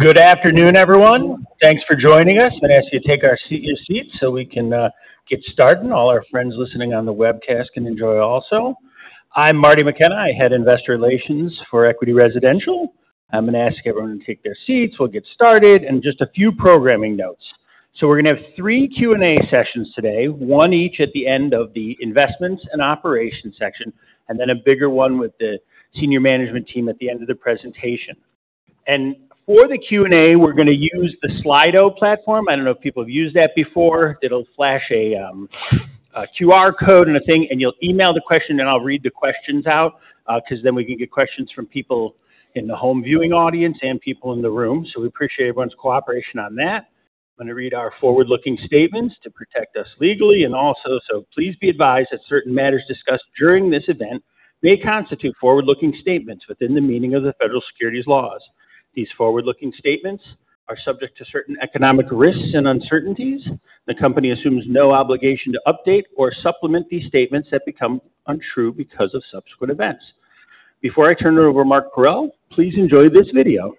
Good afternoon, everyone. Thanks for joining us. I'm going to ask you to take your seats so we can get started. All our friends listening on the webcast can enjoy also. I'm Marty McKenna. I head investor relations for Equity Residential. I'm going to ask everyone to take their seats. We'll get started. And just a few programming notes. So we're going to have three Q&A sessions today, one each at the end of the investments and operations section, and then a bigger one with the senior management team at the end of the presentation. And for the Q&A, we're going to use the Slido platform. I don't know if people have used that before. It'll flash a QR code and a thing, and you'll email the question, and I'll read the questions out because then we can get questions from people in the home viewing audience and people in the room. So we appreciate everyone's cooperation on that. I'm going to read our forward-looking statements to protect us legally and also, so please be advised that certain matters discussed during this event may constitute forward-looking statements within the meaning of the federal securities laws. These forward-looking statements are subject to certain economic risks and uncertainties. The company assumes no obligation to update or supplement these statements that become untrue because of subsequent events. Before I turn it over to Mark Parrell, please enjoy this video.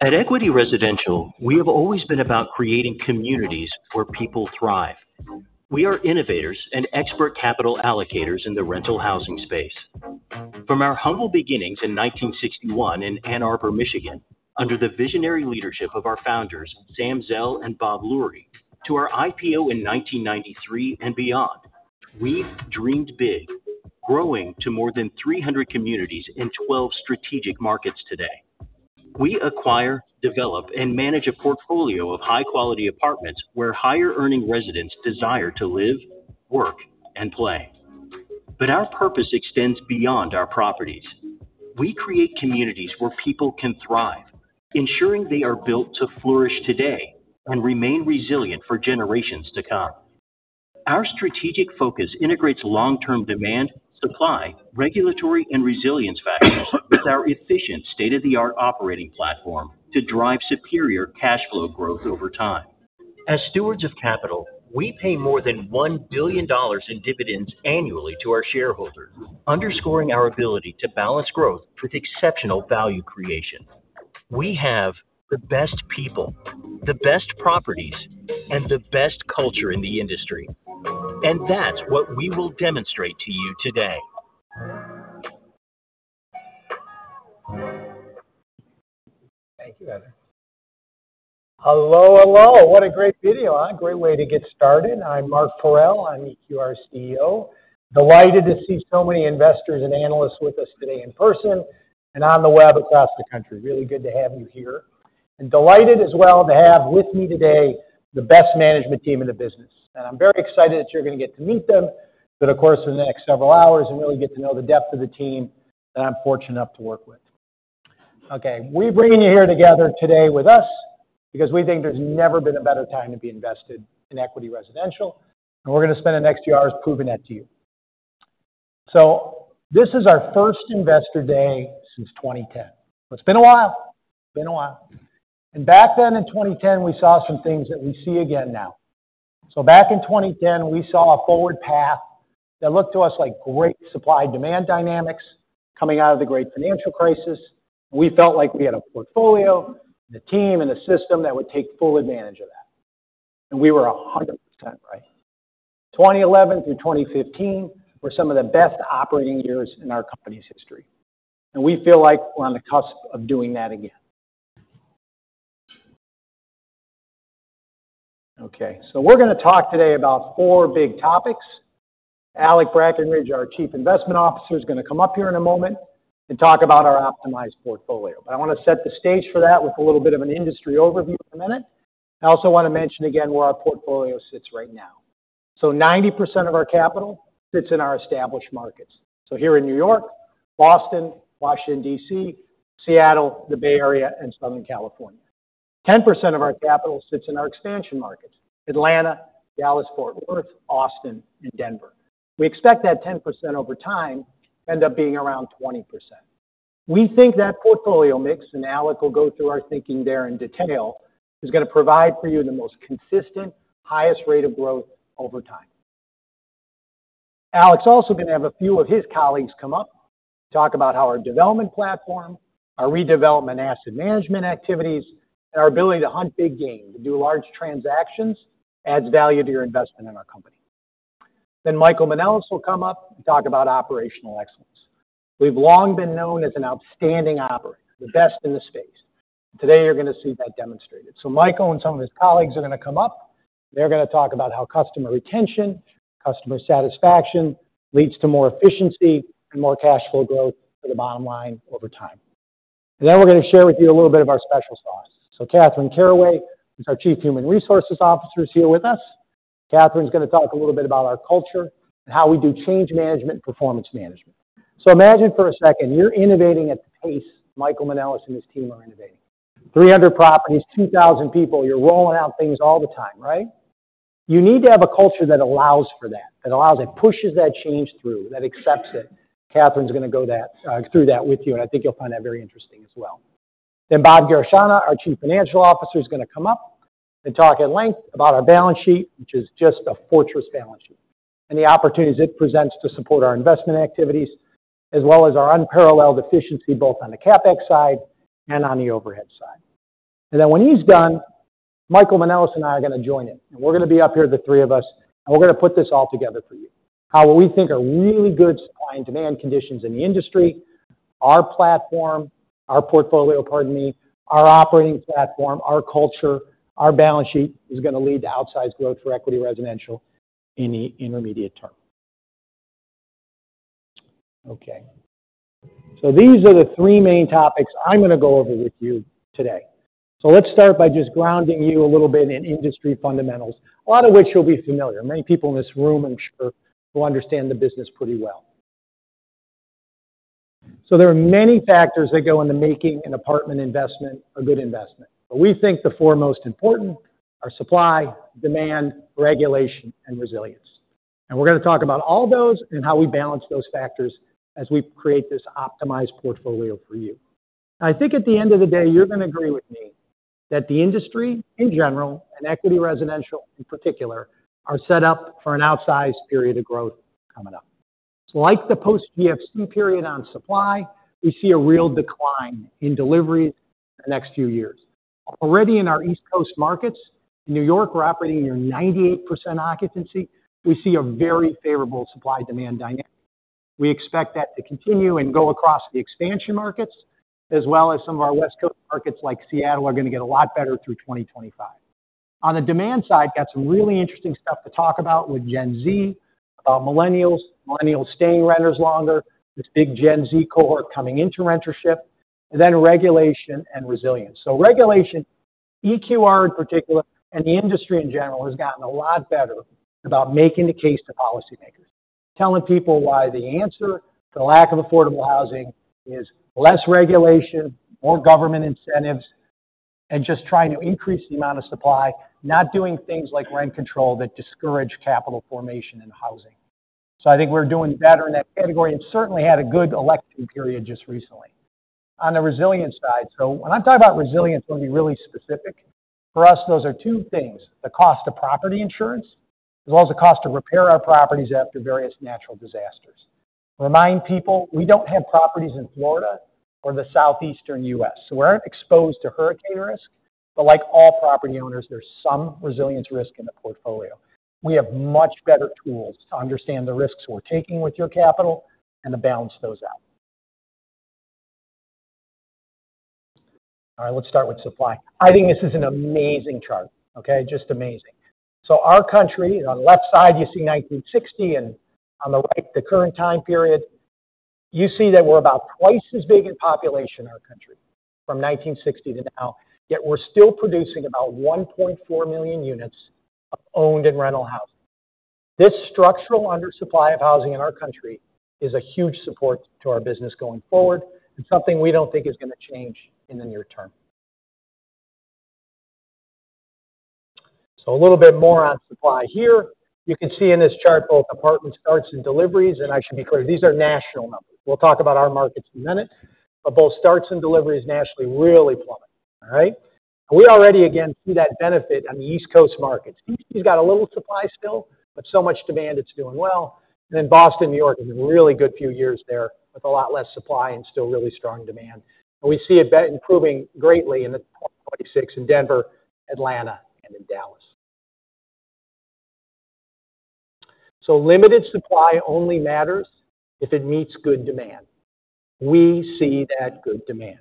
At Equity Residential, we have always been about creating communities where people thrive. We are innovators and expert capital allocators in the rental housing space. From our humble beginnings in 1961 in Ann Arbor, Michigan, under the visionary leadership of our founders, Sam Zell and Robert Lurie, to our IPO in 1993 and beyond, we've dreamed big, growing to more than 300 communities in 12 strategic markets today. We acquire, develop, and manage a portfolio of high-quality apartments where higher-earning residents desire to live, work, and play. But our purpose extends beyond our properties. We create communities where people can thrive, ensuring they are built to flourish today and remain resilient for generations to come. Our strategic focus integrates long-term demand, supply, regulatory, and resilience factors with our efficient state-of-the-art operating platform to drive superior cash flow growth over time. As stewards of capital, we pay more than $1 billion in dividends annually to our shareholders, underscoring our ability to balance growth with exceptional value creation. We have the best people, the best properties, and the best culture in the industry, and that's what we will demonstrate to you today. Thank you, Heather. Hello, hello. What a great video. A great way to get started. I'm Mark Parrell. I'm EQR's CEO. Delighted to see so many investors and analysts with us today in person and on the web across the country. Really good to have you here. And delighted as well to have with me today the best management team in the business. And I'm very excited that you're going to get to meet them, but of course, in the next several hours, and really get to know the depth of the team that I'm fortunate enough to work with. Okay. We're bringing you here together today with us because we think there's never been a better time to be invested in Equity Residential. And we're going to spend the next few hours proving that to you. So this is our first investor day since 2010. It's been a while. It's been a while. And back then in 2010, we saw some things that we see again now. So back in 2010, we saw a forward path that looked to us like great supply-demand dynamics coming out of the Great Financial Crisis. We felt like we had a portfolio, the team, and the system that would take full advantage of that. And we were 100% right. 2011 through 2015 were some of the best operating years in our company's history. And we feel like we're on the cusp of doing that again. Okay. So we're going to talk today about four big topics. Alec Brackenridge, our Chief Investment Officer, is going to come up here in a moment and talk about our optimized portfolio. But I want to set the stage for that with a little bit of an industry overview in a minute. I also want to mention again where our portfolio sits right now. So 90% of our capital sits in our established markets. So here in New York, Boston, Washington, D.C., Seattle, the Bay Area, and Southern California. 10% of our capital sits in our expansion markets: Atlanta, Dallas, Fort Worth, Austin, and Denver. We expect that 10% over time to end up being around 20%. We think that portfolio mix, and Alec will go through our thinking there in detail, is going to provide for you the most consistent, highest rate of growth over time. Alec's also going to have a few of his colleagues come up and talk about how our development platform, our redevelopment asset management activities, and our ability to hunt big gains, to do large transactions, adds value to your investment in our company. Then Michael Manelis will come up and talk about operational excellence. We've long been known as an outstanding operator, the best in the space. Today, you're going to see that demonstrated. So Michael and some of his colleagues are going to come up. They're going to talk about how customer retention, customer satisfaction leads to more efficiency and more cash flow growth for the bottom line over time. And then we're going to share with you a little bit of our special thoughts. So Catherine Carraway is our Chief Human Resources Officer here with us. Catherine's going to talk a little bit about our culture and how we do change management and performance management. So imagine for a second you're innovating at the pace Michael Manelis and his team are innovating: 300 properties, 2,000 people. You're rolling out things all the time, right? You need to have a culture that allows for that, that allows it, pushes that change through, that accepts it. Catherine's going to go through that with you, and I think you'll find that very interesting as well. Then Robert Garechana, our Chief Financial Officer, is going to come up and talk at length about our balance sheet, which is just a fortress balance sheet, and the opportunities it presents to support our investment activities, as well as our unparalleled efficiency both on the CapEx side and on the overhead side, and then when he's done, Michael Manelis and I are going to join in. We're going to be up here, the three of us, and we're going to put this all together for you: how what we think are really good supply and demand conditions in the industry, our platform, our portfolio, pardon me, our operating platform, our culture, our balance sheet is going to lead to outsized growth for Equity Residential in the intermediate term. Okay. These are the three main topics I'm going to go over with you today. Let's start by just grounding you a little bit in industry fundamentals, a lot of which you'll be familiar. Many people in this room, I'm sure, will understand the business pretty well. There are many factors that go into making an apartment investment a good investment. But we think the four most important are supply, demand, regulation, and resilience. And we're going to talk about all those and how we balance those factors as we create this optimized portfolio for you. I think at the end of the day, you're going to agree with me that the industry in general and Equity Residential in particular are set up for an outsized period of growth coming up. So like the post-GFC period on supply, we see a real decline in deliveries in the next few years. Already in our East Coast markets, in New York, we're operating near 98% occupancy. We see a very favorable supply-demand dynamic. We expect that to continue and go across the expansion markets, as well as some of our West Coast markets like Seattle are going to get a lot better through 2025. On the demand side, got some really interesting stuff to talk about with Gen Z, about Millennials, Millennials staying renters longer, this big Gen Z cohort coming into rentership, and then regulation and resilience, so regulation. EQR in particular, and the industry in general has gotten a lot better about making the case to policymakers, telling people why the answer to the lack of affordable housing is less regulation, more government incentives, and just trying to increase the amount of supply, not doing things like rent control that discourage capital formation in housing. So I think we're doing better in that category and certainly had a good election period just recently. On the resilience side, so when I talk about resilience, I want to be really specific. For us, those are two things: the cost of property insurance, as well as the cost to repair our properties after various natural disasters. Remind people we don't have properties in Florida or the southeastern U.S. So we aren't exposed to hurricane risk. But like all property owners, there's some resilience risk in the portfolio. We have much better tools to understand the risks we're taking with your capital and to balance those out. All right. Let's start with supply. I think this is an amazing chart, okay? Just amazing. So our country, on the left side, you see 1960, and on the right, the current time period. You see that we're about twice as big in population in our country from 1960 to now, yet we're still producing about 1.4 million units of owned and rental housing. This structural undersupply of housing in our country is a huge support to our business going forward and something we don't think is going to change in the near term. So a little bit more on supply here. You can see in this chart both apartment starts and deliveries, and I should be clear, these are national numbers. We'll talk about our markets in a minute, but both starts and deliveries nationally really plummeted, all right? We already, again, see that benefit on the East Coast markets. East Coast has got a little supply still, but so much demand, it's doing well. And then Boston, New York, has a really good few years there with a lot less supply and still really strong demand. And we see it improving greatly in 2026 in Denver, Atlanta, and in Dallas. So limited supply only matters if it meets good demand. We see that good demand.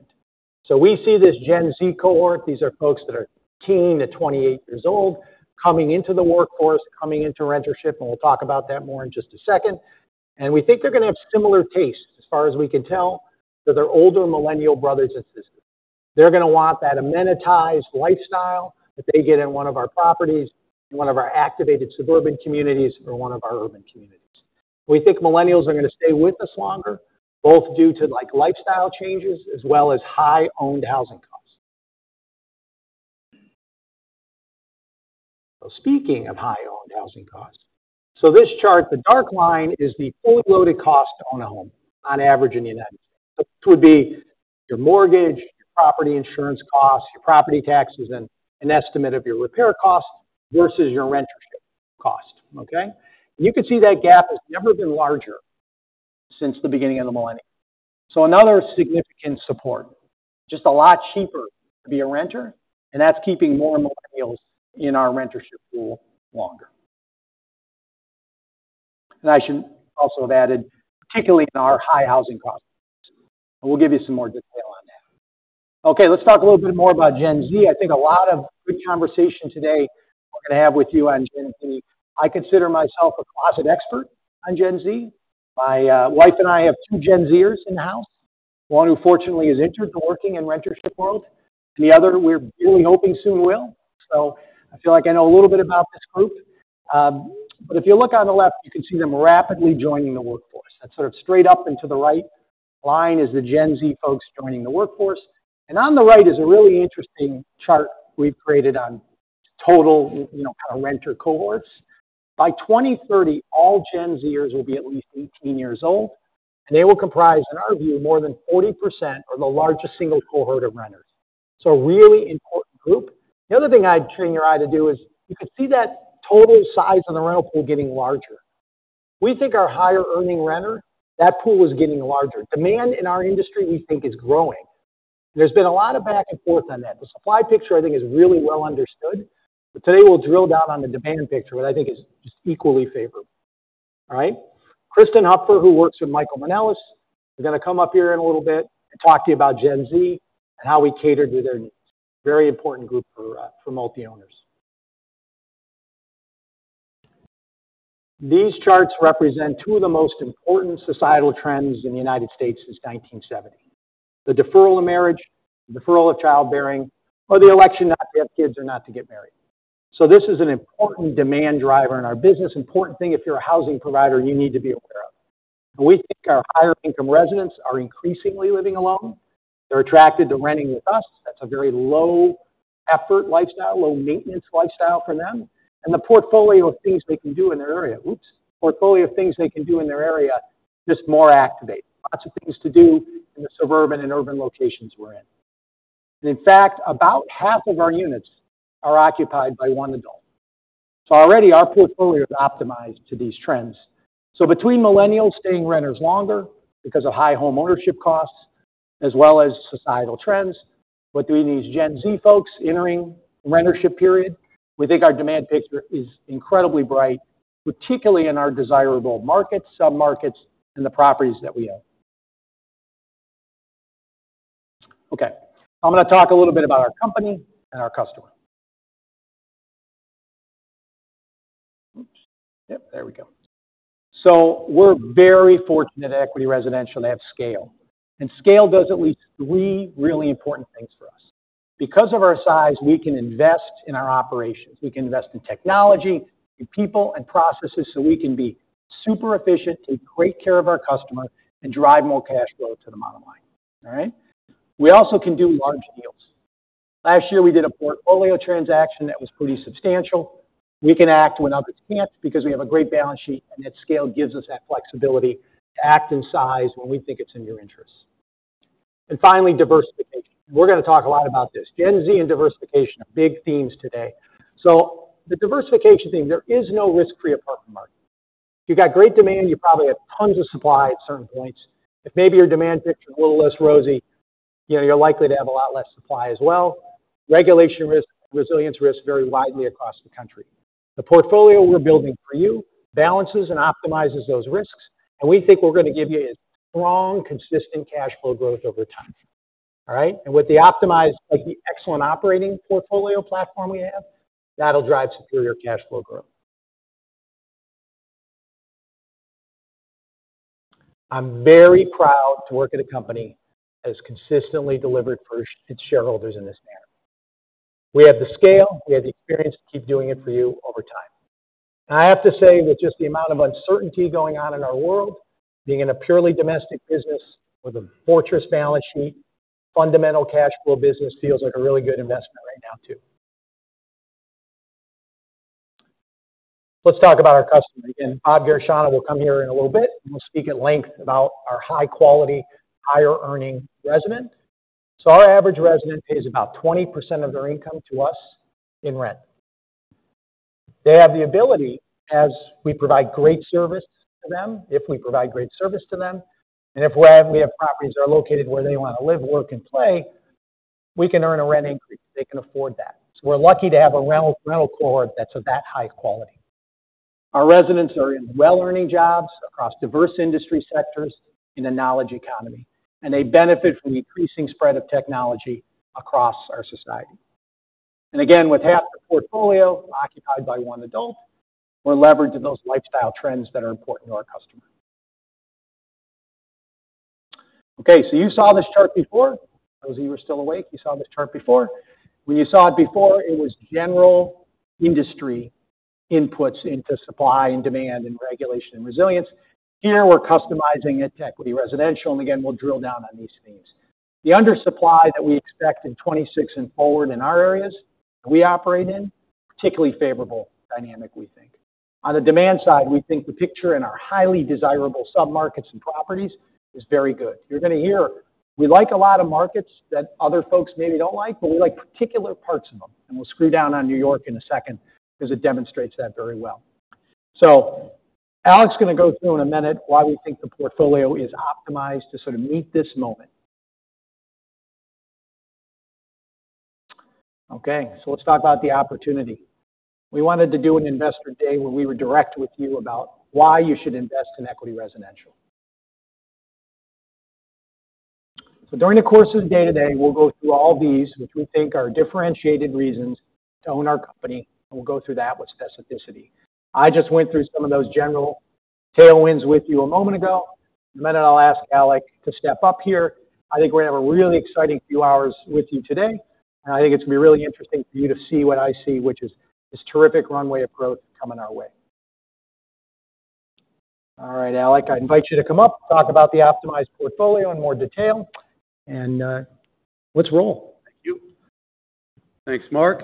So we see this Gen Z cohort. These are folks that are keen at 28 years old, coming into the workforce, coming into rentership, and we'll talk about that more in just a second. And we think they're going to have similar tastes, as far as we can tell, to their older Millennial brothers and sisters. They're going to want that amenitized lifestyle that they get in one of our properties, in one of our activated suburban communities, or one of our urban communities. We think millennials are going to stay with us longer, both due to lifestyle changes as well as high owned housing costs. So speaking of high owned housing costs, so this chart, the dark line is the fully loaded cost to own a home on average in the United States. This would be your mortgage, your property insurance costs, your property taxes, and an estimate of your repair costs versus your rentership cost, okay? And you can see that gap has never been larger since the beginning of the millennium. Another significant support, just a lot cheaper to be a renter, and that's keeping more millennials in our rentership pool longer. I should also have added, particularly in our high housing costs. We'll give you some more detail on that. Okay. Let's talk a little bit more about Gen Z. I think a lot of good conversation today we're going to have with you on Gen Z. I consider myself a closet expert on Gen Z. My wife and I have two Gen Zers in the house, one who fortunately has entered the working and rentership world, and the other we're really hoping soon will. So I feel like I know a little bit about this group. But if you look on the left, you can see them rapidly joining the workforce. That sort of straight up into the right line is the Gen Z folks joining the workforce. And on the right is a really interesting chart we've created on total kind of renter cohorts. By 2030, all Gen Zers will be at least 18 years old, and they will comprise, in our view, more than 40% or the largest single cohort of renters. So a really important group. The other thing I'd train your eye to do is you could see that total size of the rental pool getting larger. We think our higher earning renter, that pool is getting larger. Demand in our industry, we think, is growing. And there's been a lot of back and forth on that. The supply picture, I think, is really well understood, but today, we'll drill down on the demand picture, which I think is just equally favorable, all right? Kristen Huffer, who works with Michael Manelis, we're going to come up here in a little bit and talk to you about Gen Z and how we cater to their needs. Very important group for multi-owners. These charts represent two of the most important societal trends in the United States since 1970: the deferral of marriage, the deferral of childbearing, or the election not to have kids or not to get married, so this is an important demand driver in our business, an important thing if you're a housing provider you need to be aware of, and we think our higher income residents are increasingly living alone. They're attracted to renting with us. That's a very low effort lifestyle, low maintenance lifestyle for them. And the portfolio of things they can do in their area - oops - portfolio of things they can do in their area just more activated. Lots of things to do in the suburban and urban locations we're in. And in fact, about half of our units are occupied by one adult. So already, our portfolio is optimized to these trends. So between millennials staying renters longer because of high homeownership costs, as well as societal trends, what do we need? Gen Z folks entering the rentership period. We think our demand picture is incredibly bright, particularly in our desirable markets, submarkets, and the properties that we own. Okay. I'm going to talk a little bit about our company and our customer. Oops. Yep. There we go. So we're very fortunate at Equity Residential to have scale. Scale does at least three really important things for us. Because of our size, we can invest in our operations. We can invest in technology, in people, and processes so we can be super efficient, take great care of our customer, and drive more cash flow to the bottom line, all right? We also can do large deals. Last year, we did a portfolio transaction that was pretty substantial. We can act when others can't because we have a great balance sheet, and that scale gives us that flexibility to act in size when we think it's in your interest. And finally, diversification. We're going to talk a lot about this. Gen Z and diversification are big themes today. So the diversification theme, there is no risk-free apartment market. If you've got great demand, you probably have tons of supply at certain points. If maybe your demand picture is a little less rosy, you're likely to have a lot less supply as well. Regulation risk and resilience risk vary widely across the country. The portfolio we're building for you balances and optimizes those risks. And we think we're going to give you strong, consistent cash flow growth over time, all right? And with the optimized, like the excellent operating portfolio platform we have, that'll drive superior cash flow growth. I'm very proud to work at a company that has consistently delivered for its shareholders in this manner. We have the scale. We have the experience to keep doing it for you over time. And I have to say, with just the amount of uncertainty going on in our world, being in a purely domestic business with a fortress balance sheet, fundamental cash flow business feels like a really good investment right now too. Let's talk about our customer. Again, Robert Garechana will come here in a little bit, and we'll speak at length about our high-quality, higher-earning resident. So our average resident pays about 20% of their income to us in rent. They have the ability, as we provide great service to them. If we have properties that are located where they want to live, work, and play, we can earn a rent increase. They can afford that. So we're lucky to have a rental cohort that's of that high quality. Our residents are in well-earning jobs across diverse industry sectors in a knowledge economy, and they benefit from the increasing spread of technology across our society. Again, with half the portfolio occupied by one adult, we're leveraging those lifestyle trends that are important to our customer. Okay. So you saw this chart before. Those of you who are still awake, you saw this chart before. When you saw it before, it was general industry inputs into supply and demand and regulation and resilience. Here, we're customizing it to Equity Residential. And again, we'll drill down on these themes. The undersupply that we expect in 2026 and forward in our areas that we operate in is particularly favorable dynamic, we think. On the demand side, we think the picture in our highly desirable submarkets and properties is very good. You're going to hear we like a lot of markets that other folks maybe don't like, but we like particular parts of them. And we'll screw down on New York in a second because it demonstrates that very well. Alec is going to go through in a minute why we think the portfolio is optimized to sort of meet this moment. Okay. Let's talk about the opportunity. We wanted to do an investor day where we were direct with you about why you should invest in Equity Residential. During the course of the day today, we'll go through all these, which we think are differentiated reasons to own our company. We'll go through that with specificity. I just went through some of those general tailwinds with you a moment ago. In a minute, I'll ask Alec to step up here. I think we're going to have a really exciting few hours with you today. I think it's going to be really interesting for you to see what I see, which is this terrific runway of growth coming our way. All right, Alec, I invite you to come up, talk about the optimized portfolio in more detail, and let's roll. Thank you. Thanks, Mark.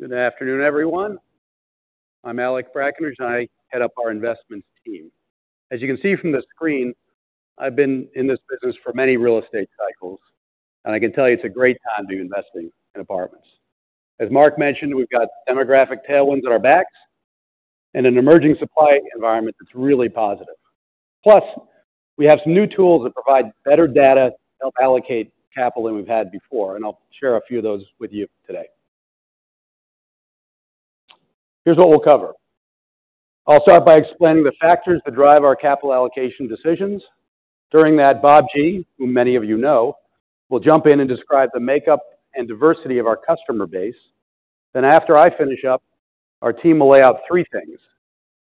Good afternoon, everyone. I'm Alec Brackenridge, and I head up our investments team. As you can see from the screen, I've been in this business for many real estate cycles, and I can tell you it's a great time to be investing in apartments. As Mark mentioned, we've got demographic tailwinds at our backs and an emerging supply environment that's really positive. Plus, we have some new tools that provide better data to help allocate capital than we've had before, and I'll share a few of those with you today. Here's what we'll cover. I'll start by explaining the factors that drive our capital allocation decisions. During that, Robert G., who many of you know, will jump in and describe the makeup and diversity of our customer base. Then after I finish up, our team will lay out three things: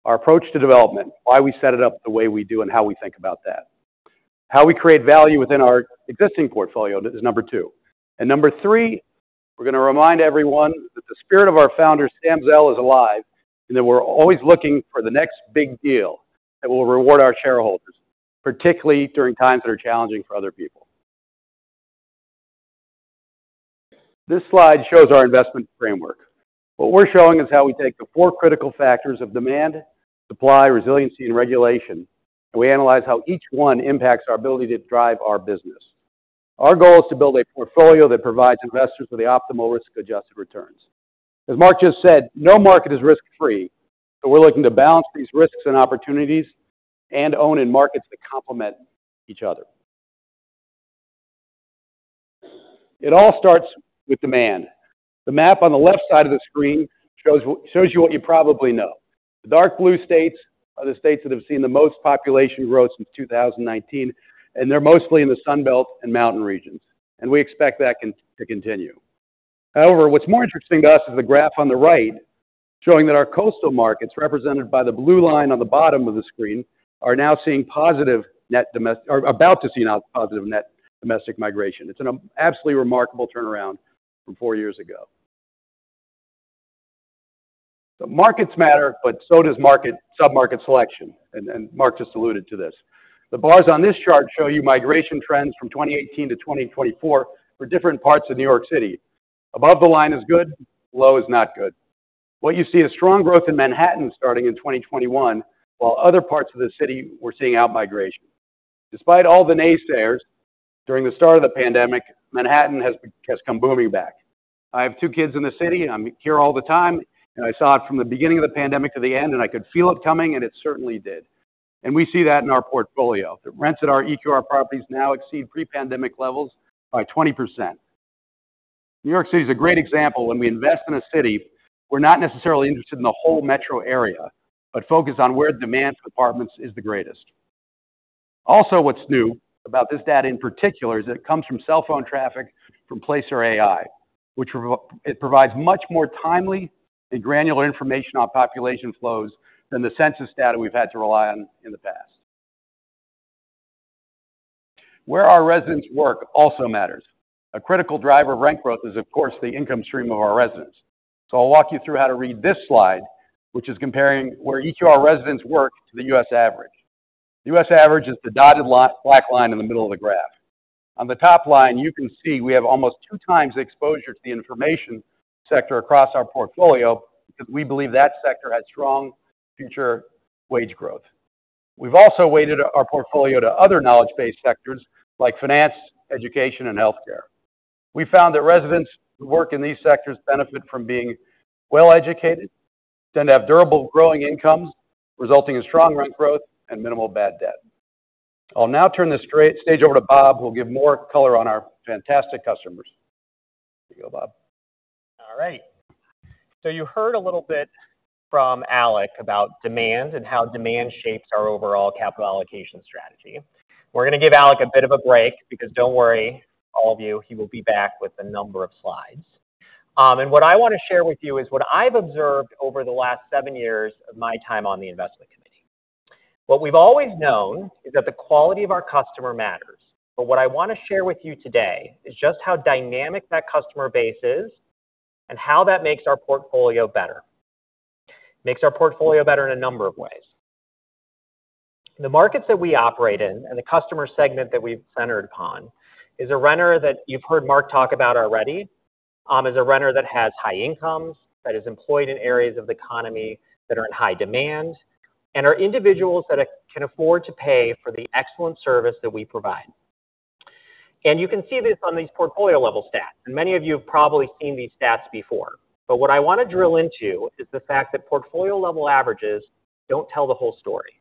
our approach to development, why we set it up the way we do, and how we think about that. How we create value within our existing portfolio is number two. And number three, we're going to remind everyone that the spirit of our founder, Sam Zell, is alive and that we're always looking for the next big deal that will reward our shareholders, particularly during times that are challenging for other people. This slide shows our investment framework. What we're showing is how we take the four critical factors of demand, supply, resiliency, and regulation, and we analyze how each one impacts our ability to drive our business. Our goal is to build a portfolio that provides investors with the optimal risk-adjusted returns. As Mark just said, no market is risk-free, but we're looking to balance these risks and opportunities and own in markets that complement each other. It all starts with demand. The map on the left side of the screen shows you what you probably know. The dark blue states are the states that have seen the most population growth since 2019, and they're mostly in the Sunbelt and mountain regions. And we expect that to continue. However, what's more interesting to us is the graph on the right showing that our coastal markets, represented by the blue line on the bottom of the screen, are now seeing positive net domestic or about to see positive net domestic migration. It's an absolutely remarkable turnaround from four years ago, so markets matter, but so does submarket selection. Mark just alluded to this. The bars on this chart show you migration trends from 2018 to 2024 for different parts of New York City. Above the line is good. Below is not good. What you see is strong growth in Manhattan starting in 2021, while other parts of the city were seeing outmigration. Despite all the naysayers, during the start of the pandemic, Manhattan has come booming back. I have two kids in the city, and I'm here all the time. I saw it from the beginning of the pandemic to the end, and I could feel it coming, and it certainly did. We see that in our portfolio. The rents at our EQR properties now exceed pre-pandemic levels by 20%. New York City is a great example. When we invest in a city, we're not necessarily interested in the whole metro area, but focus on where demand for apartments is the greatest. Also, what's new about this data in particular is it comes from cell phone traffic from Placer.ai, which provides much more timely and granular information on population flows than the census data we've had to rely on in the past. Where our residents work also matters. A critical driver of rent growth is, of course, the income stream of our residents. So I'll walk you through how to read this slide, which is comparing where EQR residents work to the U.S. average. The U.S. average is the dotted black line in the middle of the graph. On the top line, you can see we have almost two times the exposure to the information sector across our portfolio because we believe that sector has strong future wage growth. We've also weighted our portfolio to other knowledge-based sectors like finance, education, and healthcare. We found that residents who work in these sectors benefit from being well-educated, tend to have durable growing incomes, resulting in strong rent growth and minimal bad debt. I'll now turn the stage over to Robert, who will give more color on our fantastic customers. There you go, Robert. All right. So you heard a little bit from Alec about demand and how demand shapes our overall capital allocation strategy. We're going to give Alec a bit of a break because don't worry, all of you, he will be back with a number of slides. What I want to share with you is what I've observed over the last seven years of my time on the investment committee. What we've always known is that the quality of our customer matters. But what I want to share with you today is just how dynamic that customer base is and how that makes our portfolio better. It makes our portfolio better in a number of ways. The markets that we operate in and the customer segment that we've centered upon is a renter that you've heard Mark talk about already, is a renter that has high incomes, that is employed in areas of the economy that are in high demand, and are individuals that can afford to pay for the excellent service that we provide. And you can see this on these portfolio-level stats. And many of you have probably seen these stats before. But what I want to drill into is the fact that portfolio-level averages don't tell the whole story.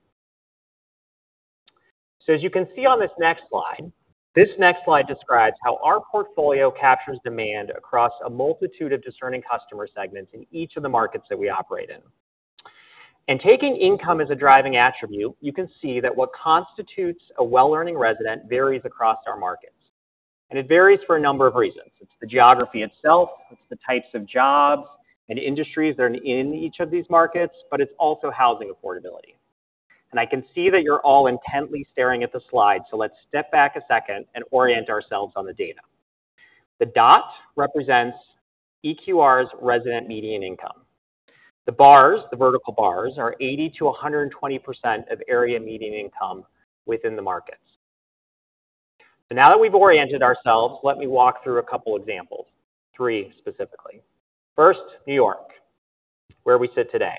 So as you can see on this next slide, this next slide describes how our portfolio captures demand across a multitude of discerning customer segments in each of the markets that we operate in. And taking income as a driving attribute, you can see that what constitutes a well-earning resident varies across our markets. And it varies for a number of reasons. It's the geography itself. It's the types of jobs and industries that are in each of these markets, but it's also housing affordability. And I can see that you're all intently staring at the slide. So let's step back a second and orient ourselves on the data. The dot represents EQR's resident median income. The vertical bars are 80%-120% of area median income within the markets. So now that we've oriented ourselves, let me walk through a couple of examples, three specifically. First, New York, where we sit today.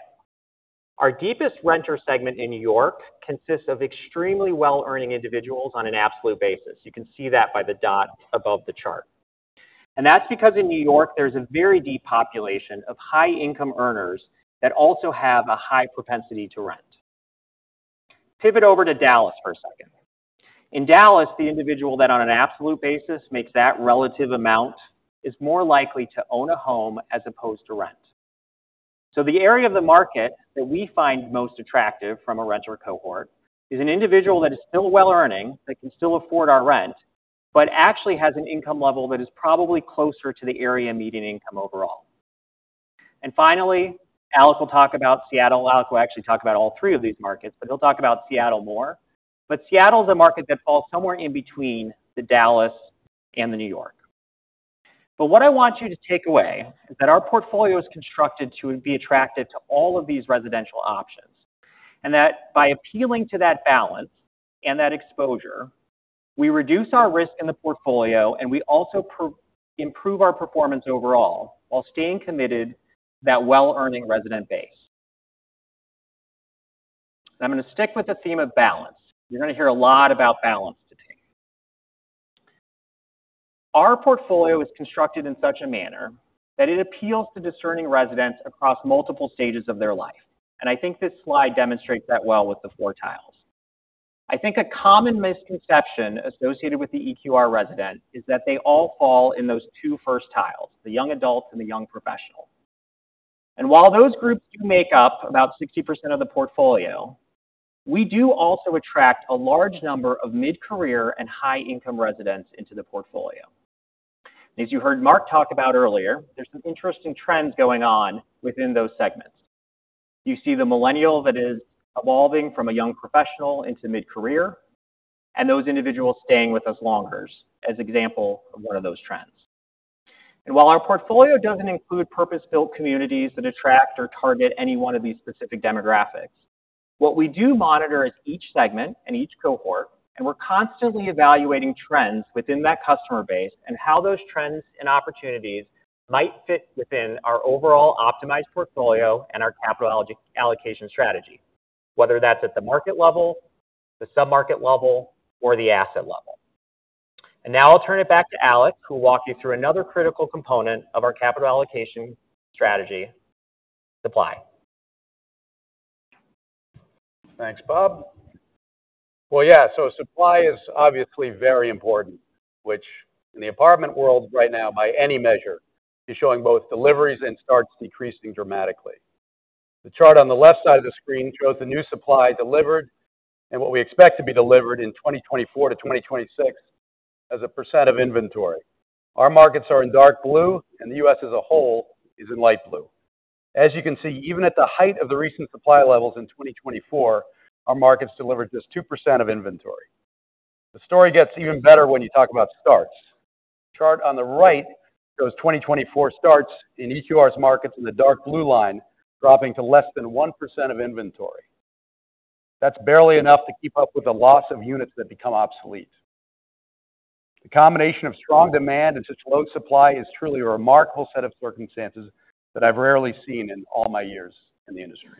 Our deepest renter segment in New York consists of extremely well-earning individuals on an absolute basis. You can see that by the dot above the chart. And that's because in New York, there's a very deep population of high-income earners that also have a high propensity to rent. Pivot over to Dallas for a second. In Dallas, the individual that on an absolute basis makes that relative amount is more likely to own a home as opposed to rent. So the area of the market that we find most attractive from a renter cohort is an individual that is still well-earning, that can still afford our rent, but actually has an income level that is probably closer to the area median income overall. Finally, Alec will talk about Seattle. Alec will actually talk about all three of these markets, but he'll talk about Seattle more. Seattle is a market that falls somewhere in between the Dallas and the New York. What I want you to take away is that our portfolio is constructed to be attractive to all of these residential options and that by appealing to that balance and that exposure, we reduce our risk in the portfolio and we also improve our performance overall while staying committed to that well-earning resident base. I'm going to stick with the theme of balance. You're going to hear a lot about balance today. Our portfolio is constructed in such a manner that it appeals to discerning residents across multiple stages of their life. I think this slide demonstrates that well with the four tiles. I think a common misconception associated with the EQR resident is that they all fall in those two first tiles, the young adults and the young professional, and while those groups do make up about 60% of the portfolio, we do also attract a large number of mid-career and high-income residents into the portfolio, and as you heard Mark talk about earlier, there's some interesting trends going on within those segments. You see the millennial that is evolving from a young professional into mid-career and those individuals staying with us longer as an example of one of those trends. While our portfolio doesn't include purpose-built communities that attract or target any one of these specific demographics, what we do monitor is each segment and each cohort, and we're constantly evaluating trends within that customer base and how those trends and opportunities might fit within our overall optimized portfolio and our capital allocation strategy, whether that's at the market level, the submarket level, or the asset level. Now I'll turn it back to Alec, who will walk you through another critical component of our capital allocation strategy, supply. Thanks, Robert. Yeah. Supply is obviously very important, which in the apartment world right now, by any measure, is showing both deliveries and starts decreasing dramatically. The chart on the left side of the screen shows the new supply delivered and what we expect to be delivered in 2024 to 2026 as a % of inventory. Our markets are in dark blue, and the U.S. as a whole is in light blue. As you can see, even at the height of the recent supply levels in 2024, our markets delivered just 2% of inventory. The story gets even better when you talk about starts. The chart on the right shows 2024 starts in EQR's markets in the dark blue line dropping to less than 1% of inventory. That's barely enough to keep up with the loss of units that become obsolete. The combination of strong demand and such low supply is truly a remarkable set of circumstances that I've rarely seen in all my years in the industry,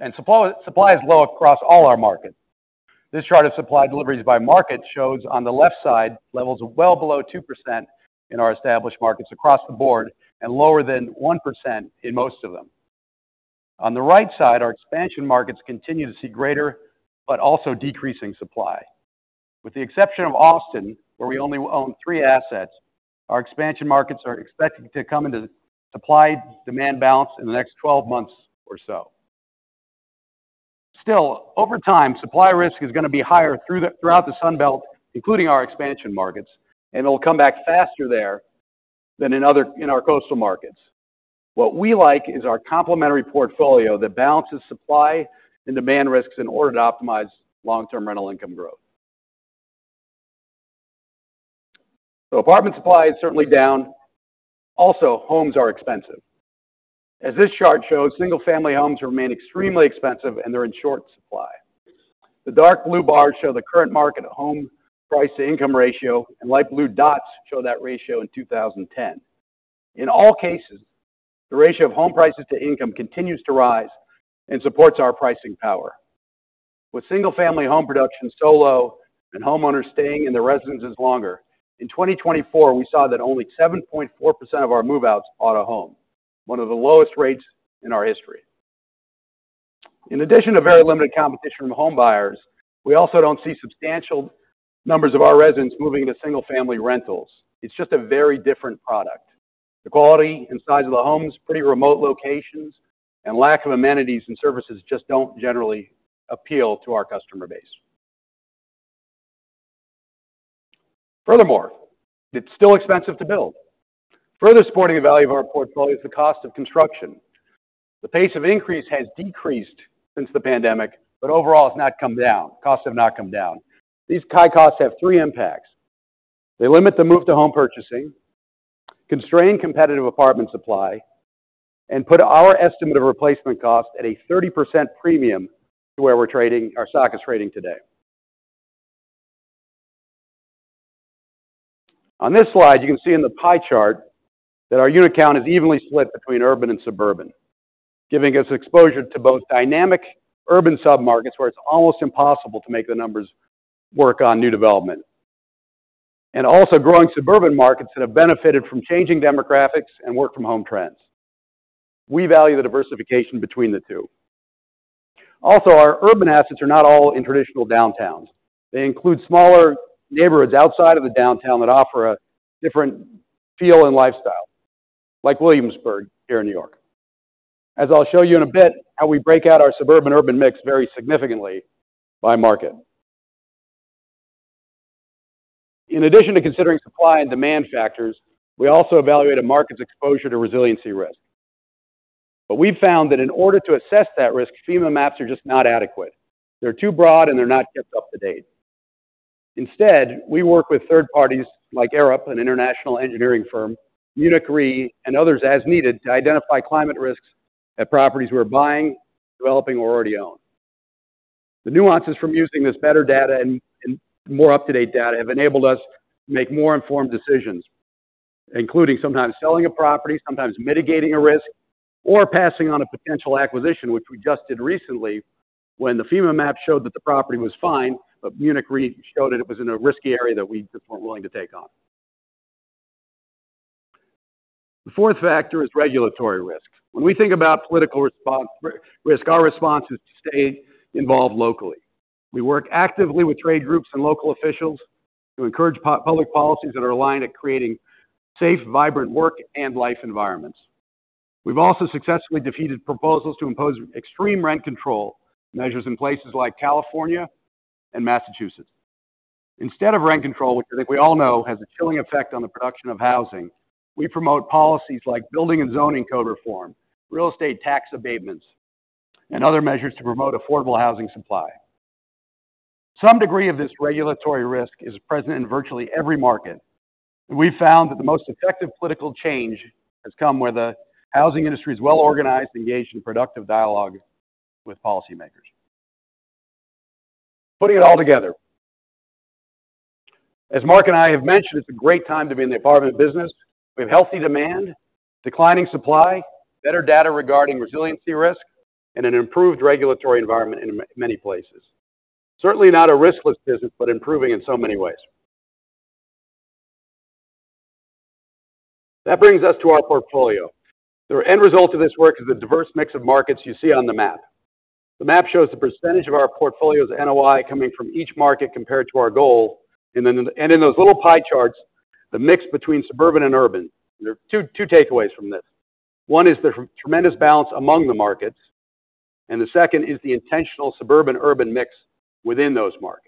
and supply is low across all our markets. This chart of supply deliveries by market shows on the left side levels of well below 2% in our established markets across the board and lower than 1% in most of them. On the right side, our expansion markets continue to see greater but also decreasing supply. With the exception of Austin, where we only own three assets, our expansion markets are expected to come into supply-demand balance in the next 12 months or so. Still, over time, supply risk is going to be higher throughout the Sunbelt, including our expansion markets, and it'll come back faster there than in our coastal markets. What we like is our complementary portfolio that balances supply and demand risks in order to optimize long-term rental income growth. So apartment supply is certainly down. Also, homes are expensive. As this chart shows, single-family homes remain extremely expensive, and they're in short supply. The dark blue bars show the current market home price-to-income ratio, and light blue dots show that ratio in 2010. In all cases, the ratio of home prices to income continues to rise and supports our pricing power. With single-family home production so low and homeowners staying in their residences longer, in 2024, we saw that only 7.4% of our move-outs bought a home, one of the lowest rates in our history. In addition to very limited competition from home buyers, we also don't see substantial numbers of our residents moving into single-family rentals. It's just a very different product. The quality and size of the homes, pretty remote locations, and lack of amenities and services just don't generally appeal to our customer base. Furthermore, it's still expensive to build. Further supporting the value of our portfolio is the cost of construction. The pace of increase has decreased since the pandemic, but overall has not come down. Costs have not come down. These high costs have three impacts. They limit the move-to-home purchasing, constrain competitive apartment supply, and put our estimate of replacement cost at a 30% premium to where we're trading, our stock is trading today. On this slide, you can see in the pie chart that our unit count is evenly split between urban and suburban, giving us exposure to both dynamic urban submarkets where it's almost impossible to make the numbers work on new development, and also growing suburban markets that have benefited from changing demographics and work-from-home trends. We value the diversification between the two. Also, our urban assets are not all in traditional downtowns. They include smaller neighborhoods outside of the downtown that offer a different feel and lifestyle, like Williamsburg here in New York. As I'll show you in a bit, how we break out our suburban-urban mix very significantly by market. In addition to considering supply and demand factors, we also evaluate a market's exposure to resiliency risk. But we've found that in order to assess that risk, FEMA maps are just not adequate. They're too broad, and they're not kept up to date. Instead, we work with third parties like Arup, an international engineering firm, Munich Re, and others as needed to identify climate risks at properties we're buying, developing, or already own. The nuances from using this better data and more up-to-date data have enabled us to make more informed decisions, including sometimes selling a property, sometimes mitigating a risk, or passing on a potential acquisition, which we just did recently when the FEMA map showed that the property was fine, but Munich Re showed that it was in a risky area that we just weren't willing to take on. The fourth factor is regulatory risk. When we think about political risk, our response is to stay involved locally. We work actively with trade groups and local officials to encourage public policies that are aligned at creating safe, vibrant work and life environments. We've also successfully defeated proposals to impose extreme rent control measures in places like California and Massachusetts. Instead of rent control, which I think we all know has a chilling effect on the production of housing, we promote policies like building and zoning code reform, real estate tax abatements, and other measures to promote affordable housing supply. Some degree of this regulatory risk is present in virtually every market. And we've found that the most effective political change has come where the housing industry is well organized, engaged in productive dialogue with policymakers. Putting it all together, as Mark and I have mentioned, it's a great time to be in the apartment business. We have healthy demand, declining supply, better data regarding resiliency risk, and an improved regulatory environment in many places. Certainly not a riskless business, but improving in so many ways. That brings us to our portfolio. The end result of this work is the diverse mix of markets you see on the map. The map shows the percentage of our portfolio's NOI coming from each market compared to our goal, and in those little pie charts, the mix between suburban and urban. There are two takeaways from this. One is the tremendous balance among the markets, and the second is the intentional suburban-urban mix within those markets.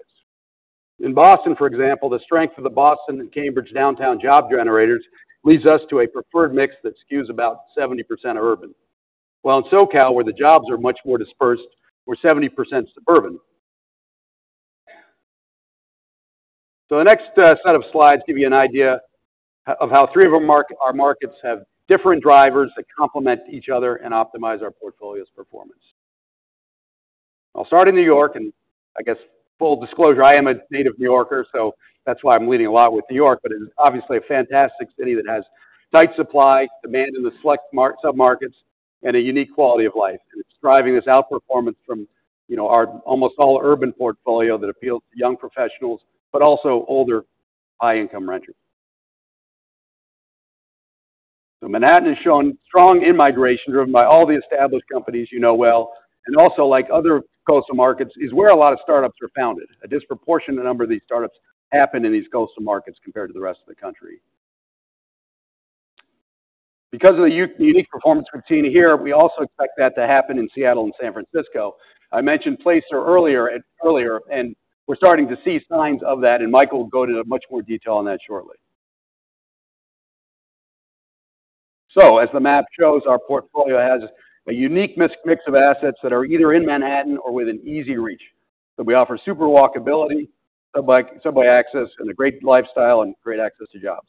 In Boston, for example, the strength of the Boston and Cambridge downtown job generators leads us to a preferred mix that skews about 70% urban. While in SoCal, where the jobs are much more dispersed, we're 70% suburban, so the next set of slides gives you an idea of how three of our markets have different drivers that complement each other and optimize our portfolio's performance. I'll start in New York, and I guess full disclosure, I am a native New Yorker, so that's why I'm leading a lot with New York, but it's obviously a fantastic city that has tight supply, demand in the submarkets, and a unique quality of life, and it's driving this outperformance from our almost all-urban portfolio that appeals to young professionals, but also older high-income renters, so Manhattan has shown strong in-migration driven by all the established companies you know well, and also, like other coastal markets, is where a lot of startups are founded. A disproportionate number of these startups happen in these coastal markets compared to the rest of the country. Because of the unique performance we've seen here, we also expect that to happen in Seattle and San Francisco. I mentioned Placer earlier, and we're starting to see signs of that, and Michael will go into much more detail on that shortly, so as the map shows, our portfolio has a unique mix of assets that are either in Manhattan or within easy reach, so we offer super walkability, subway access, and a great lifestyle and great access to jobs.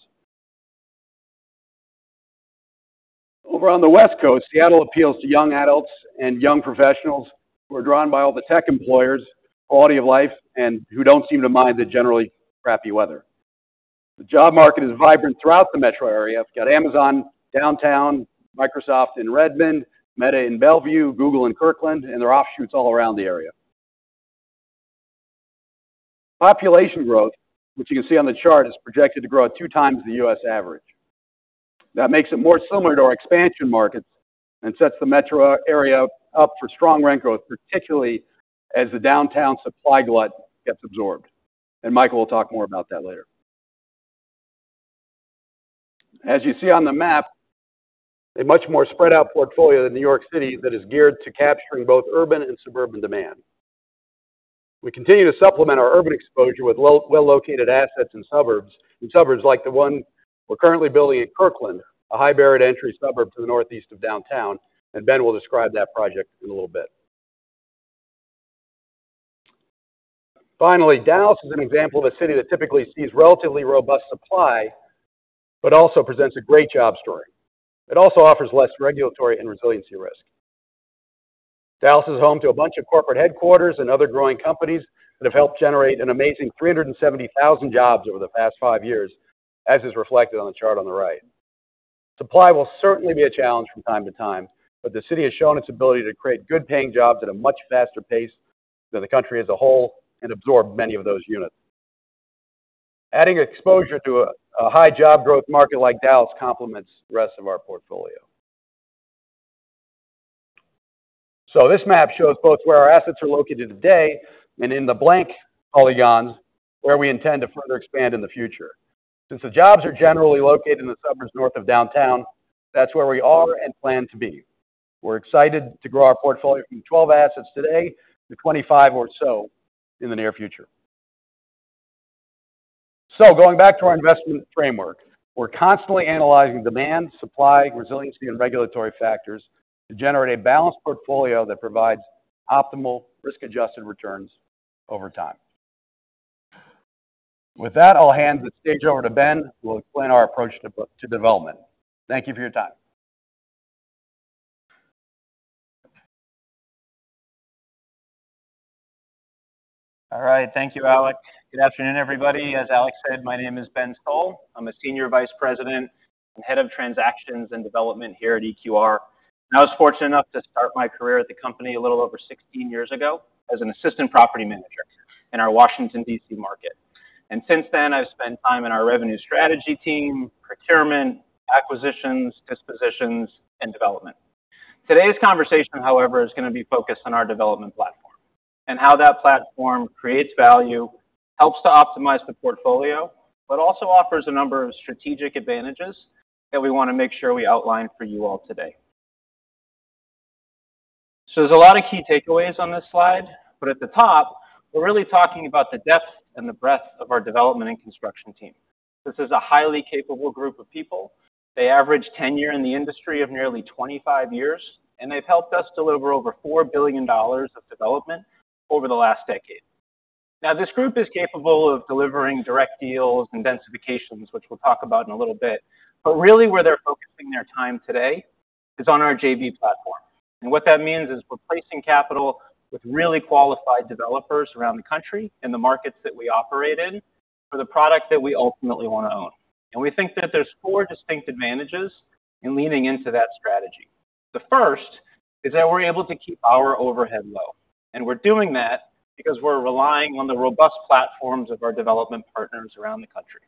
Over on the West Coast, Seattle appeals to young adults and young professionals who are drawn by all the tech employers, quality of life, and who don't seem to mind the generally crappy weather. The job market is vibrant throughout the metro area. We've got Amazon downtown, Microsoft in Redmond, Meta in Bellevue, Google in Kirkland, and there are offshoots all around the area. Population growth, which you can see on the chart, is projected to grow at two times the U.S. average. That makes it more similar to our expansion markets and sets the metro area up for strong rent growth, particularly as the downtown supply glut gets absorbed. Michael will talk more about that later. As you see on the map, a much more spread-out portfolio than New York City that is geared to capturing both urban and suburban demand. We continue to supplement our urban exposure with well-located assets in suburbs like the one we're currently building in Kirkland, a high-barrier-to-entry suburb to the northeast of downtown, and Ben will describe that project in a little bit. Finally, Dallas is an example of a city that typically sees relatively robust supply, but also presents a great job story. It also offers less regulatory and resiliency risk. Dallas is home to a bunch of corporate headquarters and other growing companies that have helped generate an amazing 370,000 jobs over the past five years, as is reflected on the chart on the right. Supply will certainly be a challenge from time to time, but the city has shown its ability to create good-paying jobs at a much faster pace than the country as a whole and absorb many of those units. Adding exposure to a high job growth market like Dallas complements the rest of our portfolio. So this map shows both where our assets are located today and in the blank polygons where we intend to further expand in the future. Since the jobs are generally located in the suburbs north of downtown, that's where we are and plan to be. We're excited to grow our portfolio from 12 assets today to 25 or so in the near future. So going back to our investment framework, we're constantly analyzing demand, supply, resiliency, and regulatory factors to generate a balanced portfolio that provides optimal risk-adjusted returns over time. With that, I'll hand the stage over to Ben, who will explain our approach to development. Thank you for your time. All right. Thank you, Alec. Good afternoon, everybody. As Alec said, my name is Ben Stoll. I'm a Senior Vice President and Head of Transactions and Development here at EQR. I was fortunate enough to start my career at the company a little over 16 years ago as an assistant property manager in our Washington, D.C. market. And since then, I've spent time in our revenue strategy team, procurement, acquisitions, dispositions, and development. Today's conversation, however, is going to be focused on our development platform and how that platform creates value, helps to optimize the portfolio, but also offers a number of strategic advantages that we want to make sure we outline for you all today. So there's a lot of key takeaways on this slide, but at the top, we're really talking about the depth and the breadth of our development and construction team. This is a highly capable group of people. They average tenure in the industry of nearly 25 years, and they've helped us deliver over $4 billion of development over the last decade. Now, this group is capable of delivering direct deals and densifications, which we'll talk about in a little bit. But really, where they're focusing their time today is on our JV platform. And what that means is we're placing capital with really qualified developers around the country and the markets that we operate in for the product that we ultimately want to own. And we think that there's four distinct advantages in leaning into that strategy. The first is that we're able to keep our overhead low. And we're doing that because we're relying on the robust platforms of our development partners around the country.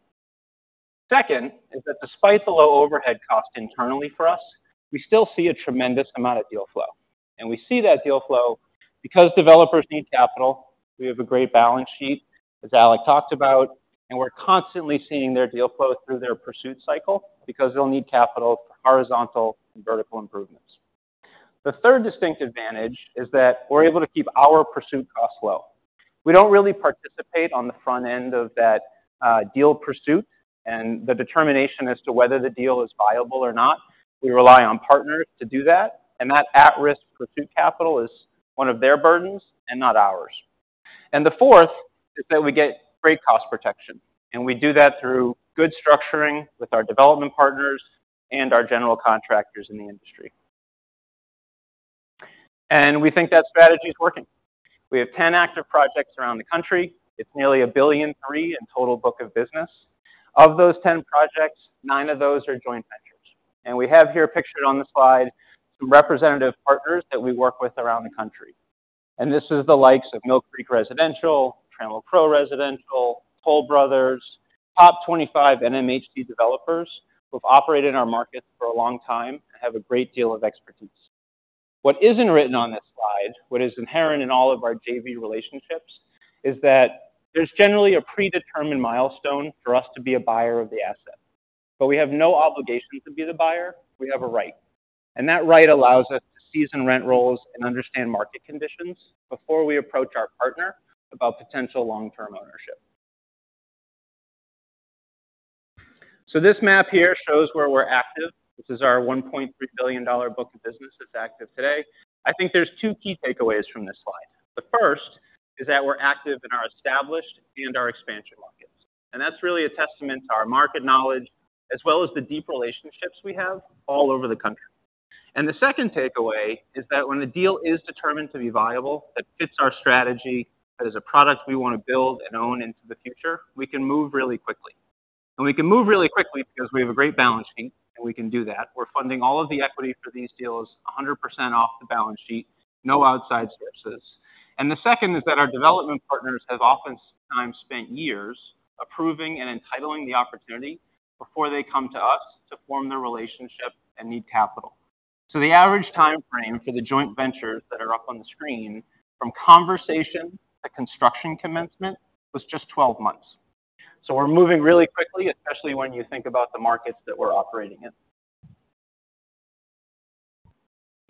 Second is that despite the low overhead cost internally for us, we still see a tremendous amount of deal flow. And we see that deal flow because developers need capital. We have a great balance sheet, as Alec talked about, and we're constantly seeing their deal flow through their pursuit cycle because they'll need capital for horizontal and vertical improvements. The third distinct advantage is that we're able to keep our pursuit costs low. We don't really participate on the front end of that deal pursuit, and the determination as to whether the deal is viable or not, we rely on partners to do that. And that at-risk pursuit capital is one of their burdens and not ours. And the fourth is that we get great cost protection. And we do that through good structuring with our development partners and our general contractors in the industry. And we think that strategy is working. We have 10 active projects around the country. It's nearly $1.3 billion in total book of business. Of those 10 projects, nine of those are joint ventures. And we have here pictured on the slide some representative partners that we work with around the country. And this is the likes of Mill Creek Residential, Trammell Crow Residential, Toll Brothers, top 25 NMHC developers who have operated our markets for a long time and have a great deal of expertise. What isn't written on this slide, what is inherent in all of our JV relationships, is that there's generally a predetermined milestone for us to be a buyer of the asset. But we have no obligation to be the buyer. We have a right. And that right allows us to season rent rolls and understand market conditions before we approach our partner about potential long-term ownership. So this map here shows where we're active. This is our $1.3 billion book of business that's active today. I think there's two key takeaways from this slide. The first is that we're active in our established and our expansion markets. That's really a testament to our market knowledge as well as the deep relationships we have all over the country. The second takeaway is that when a deal is determined to be viable, that fits our strategy, that is a product we want to build and own into the future, we can move really quickly. We can move really quickly because we have a great balance sheet, and we can do that. We're funding all of the equity for these deals 100% off the balance sheet, no outside sources. The second is that our development partners have oftentimes spent years approving and entitling the opportunity before they come to us to form their relationship and need capital. The average timeframe for the joint ventures that are up on the screen from conversation to construction commencement was just 12 months. So we're moving really quickly, especially when you think about the markets that we're operating in.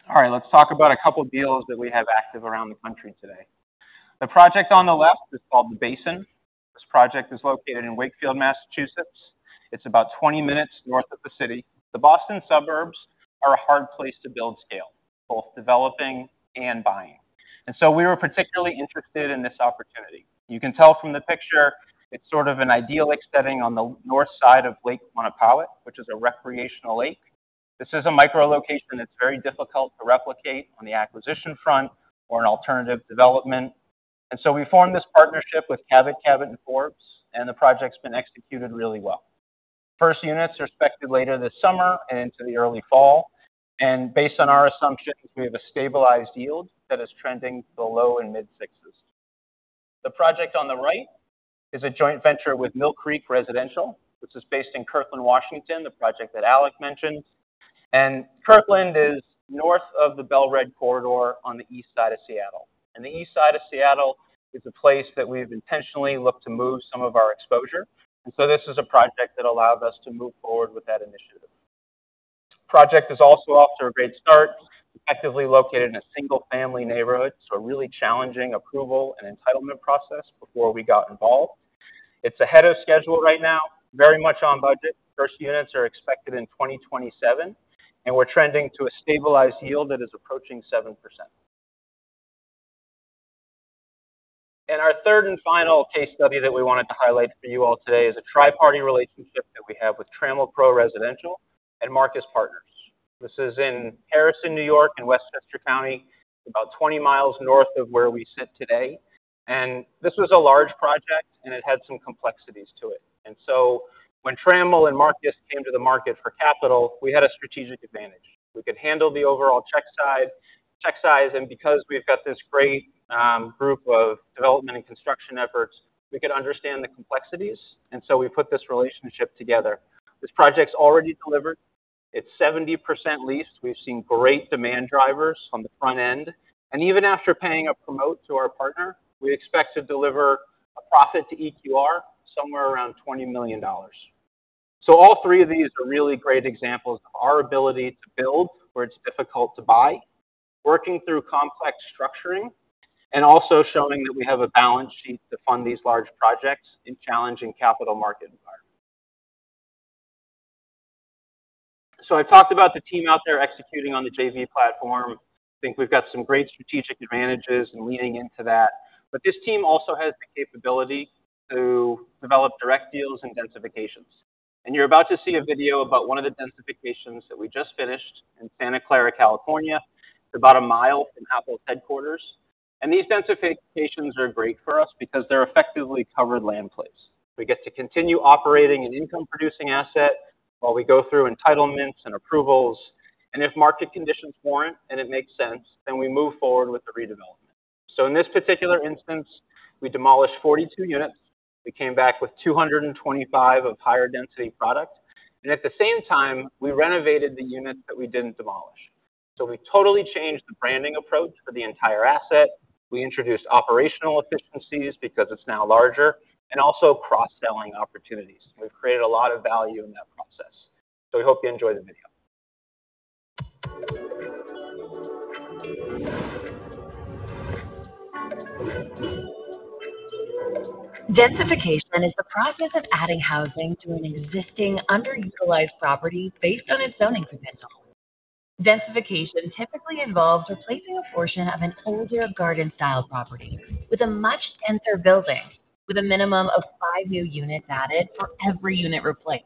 All right, let's talk about a couple of deals that we have active around the country today. The project on the left is called The Basin. This project is located in Wakefield, Massachusetts. It's about 20 minutes north of the city. The Boston suburbs are a hard place to build scale, both developing and buying. And so we were particularly interested in this opportunity. You can tell from the picture it's sort of an idyllic setting on the north side of Lake Quannapowitt, which is a recreational lake. This is a micro-location that's very difficult to replicate on the acquisition front or an alternative development. And so we formed this partnership with Cabot, Cabot & Forbes, and the project's been executed really well. First units are expected later this summer and into the early fall. And based on our assumptions, we have a stabilized yield that is trending below and mid-sixes. The project on the right is a joint venture with Mill Creek Residential, which is based in Kirkland, Washington, the project that Alec mentioned. And Kirkland is north of the Bel-Red Corridor on the east side of Seattle. And the east side of Seattle is a place that we've intentionally looked to move some of our exposure. And so this is a project that allowed us to move forward with that initiative. The project is also off to a great start, effectively located in a single-family neighborhood, so a really challenging approval and entitlement process before we got involved. It's ahead of schedule right now, very much on budget. First units are expected in 2027, and we're trending to a stabilized yield that is approaching 7%. And our third and final case study that we wanted to highlight for you all today is a tri-party relationship that we have with Trammell Crow Residential and Marcus Partners. This is in Harrison, New York, in Westchester County, about 20 miles north of where we sit today. And this was a large project, and it had some complexities to it. And so when Trammell and Marcus came to the market for capital, we had a strategic advantage. We could handle the overall check size, and because we've got this great group of development and construction efforts, we could understand the complexities. And so we put this relationship together. This project's already delivered. It's 70% leased. We've seen great demand drivers on the front end. And even after paying a promote to our partner, we expect to deliver a profit to EQR somewhere around $20 million. So all three of these are really great examples of our ability to build where it's difficult to buy, working through complex structuring, and also showing that we have a balance sheet to fund these large projects in challenging capital market environments. So I've talked about the team out there executing on the JV platform. I think we've got some great strategic advantages in leaning into that. But this team also has the capability to develop direct deals and densifications. And you're about to see a video about one of the densifications that we just finished in Santa Clara, California. It's about a mile from Apple's headquarters. And these densifications are great for us because they're effectively covered land plays. We get to continue operating an income-producing asset while we go through entitlements and approvals, and if market conditions warrant and it makes sense, then we move forward with the redevelopment, so in this particular instance, we demolished 42 units. We came back with 225 of higher density product, and at the same time, we renovated the units that we didn't demolish, so we totally changed the branding approach for the entire asset. We introduced operational efficiencies because it's now larger, and also cross-selling opportunities. We've created a lot of value in that process, so we hope you enjoy the video. Densification is the process of adding housing to an existing underutilized property based on its zoning potential. Densification typically involves replacing a portion of an older garden-style property with a much denser building, with a minimum of five new units added for every unit replaced.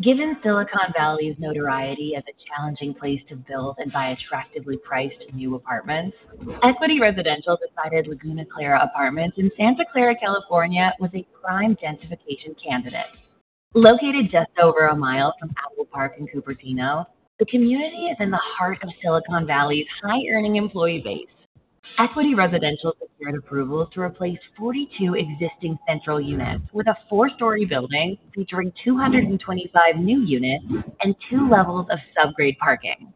Given Silicon Valley's notoriety as a challenging place to build and buy attractively priced new apartments, Equity Residential decided Laguna Clara Apartments in Santa Clara, California, was a prime densification candidate. Located just over a mile from Apple Park in Cupertino, the community is in the heart of Silicon Valley's high-earning employee base. Equity Residential secured approvals to replace 42 existing central units with a four-story building featuring 225 new units and two levels of subgrade parking.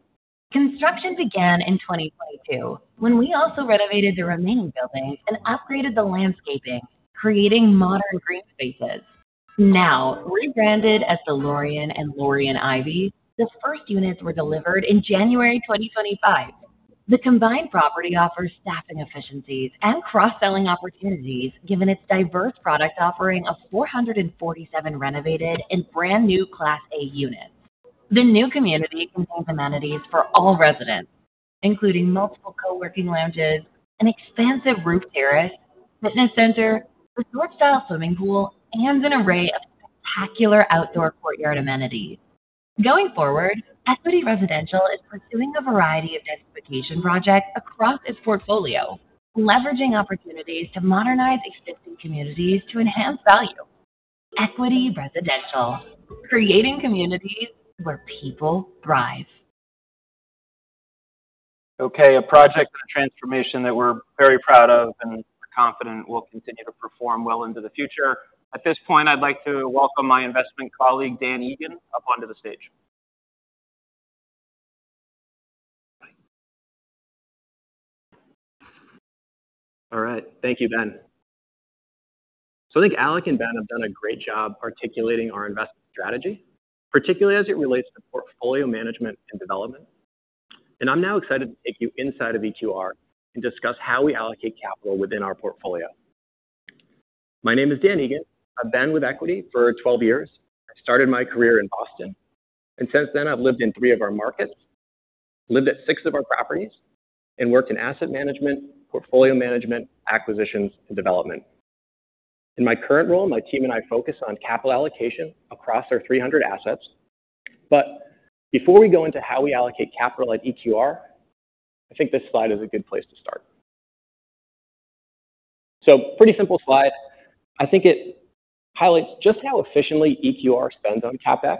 Construction began in 2022 when we also renovated the remaining buildings and upgraded the landscaping, creating modern green spaces. Now rebranded as the Laurian and Laurian Ivy, the first units were delivered in January 2025. The combined property offers staffing efficiencies and cross-selling opportunities, given its diverse product offering of 447 renovated and brand new Class A units. The new community contains amenities for all residents, including multiple co-working lounges, an expansive roof terrace, fitness center, resort-style swimming pool, and an array of spectacular outdoor courtyard amenities. Going forward, Equity Residential is pursuing a variety of densification projects across its portfolio, leveraging opportunities to modernize existing communities to enha nce value. Equity Residential, creating communities where people thrive. Okay, a project and a transformation that we're very proud of and we're confident will continue to perform well into the future. At this point, I'd like to welcome my investment colleague, Dan Egan, up onto the stage. All right, thank you, Ben. So I think Alec and Ben have done a great job articulating our investment strategy, particularly as it relates to portfolio management and development. And I'm now excited to take you inside of EQR and discuss how we allocate capital within our portfolio. My name is Dan Egan. I've been with Equity for 12 years. I started my career in Boston. Since then, I've lived in three of our markets, lived at six of our properties, and worked in asset management, portfolio management, acquisitions, and development. In my current role, my team and I focus on capital allocation across our 300 assets. Before we go into how we allocate capital at EQR, I think this slide is a good place to start. Pretty simple slide. I think it highlights just how efficiently EQR spends on CapEx.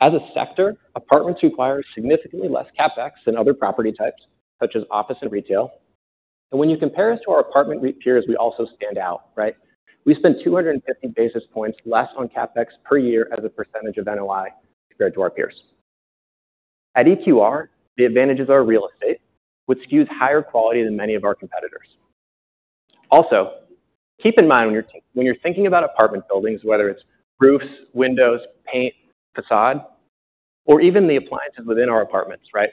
As a sector, apartments require significantly less CapEx than other property types, such as office and retail. When you compare us to our apartment peers, we also stand out, right? We spend 250 basis points less on CapEx per year as a percentage of NOI compared to our peers. At EQR, the advantages are real estate, which skews higher quality than many of our competitors. Also, keep in mind when you're thinking about apartment buildings, whether it's roofs, windows, paint, facade, or even the appliances within our apartments, right?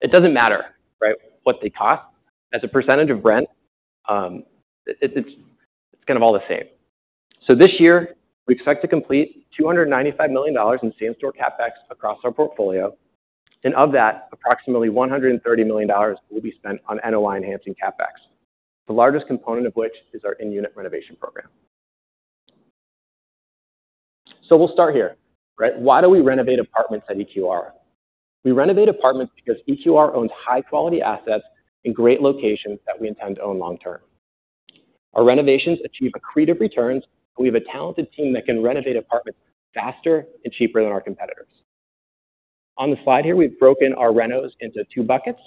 It doesn't matter, right, what they cost. As a percentage of rent, it's kind of all the same. So this year, we expect to complete $295 million in Same-Store CapEx across our portfolio. And of that, approximately $130 million will be spent on NOI-enhancing CapEx, the largest component of which is our in-unit renovation program. So we'll start here, right? Why do we renovate apartments at EQR? We renovate apartments because EQR owns high-quality assets in great locations that we intend to own long-term. Our renovations achieve accretive returns, and we have a talented team that can renovate apartments faster and cheaper than our competitors. On the slide here, we've broken our renos into two buckets.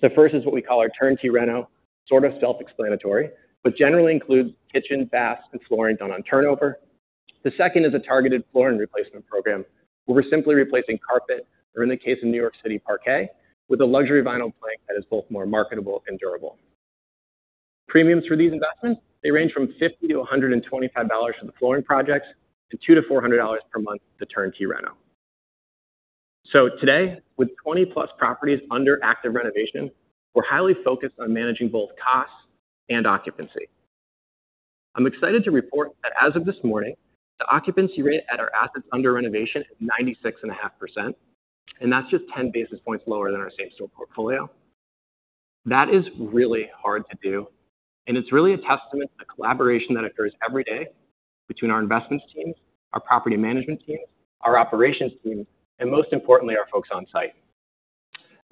The first is what we call our turnkey reno, sort of self-explanatory, but generally includes kitchen, bath, and flooring done on turnover. The second is a targeted flooring replacement program, where we're simply replacing carpet or, in the case of New York City, parquet, with a luxury vinyl plank that is both more marketable and durable. Premiums for these investments, they range from $50-$125 for the flooring projects and $200-$400 per month for the turnkey reno. So today, with 20-plus properties under active renovation, we're highly focused on managing both costs and occupancy. I'm excited to report that as of this morning, the occupancy rate at our assets under renovation is 96.5%, and that's just 10 basis points lower than our Same-Store portfolio. That is really hard to do, and it's really a testament to the collaboration that occurs every day between our investments teams, our property management teams, our operations teams, and most importantly, our folks on site.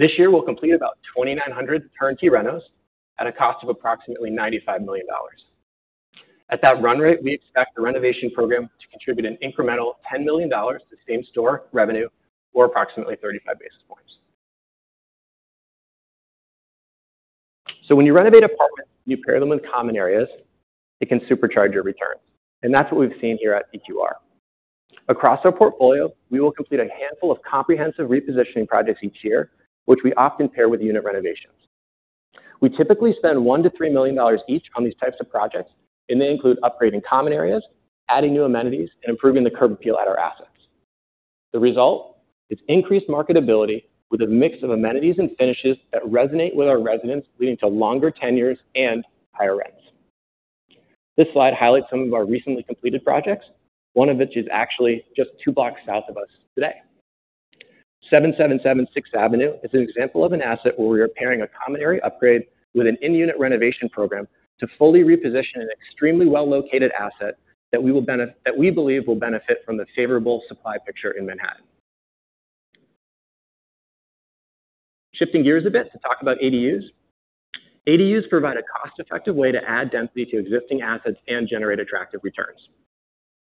This year, we'll complete about 2,900 turnkey renos at a cost of approximately $95 million. At that run rate, we expect the renovation program to contribute an incremental $10 million to same-store revenue or approximately 35 basis points. So when you renovate apartments, you pair them with common areas, it can supercharge your returns. And that's what we've seen here at EQR. Across our portfolio, we will complete a handful of comprehensive repositioning projects each year, which we often pair with unit renovations. We typically spend $1-$3 million each on these types of projects, and they include upgrading common areas, adding new amenities, and improving the curb appeal at our assets. The result is increased marketability with a mix of amenities and finishes that resonate with our residents, leading to longer tenures and higher rents. This slide highlights some of our recently completed projects, one of which is actually just two blocks south of us today. 777 Sixth Avenue is an example of an asset where we are pairing a common area upgrade with an in-unit renovation program to fully reposition an extremely well-located asset that we believe will benefit from the favorable supply picture in Manhattan. Shifting gears a bit to talk about ADUs. ADUs provide a cost-effective way to add density to existing assets and generate attractive returns.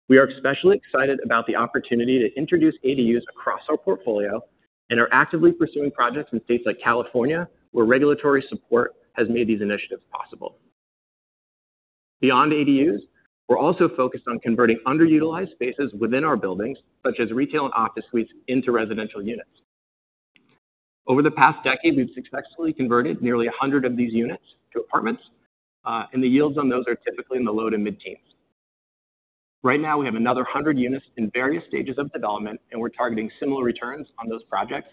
We are especially excited about the opportunity to introduce ADUs across our portfolio and are actively pursuing projects in states like California where regulatory support has made these initiatives possible. Beyond ADUs, we're also focused on converting underutilized spaces within our buildings, such as retail and office suites, into residential units. Over the past decade, we've successfully converted nearly 100 of these units to apartments, and the yields on those are typically in the low to mid-teens. Right now, we have another 100 units in various stages of development, and we're targeting similar returns on those projects,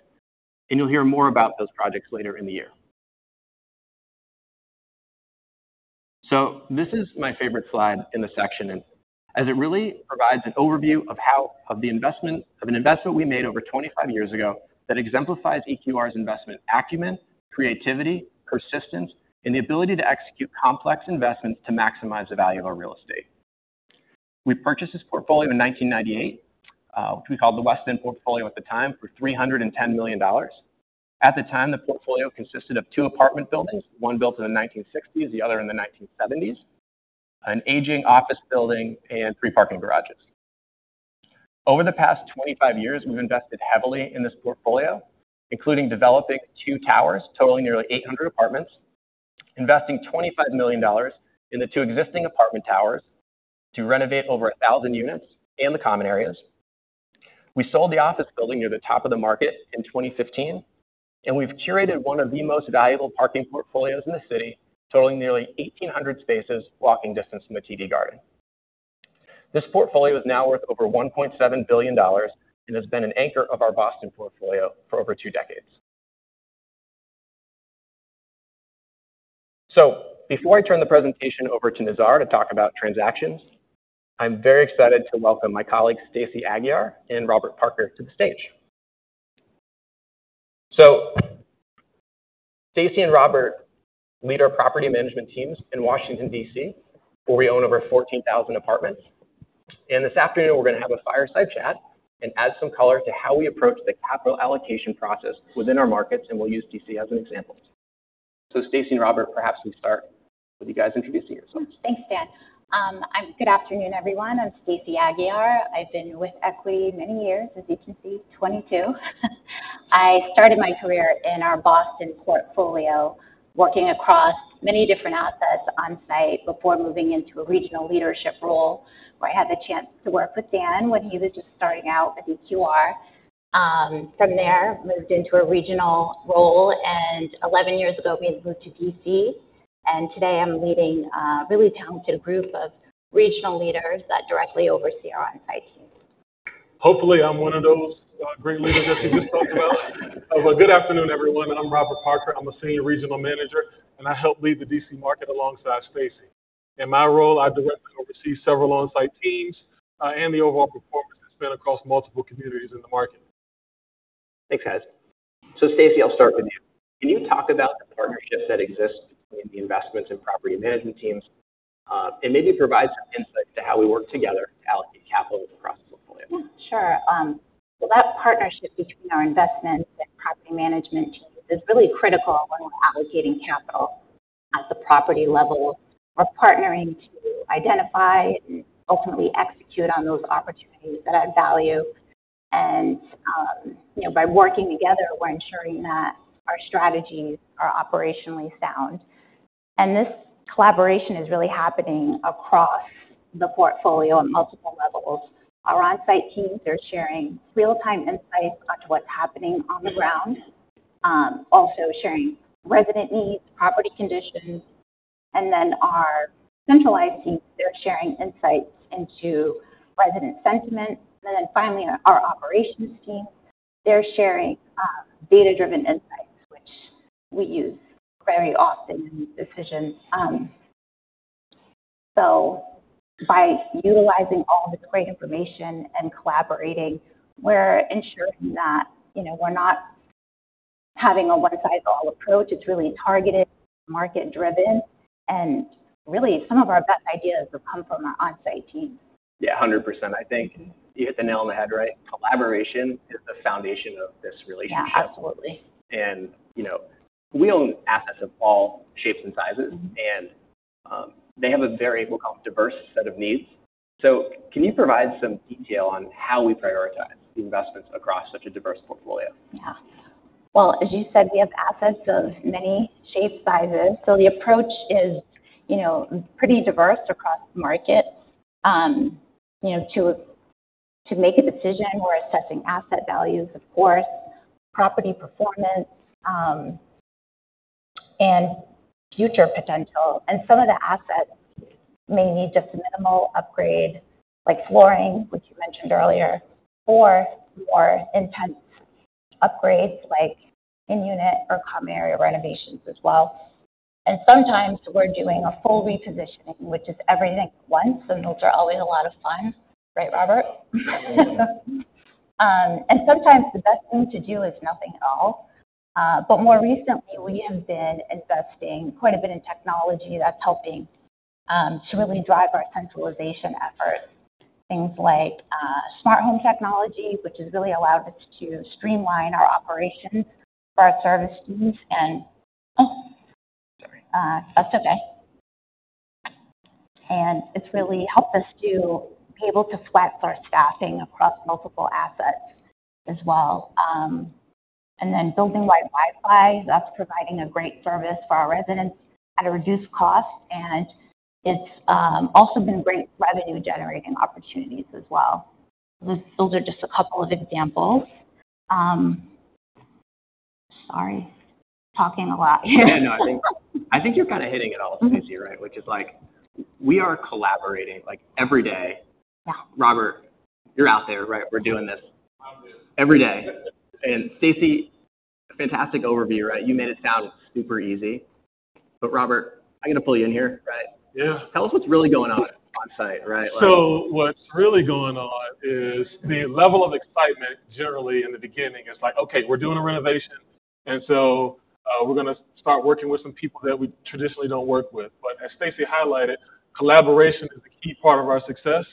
and you'll hear more about those projects later in the year, so this is my favorite slide in the section, as it really provides an overview of the investment of an investment we made over 25 years ago that exemplifies EQR's investment acumen, creativity, persistence, and the ability to execute complex investments to maximize the value of our real estate. We purchased this portfolio in 1998, which we called the West End portfolio at the time, for $310 million. At the time, the portfolio consisted of two apartment buildings, one built in the 1960s, the other in the 1970s, an aging office building, and three parking garages. Over the past 25 years, we've invested heavily in this portfolio, including developing two towers totaling nearly 800 apartments, investing $25 million in the two existing apartment towers to renovate over 1,000 units and the common areas. We sold the office building near the top of the market in 2015, and we've curated one of the most valuable parking portfolios in the city, totaling nearly 1,800 spaces walking distance from the TD Garden. This portfolio is now worth over $1.7 billion and has been an anchor of our Boston portfolio for over two decades. So before I turn the presentation over to Nizar to talk about transactions, I'm very excited to welcome my colleagues, Stacy Aguiar and Robert Parker, to the stage. Stacy and Robert lead our property management teams in Washington, D.C., where we own over 14,000 apartments. This afternoon, we're going to have a fireside chat and add some color to how we approach the capital allocation process within our markets, and we'll use D.C. as an example. Stacy and Robert, perhaps we start with you guys introducing yourselves. Thanks, Dan. Good afternoon, everyone. I'm Stacy Aguiar. I've been with Equity many years, as you can see, 22. I started my career in our Boston portfolio, working across many different assets on site before moving into a regional leadership role where I had the chance to work with Dan when he was just starting out with EQR. From there, I moved into a regional role, and 11 years ago, we moved to D.C. Today, I'm leading a really talented group of regional leaders that directly oversee our on-site teams. Hopefully, I'm one of those great leaders that you just talked about. Good afternoon, everyone. I'm Robert Parker. I'm a senior regional manager, and I help lead the DC market alongside Stacy. In my role, I directly oversee several on-site teams and the overall performance that's been across multiple communities in the market. Thanks, guys. Stacy, I'll start with you. Can you talk about the partnerships that exist between the investments and property management teams and maybe provide some insight into how we work together to allocate capital across the portfolio? Sure. That partnership between our investments and property management teams is really critical when we're allocating capital at the property level. We're partnering to identify and ultimately execute on those opportunities that add value. And by working together, we're ensuring that our strategies are operationally sound. And this collaboration is really happening across the portfolio on multiple levels. Our on-site teams are sharing real-time insights onto what's happening on the ground, also sharing resident needs, property conditions. And then our centralized teams, they're sharing insights into resident sentiment. And then finally, our operations team, they're sharing data-driven insights, which we use very often in these decisions. So by utilizing all this great information and collaborating, we're ensuring that we're not having a one-size-fits-all approach. It's really targeted, market-driven, and really, some of our best ideas will come from our on-site teams. Yeah, 100%. I think you hit the nail on the head, right? Collaboration is the foundation of this relationship. Absolutely. And we own assets of all shapes and sizes, and they have a very diverse set of needs. So can you provide some detail on how we prioritize the investments across such a diverse portfolio? Yeah. Well, as you said, we have assets of many shapes, sizes. So the approach is pretty diverse across the market. To make a decision, we're assessing asset values, of course, property performance, and future potential. And some of the assets may need just a minimal upgrade, like flooring, which you mentioned earlier, or more intense upgrades, like in-unit or common area renovations as well. And sometimes, we're doing a full repositioning, which is everything at once. And those are always a lot of fun, right, Robert? And sometimes, the best thing to do is nothing at all. But more recently, we have been investing quite a bit in technology that's helping to really drive our centralization efforts, things like smart home technology, which has really allowed us to streamline our operations for our service teams. And, oh, sorry. That's okay. And it's really helped us to be able to flex our staffing across multiple assets as well. And then building-wide Wi-Fi, that's providing a great service for our residents at a reduced cost. And it's also been great revenue-generating opportunities as well. Those are just a couple of examples. Sorry, talking a lot here. Yeah, no, I think you're kind of hitting it all, Stacy, right? Which is like, we are collaborating every day. Robert, you're out there, right? We're doing this every day. And Stacy, fantastic overview, right? You made it sound super easy. But Robert, I got to pull you in here, right? Yeah. Tell us what's really going on on site, right? So what's really going on is the level of excitement, generally, in the beginning is like, "Okay, we're doing a renovation, and so we're going to start working with some people that we traditionally don't work with." But as Stacy highlighted, collaboration is a key part of our success.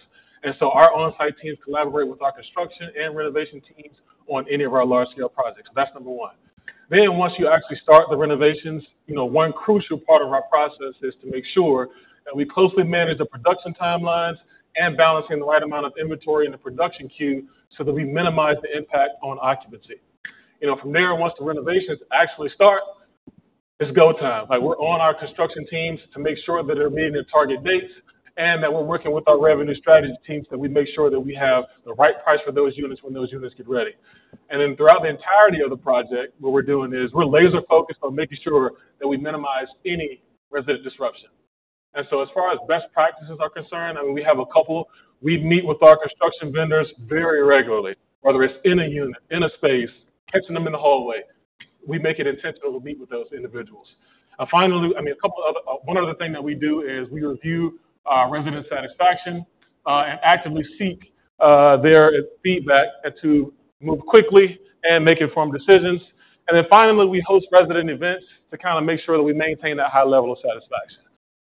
And so our on-site teams collaborate with our construction and renovation teams on any of our large-scale projects. That's number one. Then once you actually start the renovations, one crucial part of our process is to make sure that we closely manage the production timelines and balancing the right amount of inventory in the production queue so that we minimize the impact on occupancy. From there, once the renovations actually start, it's go time. We're on our construction teams to make sure that they're meeting their target dates and that we're working with our revenue strategy teams that we make sure that we have the right price for those units when those units get ready, and then throughout the entirety of the project, what we're doing is we're laser-focused on making sure that we minimize any resident disruption, and so as far as best practices are concerned, I mean, we have a couple. We meet with our construction vendors very regularly, whether it's in a unit, in a space, catching them in the hallway. We make it intentional to meet with those individuals. Finally, I mean, one other thing that we do is we review resident satisfaction and actively seek their feedback to move quickly and make informed decisions. And then finally, we host resident events to kind of make sure that we maintain that high level of satisfaction.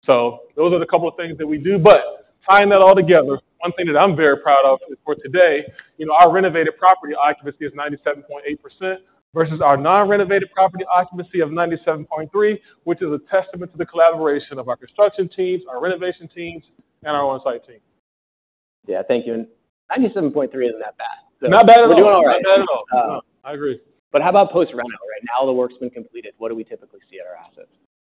So those are the couple of things that we do. But tying that all together, one thing that I'm very proud of for today, our renovated property occupancy is 97.8% versus our non-renovated property occupancy of 97.3%, which is a testament to the collaboration of our construction teams, our renovation teams, and our on-site team. Yeah, thank you. 97.3% isn't that bad. Not bad at all. We're doing all right. Not bad at all. I agree. But how about post-reno? Right now, all the work's been completed. What do we typically see at our assets?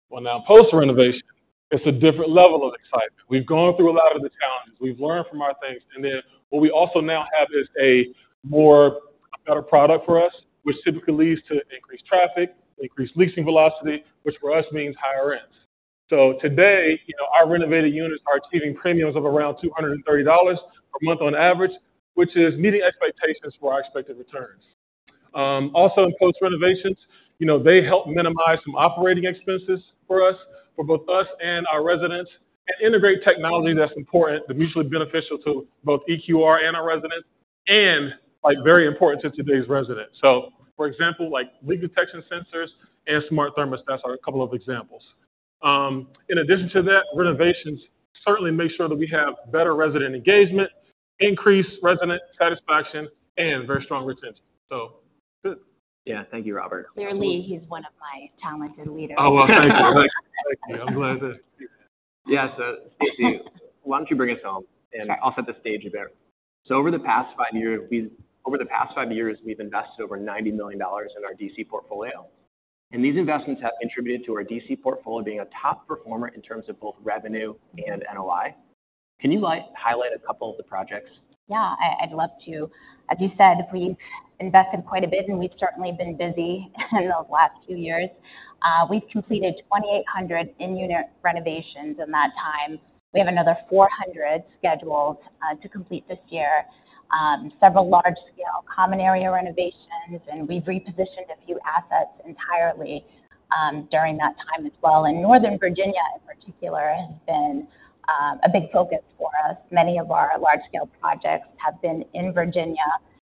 Well, now, post-renovation, it's a different level of excitement. We've gone through a lot of the challenges. We've learned from our things. And then what we also now have is a better product for us, which typically leads to increased traffic, increased leasing velocity, which for us means higher rents. So today, our renovated units are achieving premiums of around $230 per month on average, which is meeting expectations for our expected returns. Also, in post-renovations, they help minimize some operating expenses for us, for both us and our residents, and integrate technology that's important, that's mutually beneficial to both EQR and our residents, and very important to today's residents. So for example, leak detection sensors and smart thermostats are a couple of examples. In addition to that, renovations certainly make sure that we have better resident engagement, increased resident satisfaction, and very strong retention. So good. Yeah, thank you, Robert. Clearly, he's one of my talented leaders. Oh, well, thank you. Thank you. I'm glad that. Yeah, so Stacy, why don't you bring us home and I'll set the stage a bit? So over the past five years, we've invested over $90 million in our DC portfolio. And these investments have contributed to our DC portfolio being a top performer in terms of both revenue and NOI. Can you highlight a couple of the projects? Yeah, I'd love to. As you said, we've invested quite a bit, and we've certainly been busy in those last few years. We've completed 2,800 in-unit renovations in that time. We have another 400 scheduled to complete this year, several large-scale common area renovations, and we've repositioned a few assets entirely during that time as well. And Northern Virginia, in particular, has been a big focus for us. Many of our large-scale projects have been in Virginia.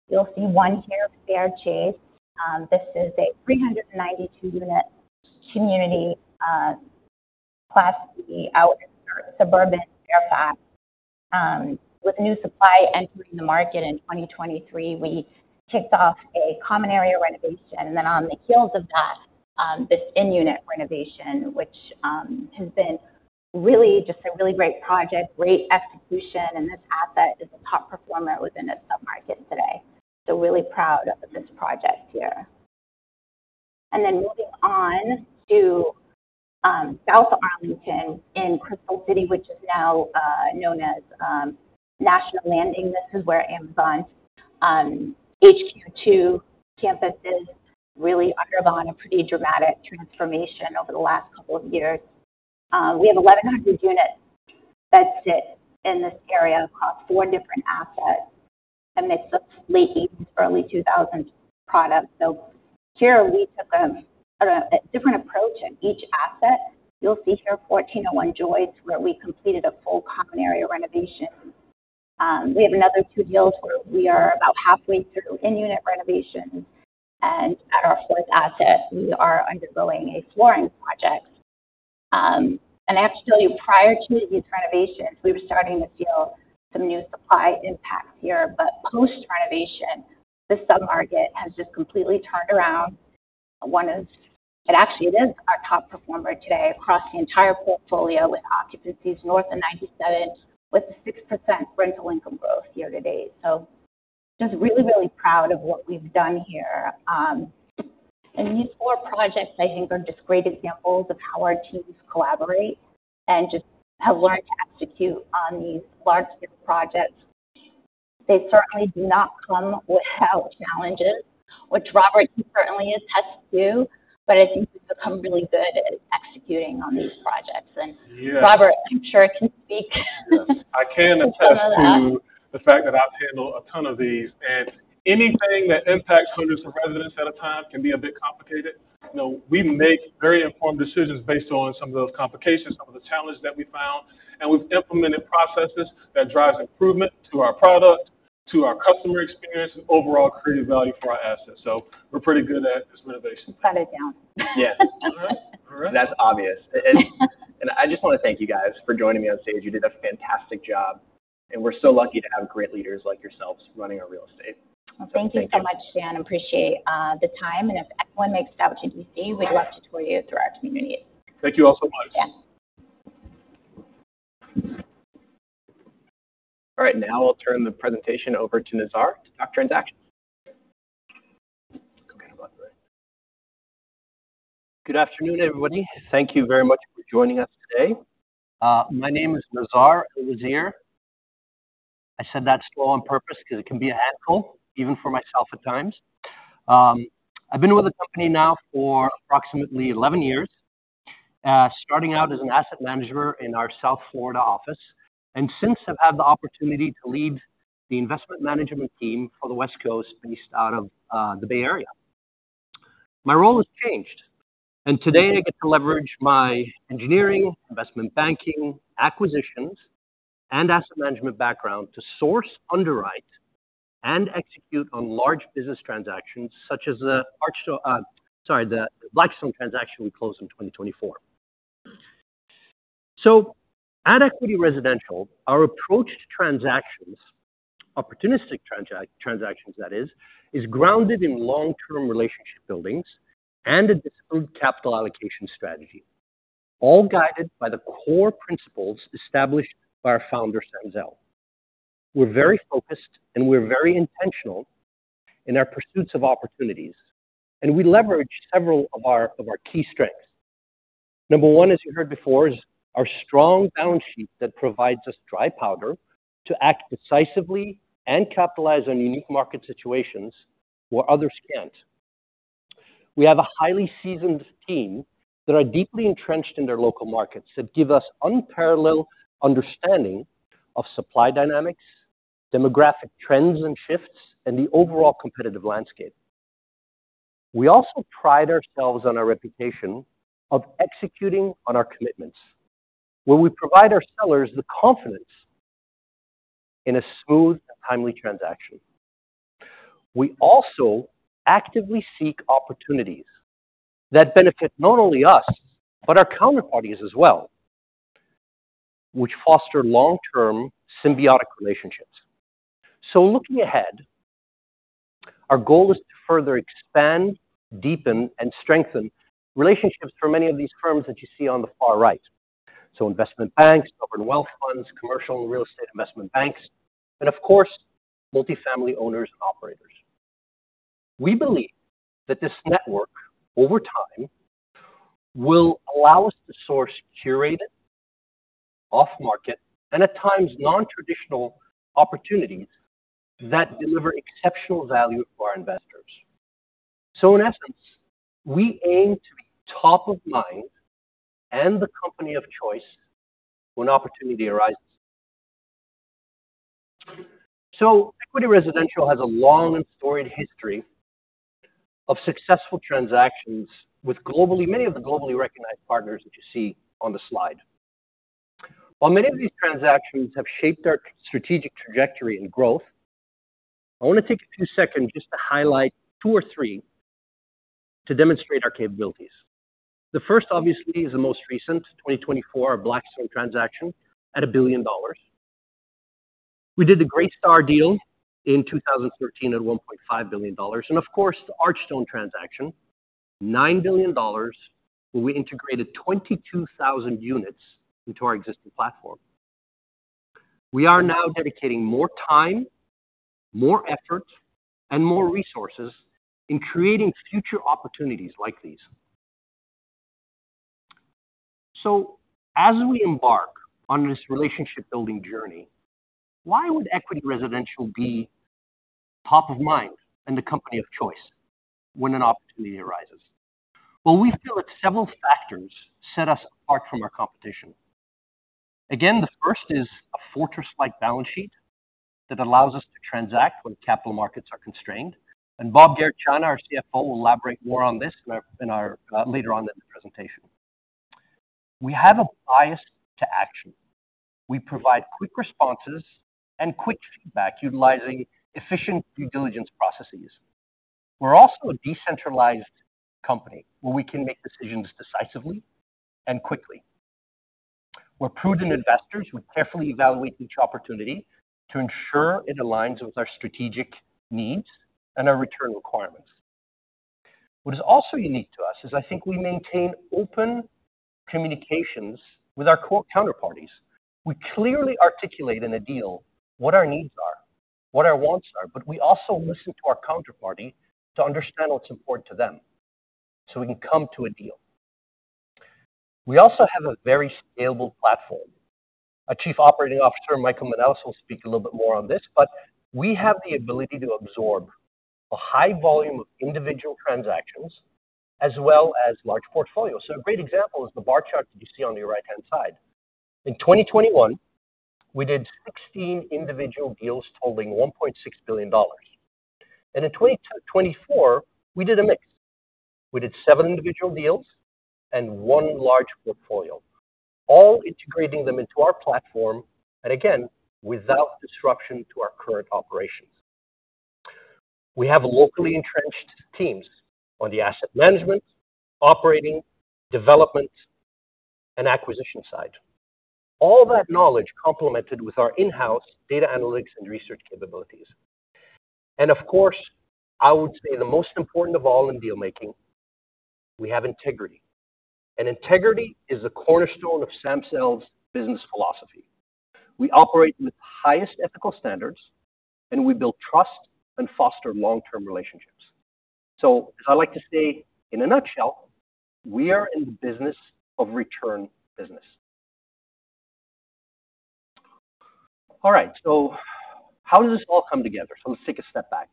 You'll see one here, Fairchase. This is a 392-unit community class C out in our suburban Fairfax. With new supply entering the market in 2023, we kicked off a common area renovation. And then on the heels of that, this in-unit renovation, which has been really just a really great project, great execution, and this asset is a top performer within its submarket today. So really proud of this project here. And then moving on to South Arlington in Crystal City, which is now known as National Landing. This is where Amazon's HQ2 campuses really undergone a pretty dramatic transformation over the last couple of years. We have 1,100 units that sit in this area across four different assets amidst those late 1980s, early 2000s products. So here, we took a different approach at each asset. You'll see here 1401 Joyce, where we completed a full common area renovation. We have another two deals where we are about halfway through in-unit renovations, and at our fourth asset, we are undergoing a flooring project, and I have to tell you, prior to these renovations, we were starting to feel some new supply impact here, but post-renovation, the submarket has just completely turned around. It actually is our top performer today across the entire portfolio with occupancies north of 97%, with a 6% rental income growth year to date, so just really, really proud of what we've done here, and these four projects, I think, are just great examples of how our teams collaborate and just have learned to execute on these large-scale projects. They certainly do not come without challenges, which Robert certainly has to do. But I think we've become really good at executing on these projects, and Robert, I'm sure I can speak. I can. addition to the fact that I've handled a ton of these. Anything that impacts hundreds of residents at a time can be a bit complicated. We make very informed decisions based on some of those complications, some of the challenges that we found. We've implemented processes that drive improvement to our product, to our customer experience, and overall created value for our assets. We're pretty good at this renovation. Cut it down. Yeah. All right. That's obvious. I just want to thank you guys for joining me on stage. You did a fantastic job. We're so lucky to have great leaders like yourselves running our real estate. Thank you so much, Dan. Appreciate the time. If anyone makes it out to D.C., we'd love to tour you through our community. Thank you all so much. All right. Now I'll turn the presentation over to Nizar to talk transactions. Good afternoon, everybody. Thank you very much for joining us today. My name is Nizar Al-Wazir. I said that's all on purpose because it can be a handful, even for myself at times. I've been with the company now for approximately 11 years, starting out as an asset manager in our South Florida office. And since I've had the opportunity to lead the investment management team for the West Coast based out of the Bay Area, my role has changed. And today, I get to leverage my engineering, investment banking, acquisitions, and asset management background to source, underwrite, and execute on large business transactions, such as the Blackstone transaction we closed in 2024. At Equity Residential, our approach to transactions, opportunistic transactions, that is, is grounded in long-term relationship buildings and a disciplined capital allocation strategy, all guided by the core principles established by our founder, Sam Zell. We're very focused, and we're very intentional in our pursuits of opportunities. We leverage several of our key strengths. Number one, as you heard before, is our strong balance sheet that provides us dry powder to act decisively and capitalize on unique market situations where others can't. We have a highly seasoned team that are deeply entrenched in their local markets that give us unparalleled understanding of supply dynamics, demographic trends and shifts, and the overall competitive landscape. We also pride ourselves on our reputation of executing on our commitments, where we provide our sellers the confidence in a smooth and timely transaction. We also actively seek opportunities that benefit not only us, but our counterparties as well, which foster long-term symbiotic relationships, so looking ahead, our goal is to further expand, deepen, and strengthen relationships for many of these firms that you see on the far right, so investment banks, sovereign wealth funds, commercial and real estate investment banks, and of course, multifamily owners and operators. We believe that this network, over time, will allow us to source curated, off-market, and at times non-traditional opportunities that deliver exceptional value for our investors, so in essence, we aim to be top of mind and the company of choice when opportunity arises, so Equity Residential has a long and storied history of successful transactions with many of the globally recognized partners that you see on the slide. While many of these transactions have shaped our strategic trajectory and growth, I want to take a few seconds just to highlight two or three to demonstrate our capabilities. The first, obviously, is the most recent, 2024, Blackstone transaction at $1 billion. We did the Greystar deal in 2013 at $1.5 billion, and of course, the Archstone transaction, $9 billion, where we integrated 22,000 units into our existing platform. We are now dedicating more time, more effort, and more resources in creating future opportunities like these, so as we embark on this relationship-building journey, why would Equity Residential be top of mind and the company of choice when an opportunity arises? Well, we feel that several factors set us apart from our competition. Again, the first is a fortress-like balance sheet that allows us to transact when capital markets are constrained. Robert Garechana, our CFO, will elaborate more on this later on in the presentation. We have a bias to action. We provide quick responses and quick feedback utilizing efficient due diligence processes. We're also a decentralized company where we can make decisions decisively and quickly. We're prudent investors who carefully evaluate each opportunity to ensure it aligns with our strategic needs and our return requirements. What is also unique to us is I think we maintain open communications with our core counterparties. We clearly articulate in a deal what our needs are, what our wants are, but we also listen to our counterparty to understand what's important to them so we can come to a deal. We also have a very scalable platform. Our Chief Operating Officer, Michael Manelis, will speak a little bit more on this, but we have the ability to absorb a high volume of individual transactions as well as large portfolios, so a great example is the bar chart that you see on your right-hand side. In 2021, we did 16 individual deals totaling $1.6 billion, and in 2024, we did a mix. We did seven individual deals and one large portfolio, all integrating them into our platform, and again, without disruption to our current operations. We have locally entrenched teams on the asset management, operating, development, and acquisition side. All that knowledge complemented with our in-house data analytics and research capabilities, and of course, I would say the most important of all in deal-making, we have integrity. Integrity is the cornerstone of Sam Zell's business philosophy. We operate with the highest ethical standards, and we build trust and foster long-term relationships. So I'd like to say, in a nutshell, we are in the business of return business. All right. So how does this all come together? So let's take a step back.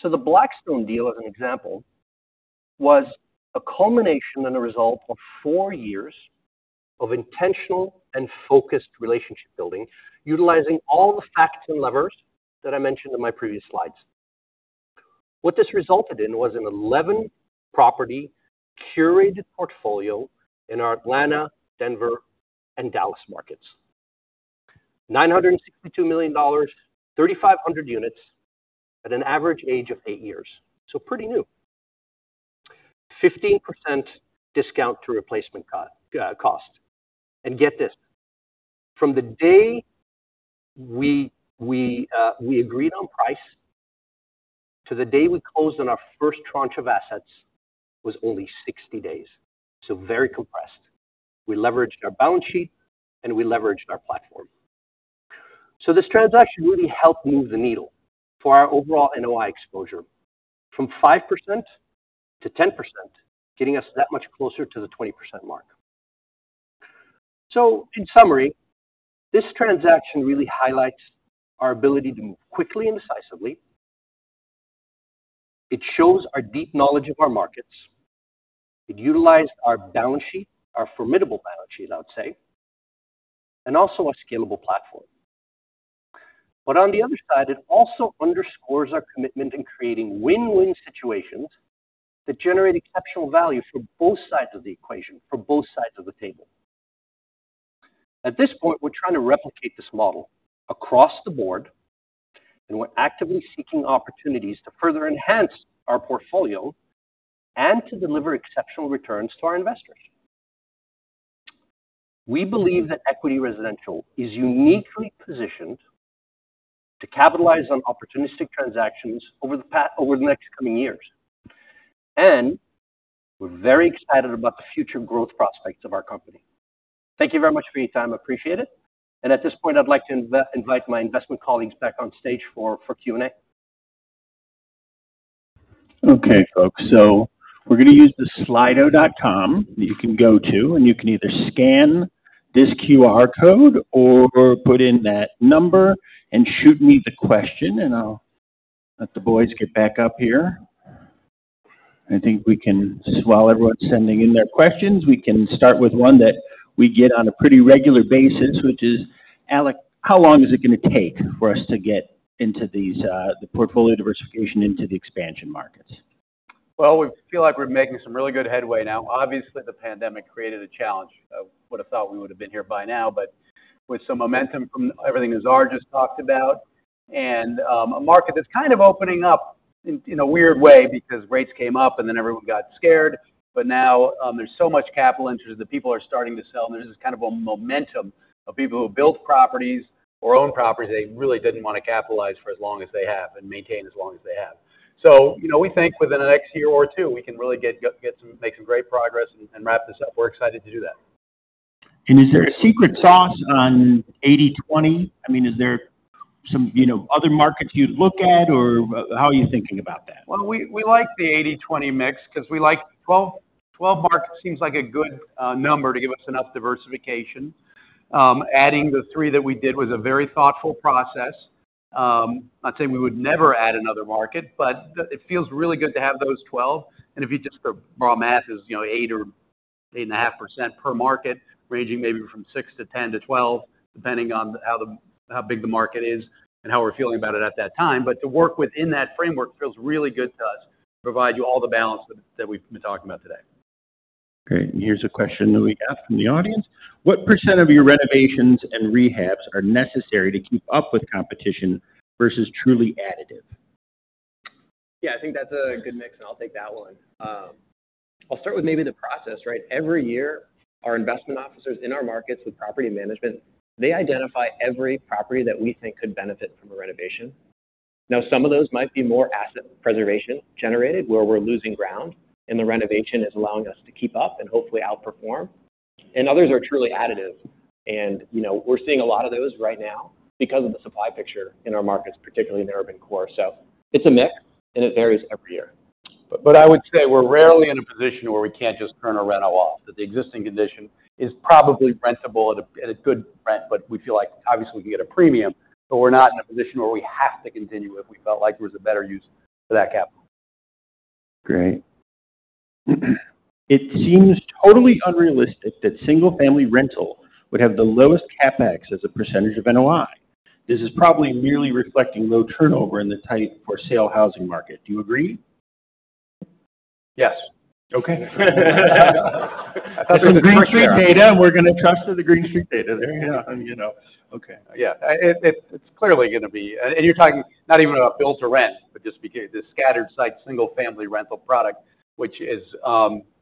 So the Blackstone deal, as an example, was a culmination and a result of four years of intentional and focused relationship building, utilizing all the facts and levers that I mentioned in my previous slides. What this resulted in was an 11-property curated portfolio in our Atlanta, Denver, and Dallas markets: $962 million, 3,500 units at an average age of eight years. So pretty new. 15% discount to replacement cost. And get this. From the day we agreed on price to the day we closed on our first tranche of assets was only 60 days. So very compressed. We leveraged our balance sheet, and we leveraged our platform. So this transaction really helped move the needle for our overall NOI exposure from 5% to 10%, getting us that much closer to the 20% mark. So in summary, this transaction really highlights our ability to move quickly and decisively. It shows our deep knowledge of our markets. It utilized our balance sheet, our formidable balance sheet, I would say, and also a scalable platform. But on the other side, it also underscores our commitment in creating win-win situations that generate exceptional value for both sides of the equation, for both sides of the table. At this point, we're trying to replicate this model across the board, and we're actively seeking opportunities to further enhance our portfolio and to deliver exceptional returns to our investors. We believe that Equity Residential is uniquely positioned to capitalize on opportunistic transactions over the next coming years, and we're very excited about the future growth prospects of our company. Thank you very much for your time. I appreciate it, and at this point, I'd like to invite my investment colleagues back on stage for Q&A. Okay, folks, so we're going to use the Slido.com that you can go to, and you can either scan this QR code or put in that number and shoot me the question, and I'll let the boys get back up here. I think we can, while everyone's sending in their questions, we can start with one that we get on a pretty regular basis, which is, "Alec, how long is it going to take for us to get into the portfolio diversification into the expansion markets?" Well, we feel like we're making some really good headway now. Obviously, the pandemic created a challenge. I would have thought we would have been here by now, but with some momentum from everything Nizar just talked about and a market that's kind of opening up in a weird way because rates came up and then everyone got scared. But now there's so much capital interest that people are starting to sell. There's this kind of a momentum of people who built properties or own properties that they really didn't want to capitalize for as long as they have and maintain as long as they have. We think within the next year or two, we can really make some great progress and wrap this up. We're excited to do that. Is there a secret sauce on 80/20? I mean, is there some other markets you'd look at, or how are you thinking about that? We like the 80/20 mix because we like 12 markets. Seems like a good number to give us enough diversification. Adding the three that we did was a very thoughtful process. I'd say we would never add another market, but it feels really good to have those 12. If you just do the math, it's 8% or 8.5% per market, ranging maybe from 6% to 10% to 12%, depending on how big the market is and how we're feeling about it at that time. To work within that framework feels really good to us to provide you all the balance that we've been talking about today. Great. Here's a question that we got from the audience. What percent of your renovations and rehabs are necessary to keep up with competition versus truly additive? Yeah, I think that's a good mix, and I'll take that one. I'll start with maybe the process, right? Every year, our investment officers in our markets with property management, they identify every property that we think could benefit from a renovation. Now, some of those might be more asset preservation generated where we're losing ground, and the renovation is allowing us to keep up and hopefully outperform. And others are truly additive. And we're seeing a lot of those right now because of the supply picture in our markets, particularly in the urban core. So it's a mix, and it varies every year. But I would say we're rarely in a position where we can't just turn a rental off. The existing condition is probably rentable at a good rent, but we feel like, obviously, we can get a premium. But we're not in a position where we have to continue if we felt like there was a better use for that capital. Great. It seems totally unrealistic that single-family rental would have the lowest CapEx as a percentage of NOI. This is probably merely reflecting low turnover in the tight for-sale housing market. Do you agree? Yes. Okay. That's the Green Street data, and we're going to trust the Green Street data there. Yeah. Okay. Yeah. It's clearly going to be, and you're talking not even about build-to-rent, but just the scattered-site single-family rental product, which is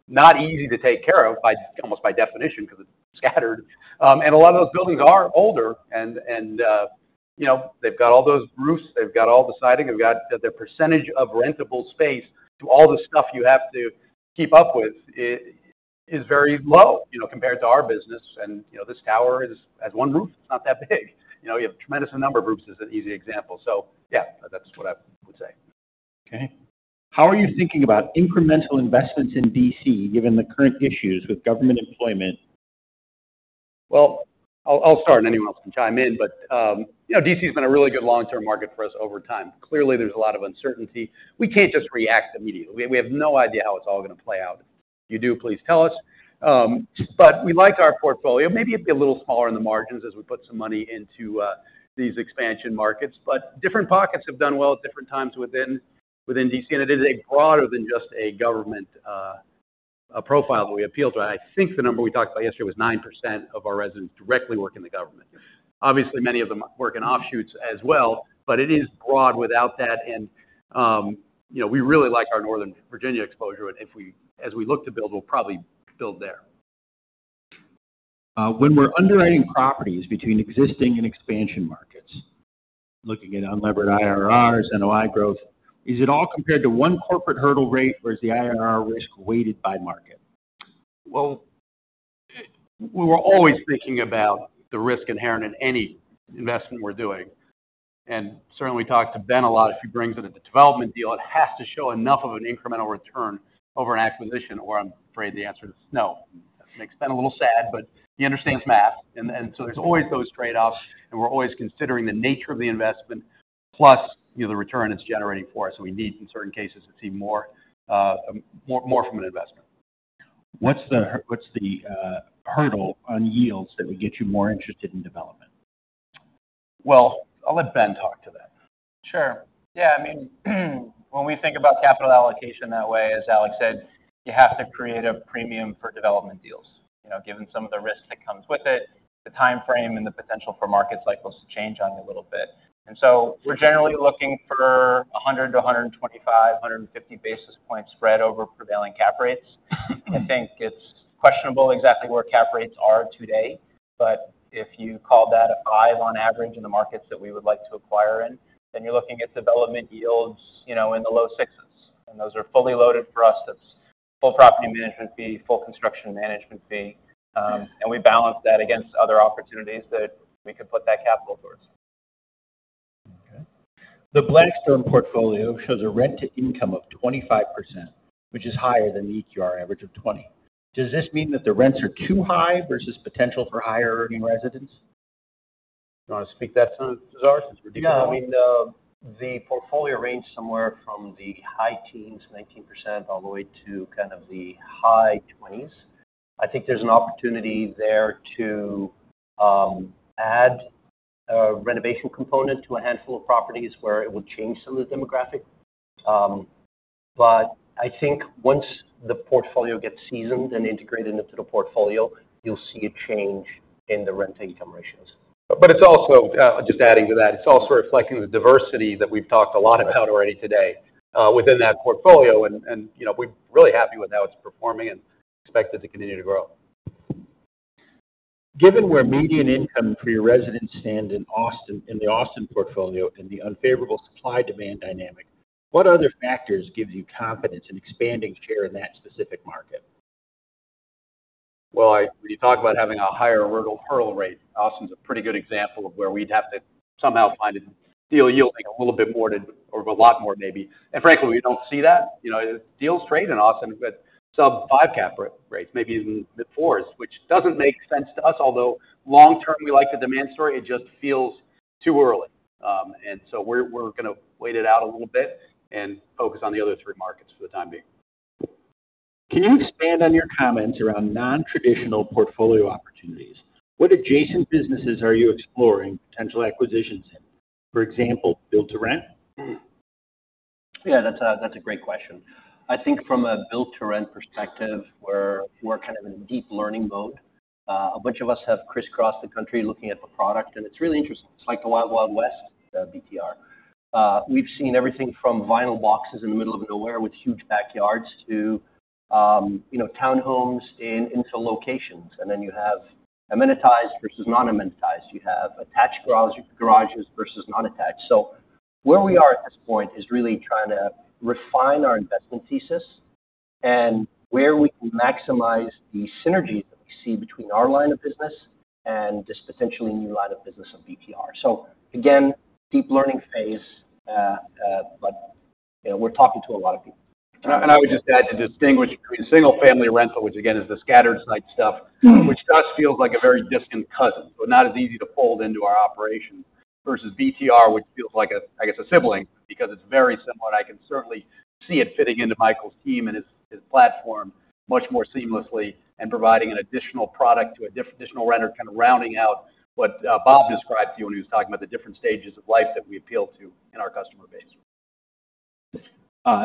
not easy to take care of almost by definition because it's scattered. And a lot of those buildings are older, and they've got all those roofs. They've got all the siding. They've got the percentage of rentable space. All the stuff you have to keep up with is very low compared to our business. And this tower has one roof. It's not that big. You have a tremendous number of roofs as an easy example. So yeah, that's what I would say. Okay. How are you thinking about incremental investments in D.C. given the current issues with government employment? Well, I'll start, and anyone else can chime in. But D.C. has been a really good long-term market for us over time. Clearly, there's a lot of uncertainty. We can't just react immediately. We have no idea how it's all going to play out. If you do, please tell us. But we like our portfolio. Maybe it'd be a little smaller in the margins as we put some money into these expansion markets. But different pockets have done well at different times within D.C. And it is broader than just a government profile that we appeal to. I think the number we talked about yesterday was 9% of our residents directly work in the government. Obviously, many of them work in offshoots as well, but it is broad without that. And we really like our Northern Virginia exposure. As we look to build, we'll probably build there. When we're underwriting properties between existing and expansion markets, looking at unlevered IRRs, NOI growth, is it all compared to one corporate hurdle rate versus the IRR risk weighted by market? Well, we were always thinking about the risk inherent in any investment we're doing. And certainly, we talked to Ben a lot if he brings it at the development deal. It has to show enough of an incremental return over an acquisition, or I'm afraid the answer is no. That makes Ben a little sad, but he understands math. And so there's always those trade-offs, and we're always considering the nature of the investment plus the return it's generating for us. And we need, in certain cases, to see more from an investment. What's the hurdle on yields that would get you more interested in development? Well, I'll let Ben talk to that. Sure. Yeah. I mean, when we think about capital allocation that way, as Alec said, you have to create a premium for development deals, given some of the risks that come with it, the timeframe, and the potential for market cycles to change on you a little bit. And so we're generally looking for 100 to 125, 150 basis points spread over prevailing cap rates. I think it's questionable exactly where cap rates are today, but if you call that a 5 on average in the markets that we would like to acquire in, then you're looking at development yields in the low 6s. And those are fully loaded for us. That's full property management fee, full construction management fee. We balance that against other opportunities that we could put that capital towards. Okay. The Blackstone portfolio shows a rent-to-income of 25%, which is higher than the EQR average of 20%. Does this mean that the rents are too high versus potential for higher-earning residents? Do you want to speak that to Nizar since we're deep in that? No. I mean, the portfolio ranged somewhere from the high teens, 19%, all the way to kind of the high 20s%. I think there's an opportunity there to add a renovation component to a handful of properties where it would change some of the demographic. But I think once the portfolio gets seasoned and integrated into the portfolio, you'll see a change in the rent-to-income ratios. But just adding to that, it's also reflecting the diversity that we've talked a lot about already today within that portfolio. We're really happy with how it's performing and expected to continue to grow. Given where median income for your residents stands in the Austin portfolio and the unfavorable supply-demand dynamic, what other factors give you confidence in expanding share in that specific market? Well, when you talk about having a higher hurdle rate, Austin's a pretty good example of where we'd have to somehow find a deal yielding a little bit more or a lot more, maybe. And frankly, we don't see that. Deals trade in Austin with sub-5 cap rates, maybe even the 4s, which doesn't make sense to us. Although long-term, we like the demand story. It just feels too early. And so we're going to wait it out a little bit and focus on the other three markets for the time being. Can you expand on your comments around non-traditional portfolio opportunities? What adjacent businesses are you exploring potential acquisitions in? For example, build-to-rent? Yeah, that's a great question. I think from a build-to-rent perspective, we're kind of in a deep learning mode. A bunch of us have crisscrossed the country looking at the product. And it's really interesting. It's like the Wild Wild West, BTR. We've seen everything from vinyl boxes in the middle of nowhere with huge backyards to townhomes in infill locations. And then you have amenitized versus non-amenitized. You have attached garages versus non-attached. So where we are at this point is really trying to refine our investment thesis and where we can maximize the synergies that we see between our line of business and this potentially new line of business of BTR. So again, deep learning phase, but we're talking to a lot of people. And I would just add to distinguish between single-family rental, which again is the scattered-site stuff, which does feel like a very distant cousin, but not as easy to fold into our operation, versus BTR, which feels like, I guess, a sibling because it's very similar. And I can certainly see it fitting into Michael's team and his platform much more seamlessly and providing an additional product to a traditional renter, kind of rounding out what Robert described to you when he was talking about the different stages of life that we appeal to in our customer base.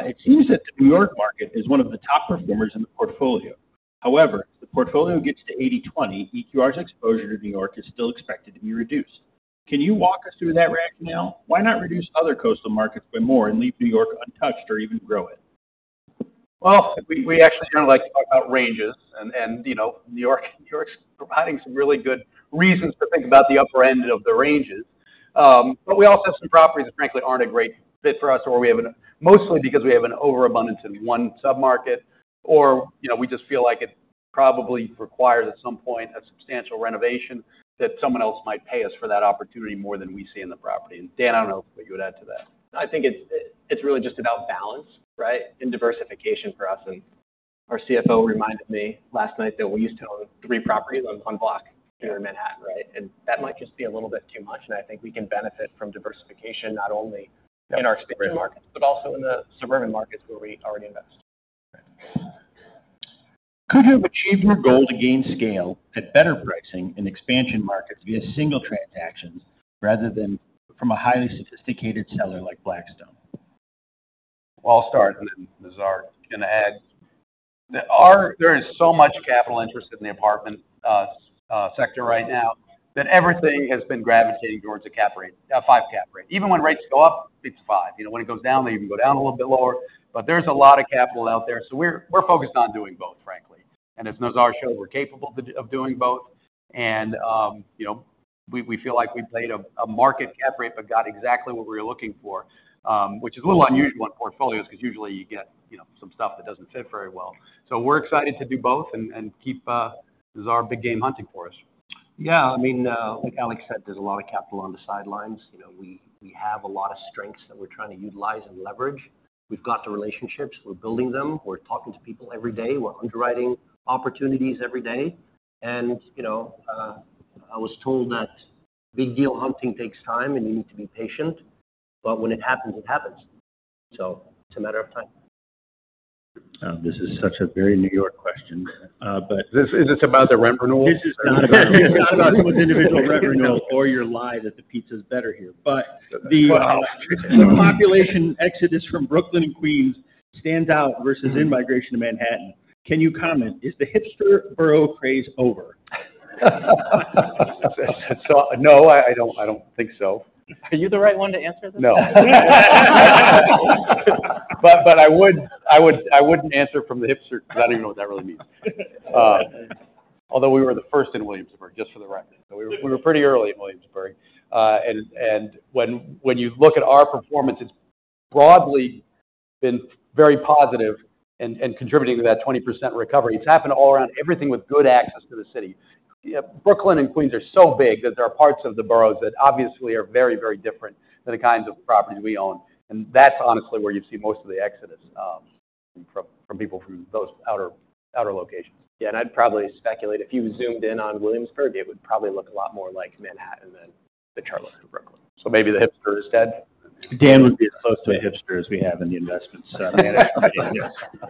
It seems that the New York market is one of the top performers in the portfolio. However, as the portfolio gets to 80/20, EQR's exposure to New York is still expected to be reduced. Can you walk us through that rationale? Why not reduce other coastal markets by more and leave New York untouched or even grow it? Well, we actually kind of like to talk about ranges. And New York's providing some really good reasons to think about the upper end of the ranges. But we also have some properties that, frankly, aren't a great fit for us, or mostly because we have an overabundance in one sub-market, or we just feel like it probably requires at some point a substantial renovation that someone else might pay us for that opportunity more than we see in the property. And Dan, I don't know what you would add to that. I think it's really just about balance, right, and diversification for us. And our CFO reminded me last night that we used to own three properties on one block here in Manhattan, right? That might just be a little bit too much. I think we can benefit from diversification not only in our expansion markets but also in the suburban markets where we already invest. Could you have achieved your goal to gain scale at better pricing in expansion markets via single transactions rather than from a highly sophisticated seller like Blackstone? Well, I'll start, and then Nizar can add. There is so much capital interest in the apartment sector right now that everything has been gravitating towards a 5% cap rate. Even when rates go up, it's 5%. When it goes down, they even go down a little bit lower. But there's a lot of capital out there. So we're focused on doing both, frankly. And as Nizar showed, we're capable of doing both. And we feel like we played a market cap rate but got exactly what we were looking for, which is a little unusual in portfolios because usually, you get some stuff that doesn't fit very well. So we're excited to do both and keep Nizar big game hunting for us. Yeah. I mean, like Alec said, there's a lot of capital on the sidelines. We have a lot of strengths that we're trying to utilize and leverage. We've got the relationships. We're building them. We're talking to people every day. We're underwriting opportunities every day. And I was told that big deal hunting takes time, and you need to be patient. But when it happens, it happens. So it's a matter of time. y This is such a very New York question. But is this about the revenue? This is not about someone's individual revenue or your lie that the pizza's better here, but the population exodus from Brooklyn and Queens stands out versus in-migration to Manhattan. Can you comment? Is the hipster borough craze over? No, I don't think so. Are you the right one to answer this? No, but I wouldn't answer from the hipster because I don't even know what that really means. Although we were the first in Williamsburg, just for the record. We were pretty early in Williamsburg, and when you look at our performance, it's broadly been very positive and contributing to that 20% recovery. It's happened all around everything with good access to the city. Brooklyn and Queens are so big that there are parts of the boroughs that obviously are very, very different than the kinds of properties we own. That's honestly where you've seen most of the exodus from people from those outer locations. Yeah. I'd probably speculate if you zoomed in on Williamsburg, it would probably look a lot more like Manhattan than the rest of Brooklyn. So maybe the hipster instead. Dan would be as close to a hipster as we have in the investments.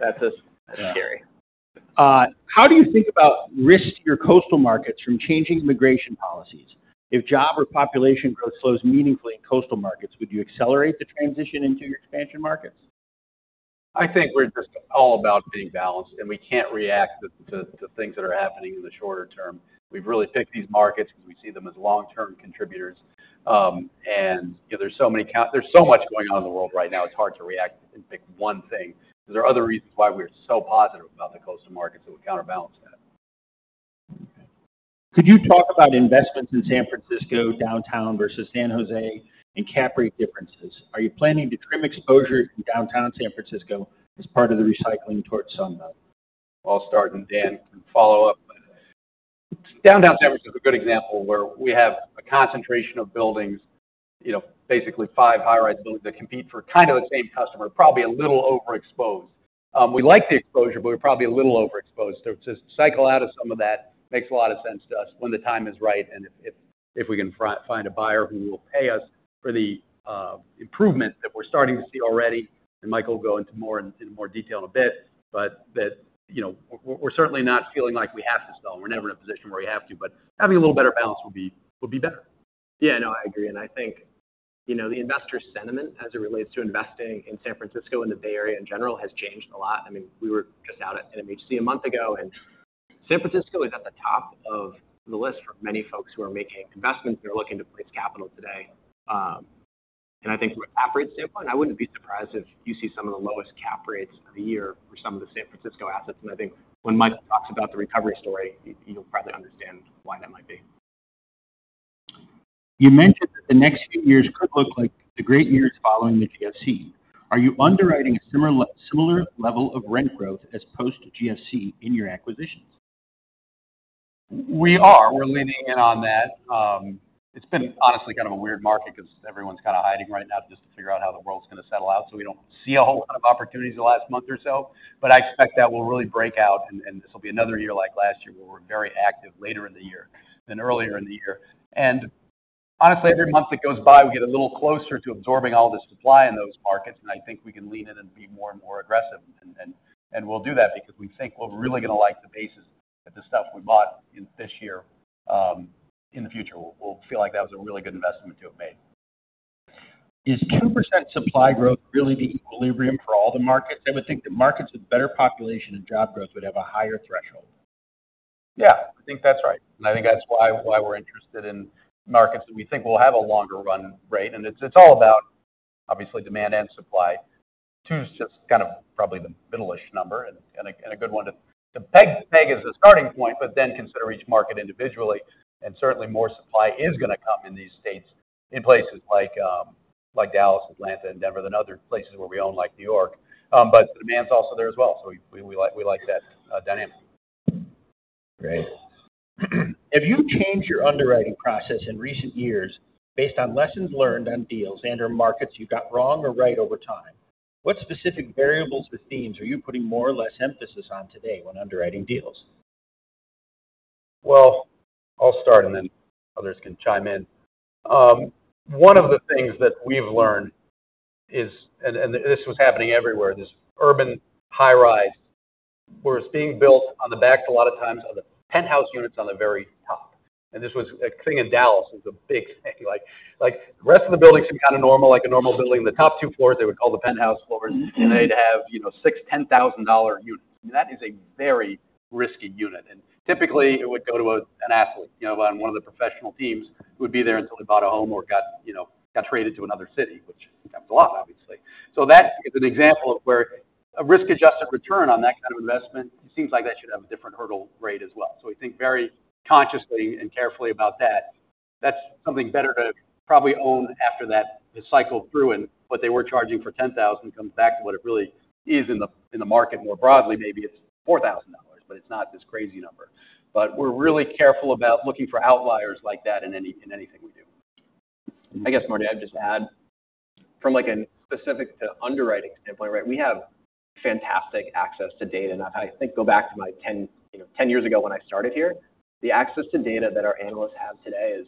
That's scary. How do you think about risk to your coastal markets from changing immigration policies? If job or population growth slows meaningfully in coastal markets, would you accelerate the transition into your expansion markets? I think we're just all about being balanced, and we can't react to things that are happening in the shorter term. We've really picked these markets because we see them as long-term contributors. There's so much going on in the world right now. It's hard to react and pick one thing. There are other reasons why we're so positive about the coastal markets, and we'll counterbalance that. Could you talk about investments in San Francisco, downtown versus San Jose, and cap rate differences? Are you planning to trim exposure in downtown San Francisco as part of the recycling towards Sunbelt? I'll start, and Dan can follow up. Downtown San Francisco is a good example where we have a concentration of buildings, basically five high-rise buildings that compete for kind of the same customer, probably a little overexposed. We like the exposure, but we're probably a little overexposed. So to cycle out of some of that makes a lot of sense to us when the time is right and if we can find a buyer who will pay us for the improvement that we're starting to see already. Michael will go into more detail in a bit, but we're certainly not feeling like we have to sell. We're never in a position where we have to, but having a little better balance would be better. Yeah. No, I agree. I think the investor sentiment as it relates to investing in San Francisco and the Bay Area in general has changed a lot. I mean, we were just out at NMHC a month ago, and San Francisco is at the top of the list for many folks who are making investments and are looking to place capital today. I think from a cap rate standpoint, I wouldn't be surprised if you see some of the lowest cap rates of the year for some of the San Francisco assets. I think when Michael talks about the recovery story, you'll probably understand why that might be. You mentioned that the next few years could look like the great years following the GFC. Are you underwriting a similar level of rent growth as post-GFC in your acquisitions? We are. We're leaning in on that. It's been honestly kind of a weird market because everyone's kind of hiding right now just to figure out how the world's going to settle out so we don't see a whole lot of opportunities the last month or so. But I expect that will really break out, and this will be another year like last year where we're very active later in the year than earlier in the year. And honestly, every month that goes by, we get a little closer to absorbing all the supply in those markets, and I think we can lean in and be more and more aggressive. We'll do that because we think we're really going to like the basis of the stuff we bought this year. In the future, we'll feel like that was a really good investment to have made. Is 2% supply growth really the equilibrium for all the markets? I would think that markets with better population and job growth would have a higher threshold. Yeah. I think that's right. I think that's why we're interested in markets that we think will have a longer run rate. It's all about, obviously, demand and supply. 2 is just kind of probably the middle-ish number and a good one to peg as a starting point, but then consider each market individually. Certainly, more supply is going to come in these states in places like Dallas, Atlanta, and Denver than other places where we own, like New York. But the demand's also there as well. So we like that dynamic. Great. Have you changed your underwriting process in recent years based on lessons learned on deals and/or markets you got wrong or right over time? What specific variables or themes are you putting more or less emphasis on today when underwriting deals? Well, I'll start, and then others can chime in. One of the things that we've learned is, and this was happening everywhere, this urban high-rise where it's being built on the backs a lot of times of the penthouse units on the very top. And this was a thing in Dallas. It was a big thing. The rest of the buildings seem kind of normal, like a normal building. The top two floors, they would call the penthouse floors, and they'd have $6,000-$10,000 units. I mean, that is a very risky unit. And typically, it would go to an athlete on one of the professional teams who would be there until he bought a home or got traded to another city, which that was a lot, obviously. So that is an example of where a risk-adjusted return on that kind of investment seems like that should have a different hurdle rate as well. So we think very consciously and carefully about that. That's something better to probably own after the cycle through. And what they were charging for $10,000 comes back to what it really is in the market more broadly. Maybe it's $4,000, but it's not this crazy number. But we're really careful about looking for outliers like that in anything we do. I guess, Marty, I would just add from a specific to underwriting standpoint, right? We have fantastic access to data. And I think, go back to my 10 years ago when I started here. The access to data that our analysts have today is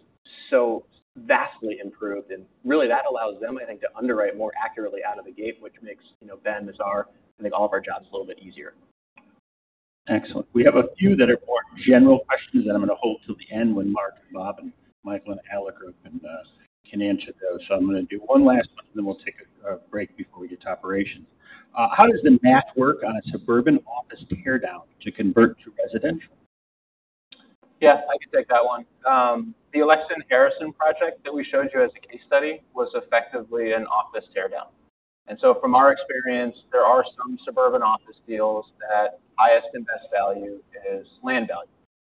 so vastly improved. And really, that allows them, I think, to underwrite more accurately out of the gate, which makes Ben and Nizar, I think, all of our jobs a little bit easier. Excellent. We have a few that are more general questions that I'm going to hold till the end when Mark, Robert, and Michael and Alec are up and can answer those. So I'm going to do one last question, then we'll take a break before we get to operations. How does the math work on a suburban office teardown to convert to residential? Yeah. I can take that one. The Alexan Harrison project that we showed you as a case study was effectively an office teardown. And so, from our experience, there are some suburban office deals that highest and best value is land value.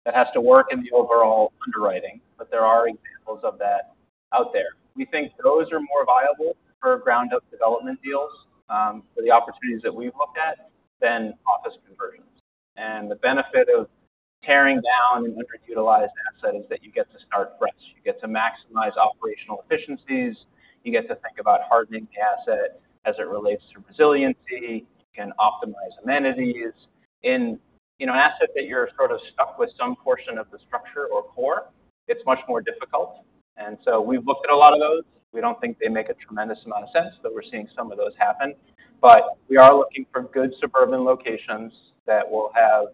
That has to work in the overall underwriting, but there are examples of that out there. We think those are more viable for ground-up development deals for the opportunities that we've looked at than office conversions. And the benefit of tearing down and underutilized asset is that you get to start fresh. You get to maximize operational efficiencies. You get to think about hardening the asset as it relates to resiliency. You can optimize amenities. In an asset that you're sort of stuck with some portion of the structure or core, it's much more difficult. And so we've looked at a lot of those. We don't think they make a tremendous amount of sense, but we're seeing some of those happen. But we are looking for good suburban locations that will have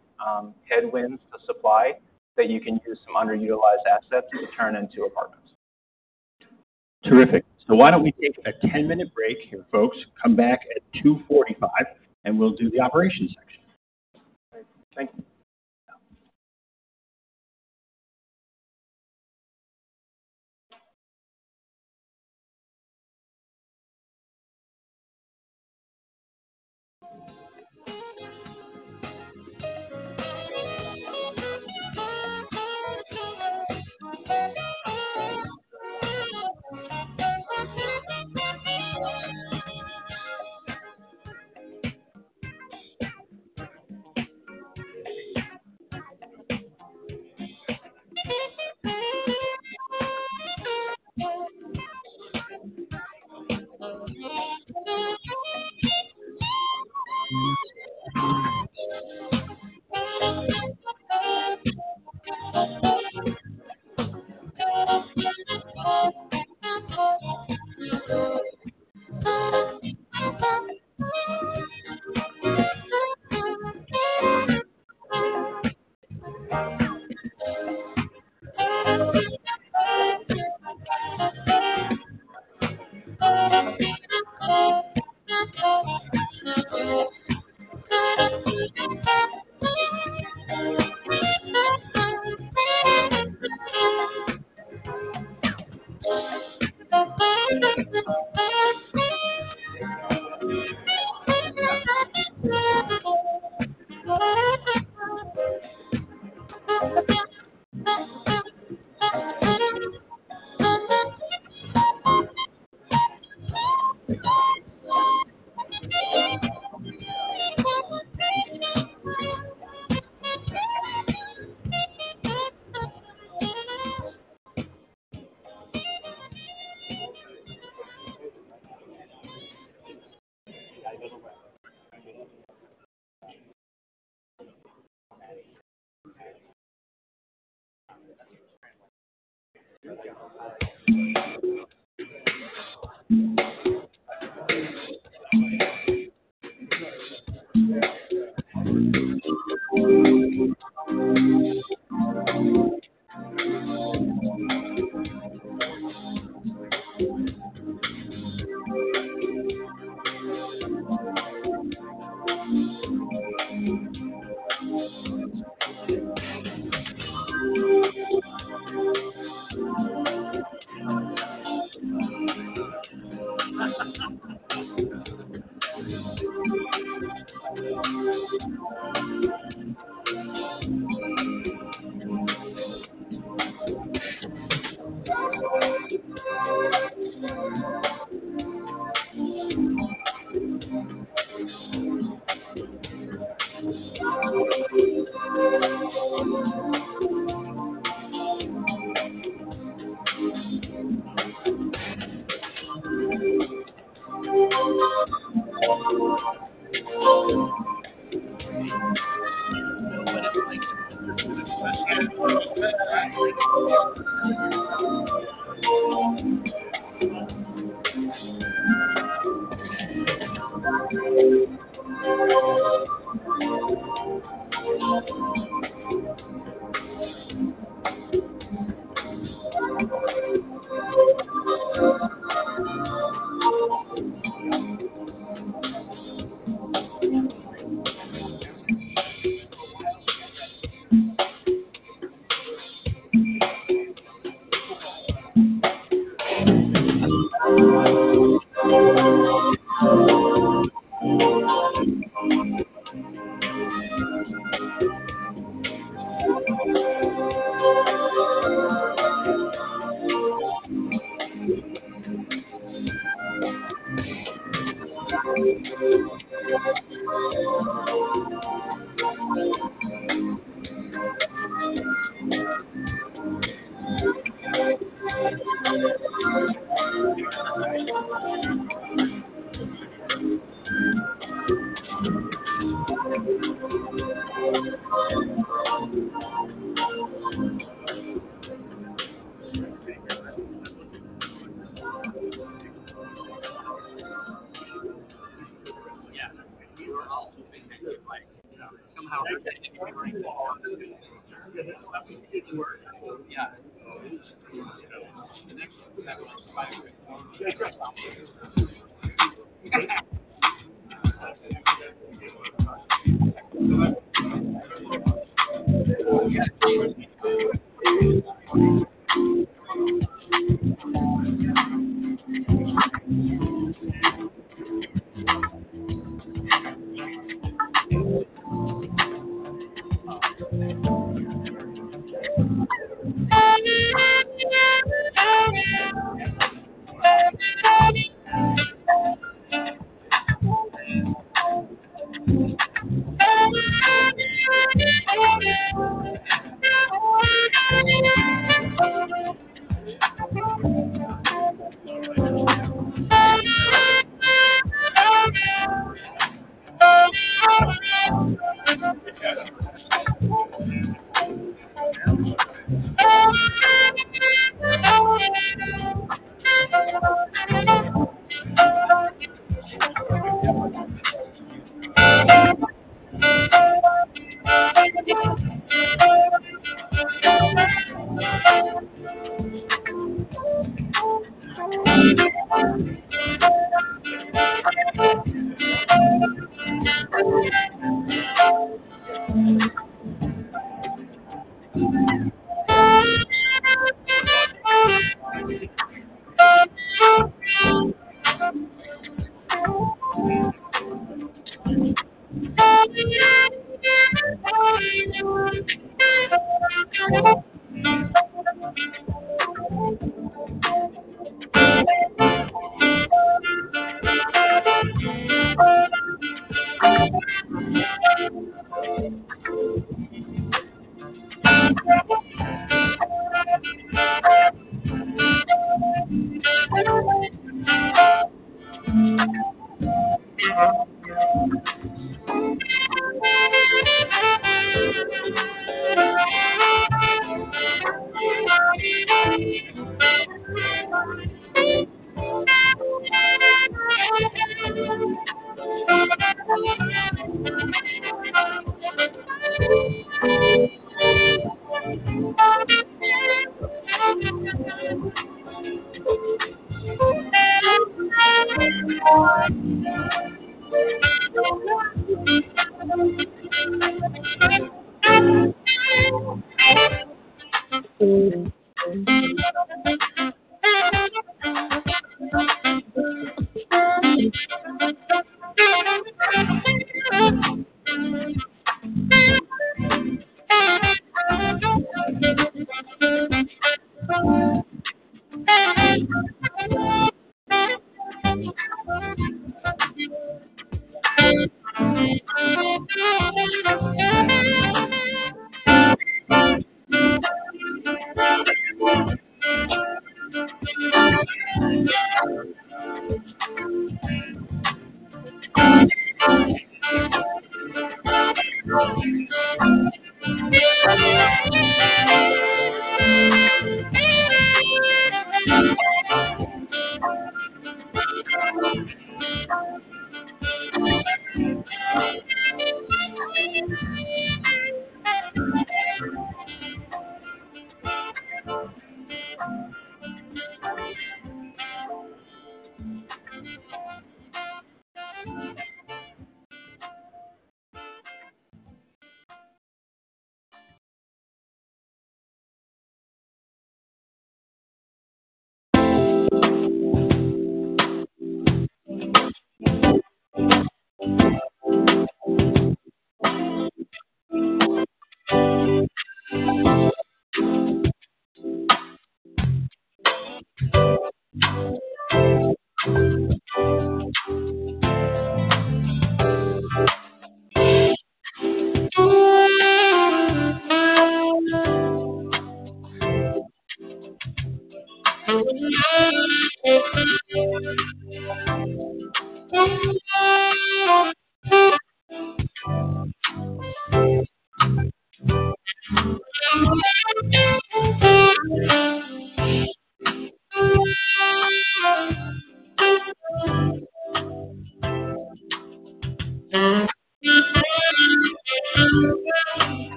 headwinds to supply that you can use some underutilized assets to turn into apartments. Terrific. So why don't we take a 10-minute break here, folks? Come back at 2:45 P.M., and we'll do the operations section. Thank you.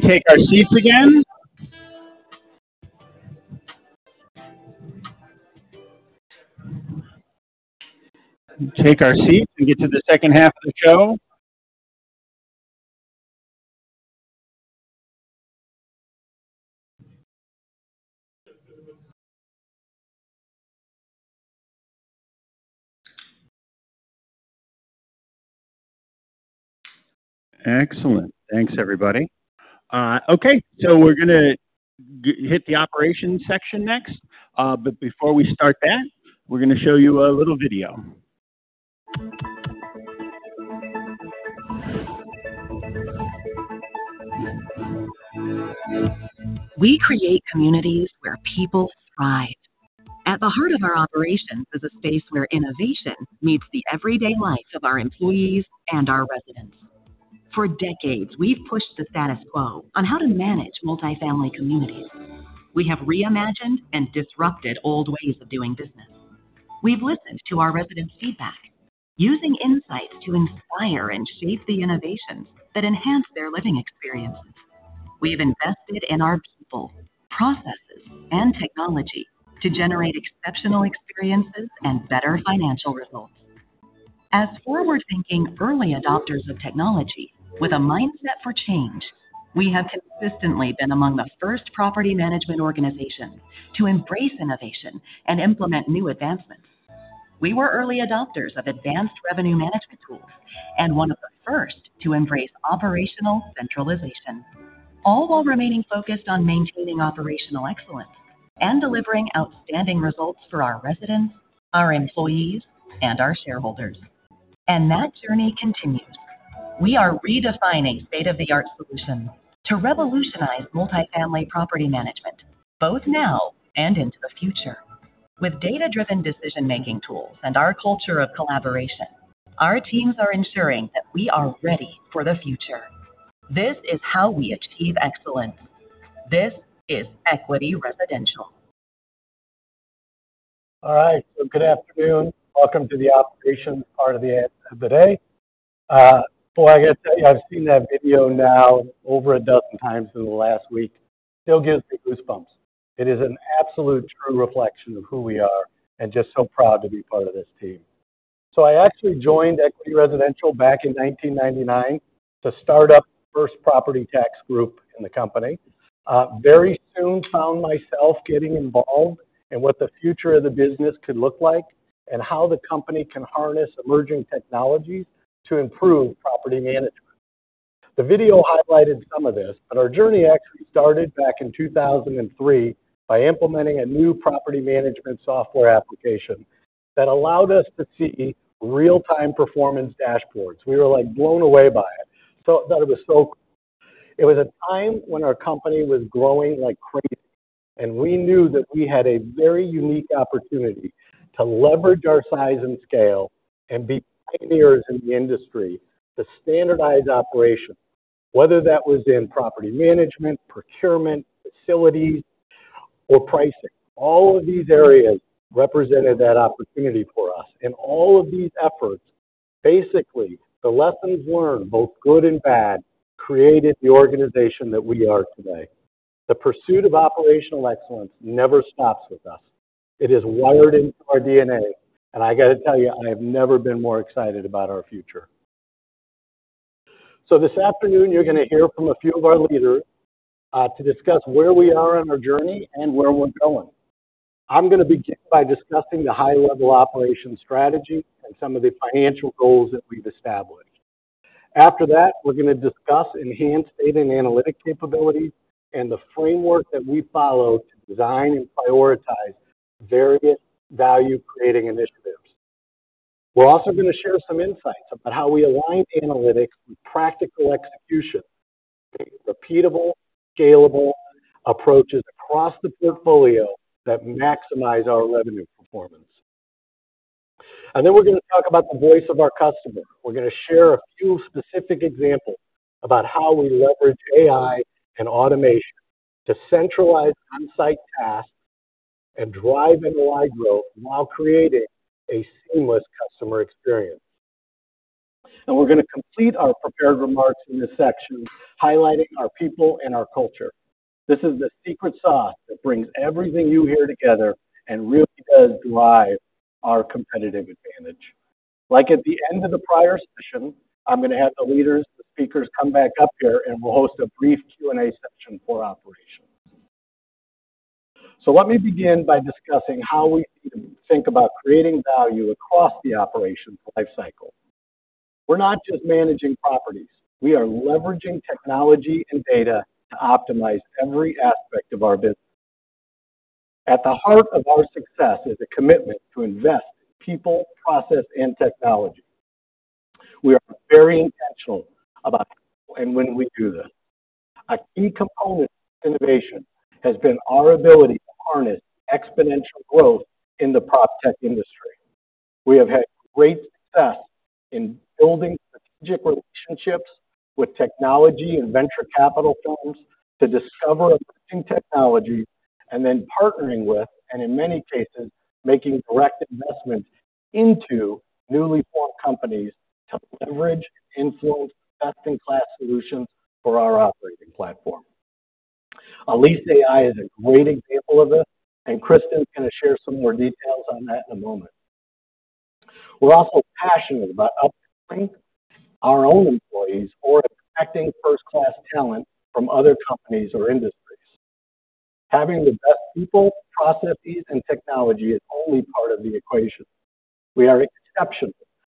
take our seats again? Take our seat and get to the second half of the show. Excellent. Thanks, everybody. Okay. So we're going to hit the operations section next. But before we start that, we're going to show you a little video. We create communities where people thrive. At the heart of our operations is a space where innovation meets the everyday life of our employees and our residents. For decades, we've pushed the status quo on how to manage multi-family communities. We have reimagined and disrupted old ways of doing business. We've listened to our residents' feedback, using insights to inspire and shape the innovations that enhance their living experiences. We've invested in our people, processes, and technology to generate exceptional experiences and better financial results. As forward-thinking, early adopters of technology with a mindset for change, we have consistently been among the first property management organizations to embrace innovation and implement new advancements. We were early adopters of advanced revenue management tools and one of the first to embrace operational centralization, all while remaining focused on maintaining operational excellence and delivering outstanding results for our residents, our employees, and our shareholders. And that journey continues. We are redefining state-of-the-art solutions to revolutionize multi-family property management, both now and into the future. With data-driven decision-making tools and our culture of collaboration, our teams are ensuring that we are ready for the future. This is how we achieve excellence. This is Equity Residential. All right. So good afternoon. Welcome to the operations part of the day. Boy, I've seen that video now over a dozen times in the last week. It still gives me goosebumps. It is an absolute true reflection of who we are and just so proud to be part of this team. So I actually joined Equity Residential back in 1999 to start up the first property tax group in the company. Very soon, I found myself getting involved in what the future of the business could look like and how the company can harness emerging technologies to improve property management. The video highlighted some of this, but our journey actually started back in 2003 by implementing a new property management software application that allowed us to see real-time performance dashboards. We were blown away by it. So I thought it was so cool. It was a time when our company was growing like crazy, and we knew that we had a very unique opportunity to leverage our size and scale and be pioneers in the industry to standardize operations, whether that was in property management, procurement, facilities, or pricing. All of these areas represented that opportunity for us. And all of these efforts, basically, the lessons learned, both good and bad, created the organization that we are today. The pursuit of operational excellence never stops with us. It is wired into our DNA. And I got to tell you, I have never been more excited about our future. This afternoon, you're going to hear from a few of our leaders to discuss where we are on our journey and where we're going. I'm going to begin by discussing the high-level operations strategy and some of the financial goals that we've established. After that, we're going to discuss enhanced data and analytic capabilities and the framework that we follow to design and prioritize various value-creating initiatives. We're also going to share some insights about how we align analytics with practical execution, repeatable, scalable approaches across the portfolio that maximize our revenue performance. Then we're going to talk about the voice of our customer. We're going to share a few specific examples about how we leverage AI and automation to centralize on-site tasks and drive income-wide growth while creating a seamless customer experience. And we're going to complete our prepared remarks in this section, highlighting our people and our culture. This is the secret sauce that brings everything you hear together and really does drive our competitive advantage. Like at the end of the prior session, I'm going to have the leaders, the speakers come back up here, and we'll host a brief Q&A session for operations. So let me begin by discussing how we think about creating value across the operations lifecycle. We're not just managing properties. We are leveraging technology and data to optimize every aspect of our business. At the heart of our success is a commitment to invest in people, process, and technology. We are very intentional about how and when we do this. A key component of innovation has been our ability to harness exponential growth in the PropTech industry. We have had great success in building strategic relationships with technology and venture capital firms to discover emerging technologies and then partnering with, and in many cases, making direct investments into newly formed companies to leverage, influence, and invest in world-class solutions for our operating platform. EliseAI is a great example of this, and Kristen's going to share some more details on that in a moment. We're also passionate about upskilling our own employees or attracting first-class talent from other companies or industries. Having the best people, processes, and technology is only part of the equation. We are exceptional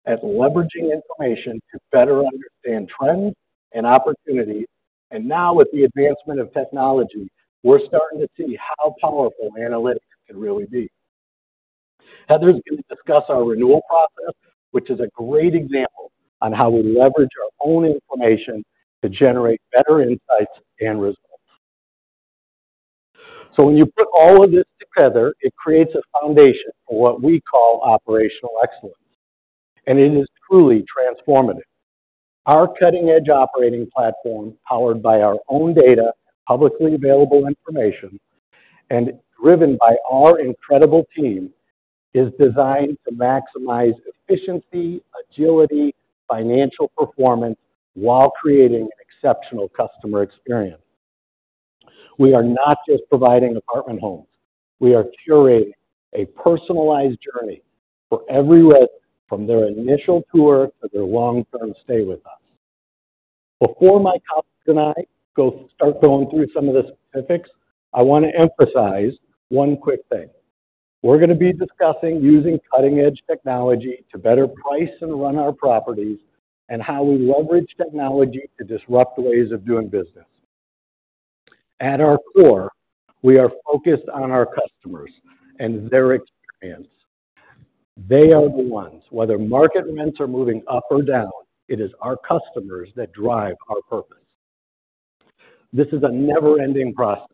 at leveraging information to better understand trends and opportunities. And now, with the advancement of technology, we're starting to see how powerful analytics can really be. Heather's going to discuss our renewal process, which is a great example on how we leverage our own information to generate better insights and results. When you put all of this together, it creates a foundation for what we call operational excellence. It is truly transformative. Our cutting-edge operating platform, powered by our own data, publicly available information, and driven by our incredible team, is designed to maximize efficiency, agility, and financial performance while creating an exceptional customer experience. We are not just providing apartment homes. We are curating a personalized journey for every resident, from their initial tour to their long-term stay with us. Before my colleagues and I start going through some of the specifics, I want to emphasize one quick thing. We're going to be discussing using cutting-edge technology to better price and run our properties and how we leverage technology to disrupt ways of doing business. At our core, we are focused on our customers and their experience. They are the ones, whether market rents are moving up or down, it is our customers that drive our purpose. This is a never-ending process.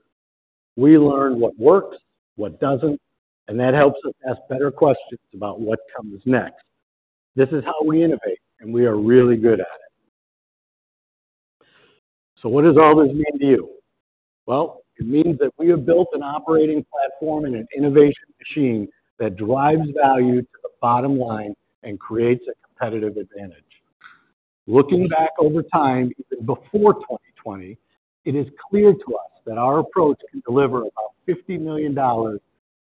We learn what works, what doesn't, and that helps us ask better questions about what comes next. This is how we innovate, and we are really good at it. So what does all this mean to you? Well, it means that we have built an operating platform and an innovation machine that drives value to the bottom line and creates a competitive advantage. Looking back over time, even before 2020, it is clear to us that our approach can deliver about $50 million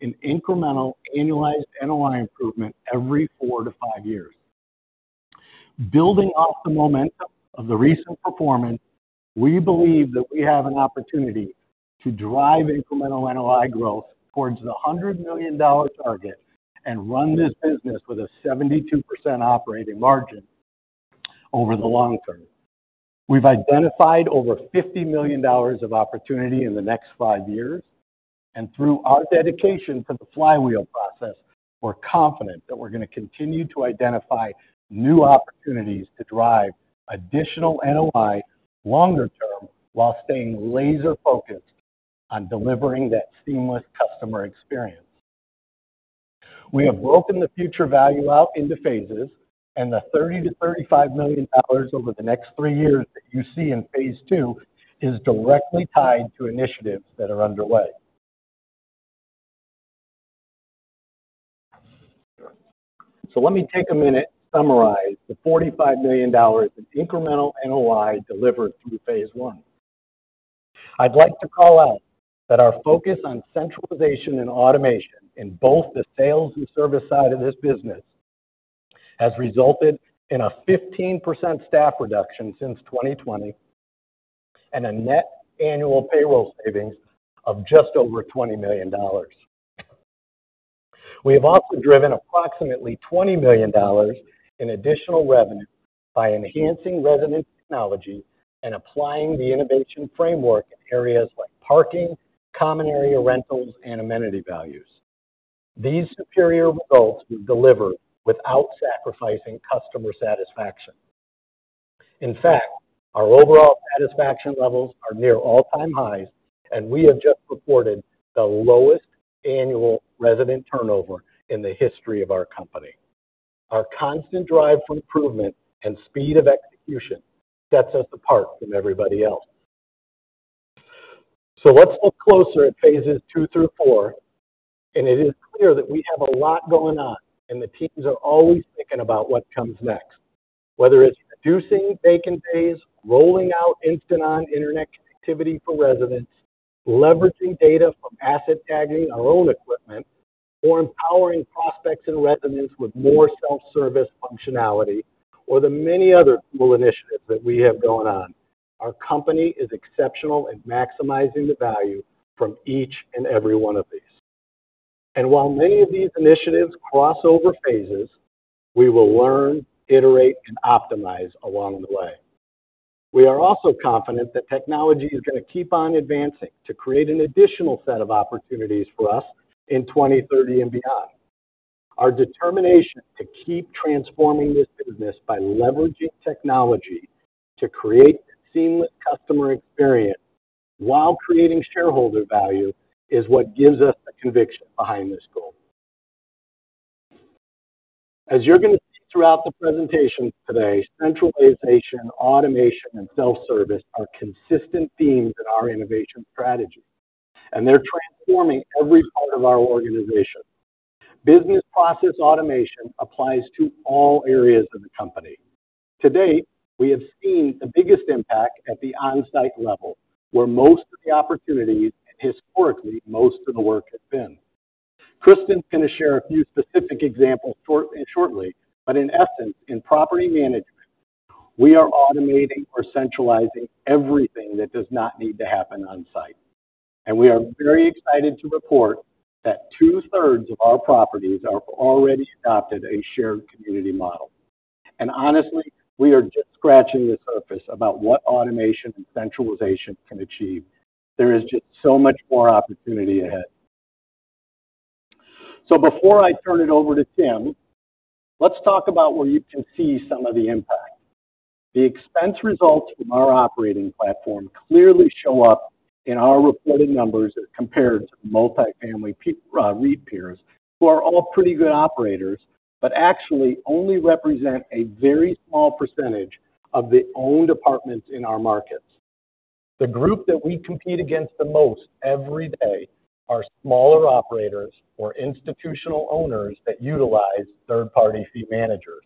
in incremental annualized NOI improvement every four to five years. Building off the momentum of the recent performance, we believe that we have an opportunity to drive incremental NOI growth towards the $100 million target and run this business with a 72% operating margin over the long term. We've identified over $50 million of opportunity in the next five years. And through our dedication to the flywheel process, we're confident that we're going to continue to identify new opportunities to drive additional NOI longer term while staying laser-focused on delivering that seamless customer experience. We have broken the future value out into phases, and the $30-$35 million over the next three years that you see in phase two is directly tied to initiatives that are underway. So let me take a minute to summarize the $45 million in incremental NOI delivered through phase one. I'd like to call out that our focus on centralization and automation in both the sales and service side of this business has resulted in a 15% staff reduction since 2020 and a net annual payroll savings of just over $20 million. We have also driven approximately $20 million in additional revenue by enhancing resident technology and applying the innovation framework in areas like parking, common area rentals, and amenity values. These superior results were delivered without sacrificing customer satisfaction. In fact, our overall satisfaction levels are near all-time highs, and we have just reported the lowest annual resident turnover in the history of our company. Our constant drive for improvement and speed of execution sets us apart from everybody else. So let's look closer at phases two through four. It is clear that we have a lot going on, and the teams are always thinking about what comes next, whether it's reducing vacant days, rolling out instant-on internet connectivity for residents, leveraging data from asset tagging our own equipment, or empowering prospects and residents with more self-service functionality, or the many other cool initiatives that we have going on. Our company is exceptional at maximizing the value from each and every one of these. While many of these initiatives cross over phases, we will learn, iterate, and optimize along the way. We are also confident that technology is going to keep on advancing to create an additional set of opportunities for us in 2030 and beyond. Our determination to keep transforming this business by leveraging technology to create a seamless customer experience while creating shareholder value is what gives us the conviction behind this goal. As you're going to see throughout the presentation today, centralization, automation, and self-service are consistent themes in our innovation strategy, and they're transforming every part of our organization. Business process automation applies to all areas of the company. To date, we have seen the biggest impact at the on-site level, where most of the opportunities and historically most of the work has been. Kristen's going to share a few specific examples shortly, but in essence, in property management, we are automating or centralizing everything that does not need to happen on-site. And we are very excited to report that two-thirds of our properties have already adopted a shared community model. And honestly, we are just scratching the surface about what automation and centralization can achieve. There is just so much more opportunity ahead. Before I turn it over to Tim, let's talk about where you can see some of the impact. The expense results from our operating platform clearly show up in our reported numbers as compared to the multifamily REIT peers, who are all pretty good operators, but actually only represent a very small percentage of the owned apartments in our markets. The group that we compete against the most every day are smaller operators or institutional owners that utilize third-party fee managers.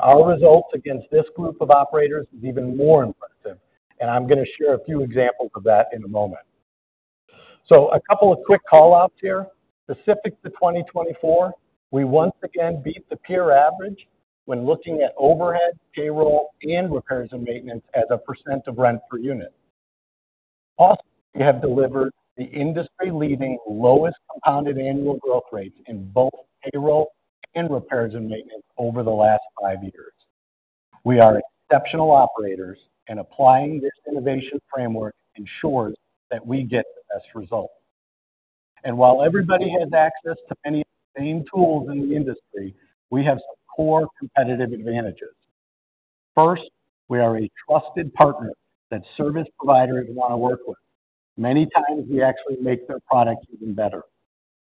Our results against this group of operators is even more impressive. I'm going to share a few examples of that in a moment. A couple of quick call-outs here. Specific to 2024, we once again beat the peer average when looking at overhead, payroll, and repairs and maintenance as a % of rent per unit. Also, we have delivered the industry-leading lowest compounded annual growth rates in both payroll and repairs and maintenance over the last five years. We are exceptional operators, and applying this innovation framework ensures that we get the best results. And while everybody has access to many of the same tools in the industry, we have some core competitive advantages. First, we are a trusted partner that service providers want to work with. Many times, we actually make their product even better.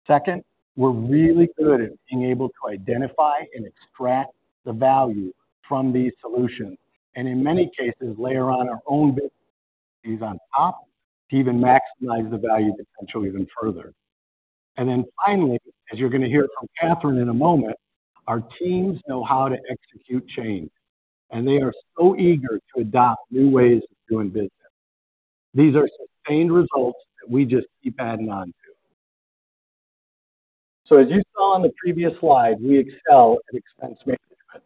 Second, we're really good at being able to identify and extract the value from these solutions, and in many cases, layer on our own business expertise on top to even maximize the value potential even further. And then finally, as you're going to hear from Catherine in a moment, our teams know how to execute change, and they are so eager to adopt new ways of doing business. These are sustained results that we just keep adding on to. So as you saw on the previous slide, we excel at expense management.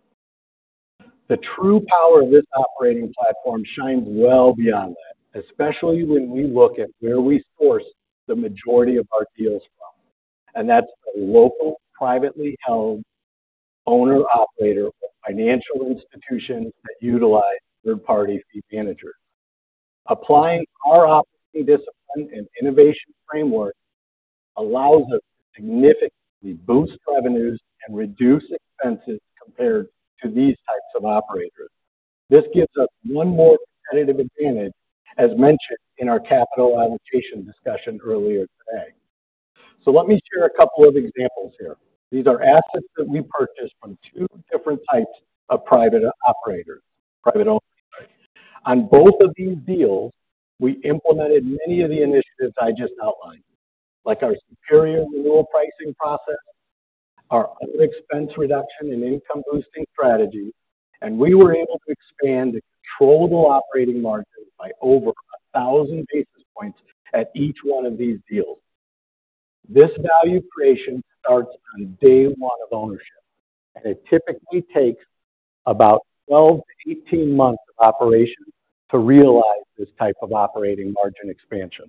The true power of this operating platform shines well beyond that, especially when we look at where we source the majority of our deals from. And that's the local, privately held, owner, operator, or financial institutions that utilize third-party fee managers. Applying our operating discipline and innovation framework allows us to significantly boost revenues and reduce expenses compared to these types of operators. This gives us one more competitive advantage, as mentioned in our capital allocation discussion earlier today. So let me share a couple of examples here. These are assets that we purchased from two different types of private operators, private owners. On both of these deals, we implemented many of the initiatives I just outlined, like our superior renewal pricing process, our own expense reduction and income-boosting strategy, and we were able to expand the controllable operating margin by over 1,000 basis points at each one of these deals. This value creation starts on day one of ownership, and it typically takes about 12 to 18 months of operation to realize this type of operating margin expansion.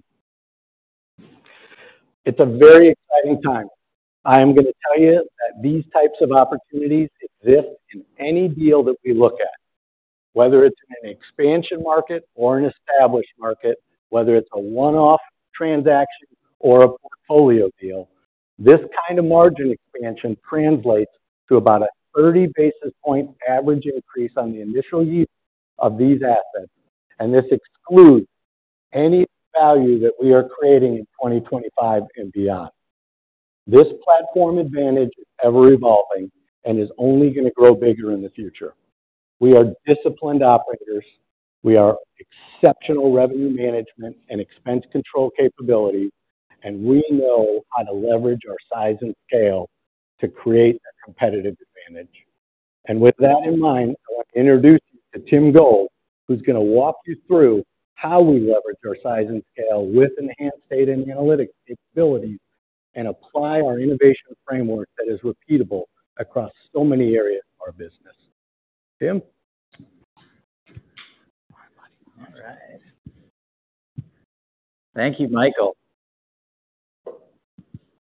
It's a very exciting time. I am going to tell you that these types of opportunities exist in any deal that we look at, whether it's in an expansion market or an established market, whether it's a one-off transaction or a portfolio deal. This kind of margin expansion translates to about a 30 basis points average increase on the initial yield of these assets, and this excludes any value that we are creating in 2025 and beyond. This platform advantage is ever-evolving and is only going to grow bigger in the future. We are disciplined operators. We have exceptional revenue management and expense control capabilities, and we know how to leverage our size and scale to create a competitive advantage. And with that in mind, I want to introduce you to Tim Gohl, who's going to walk you through how we leverage our size and scale with enhanced data and analytics capabilities and apply our innovation framework that is repeatable across so many areas of our business. Tim? All right. Thank you, Michael.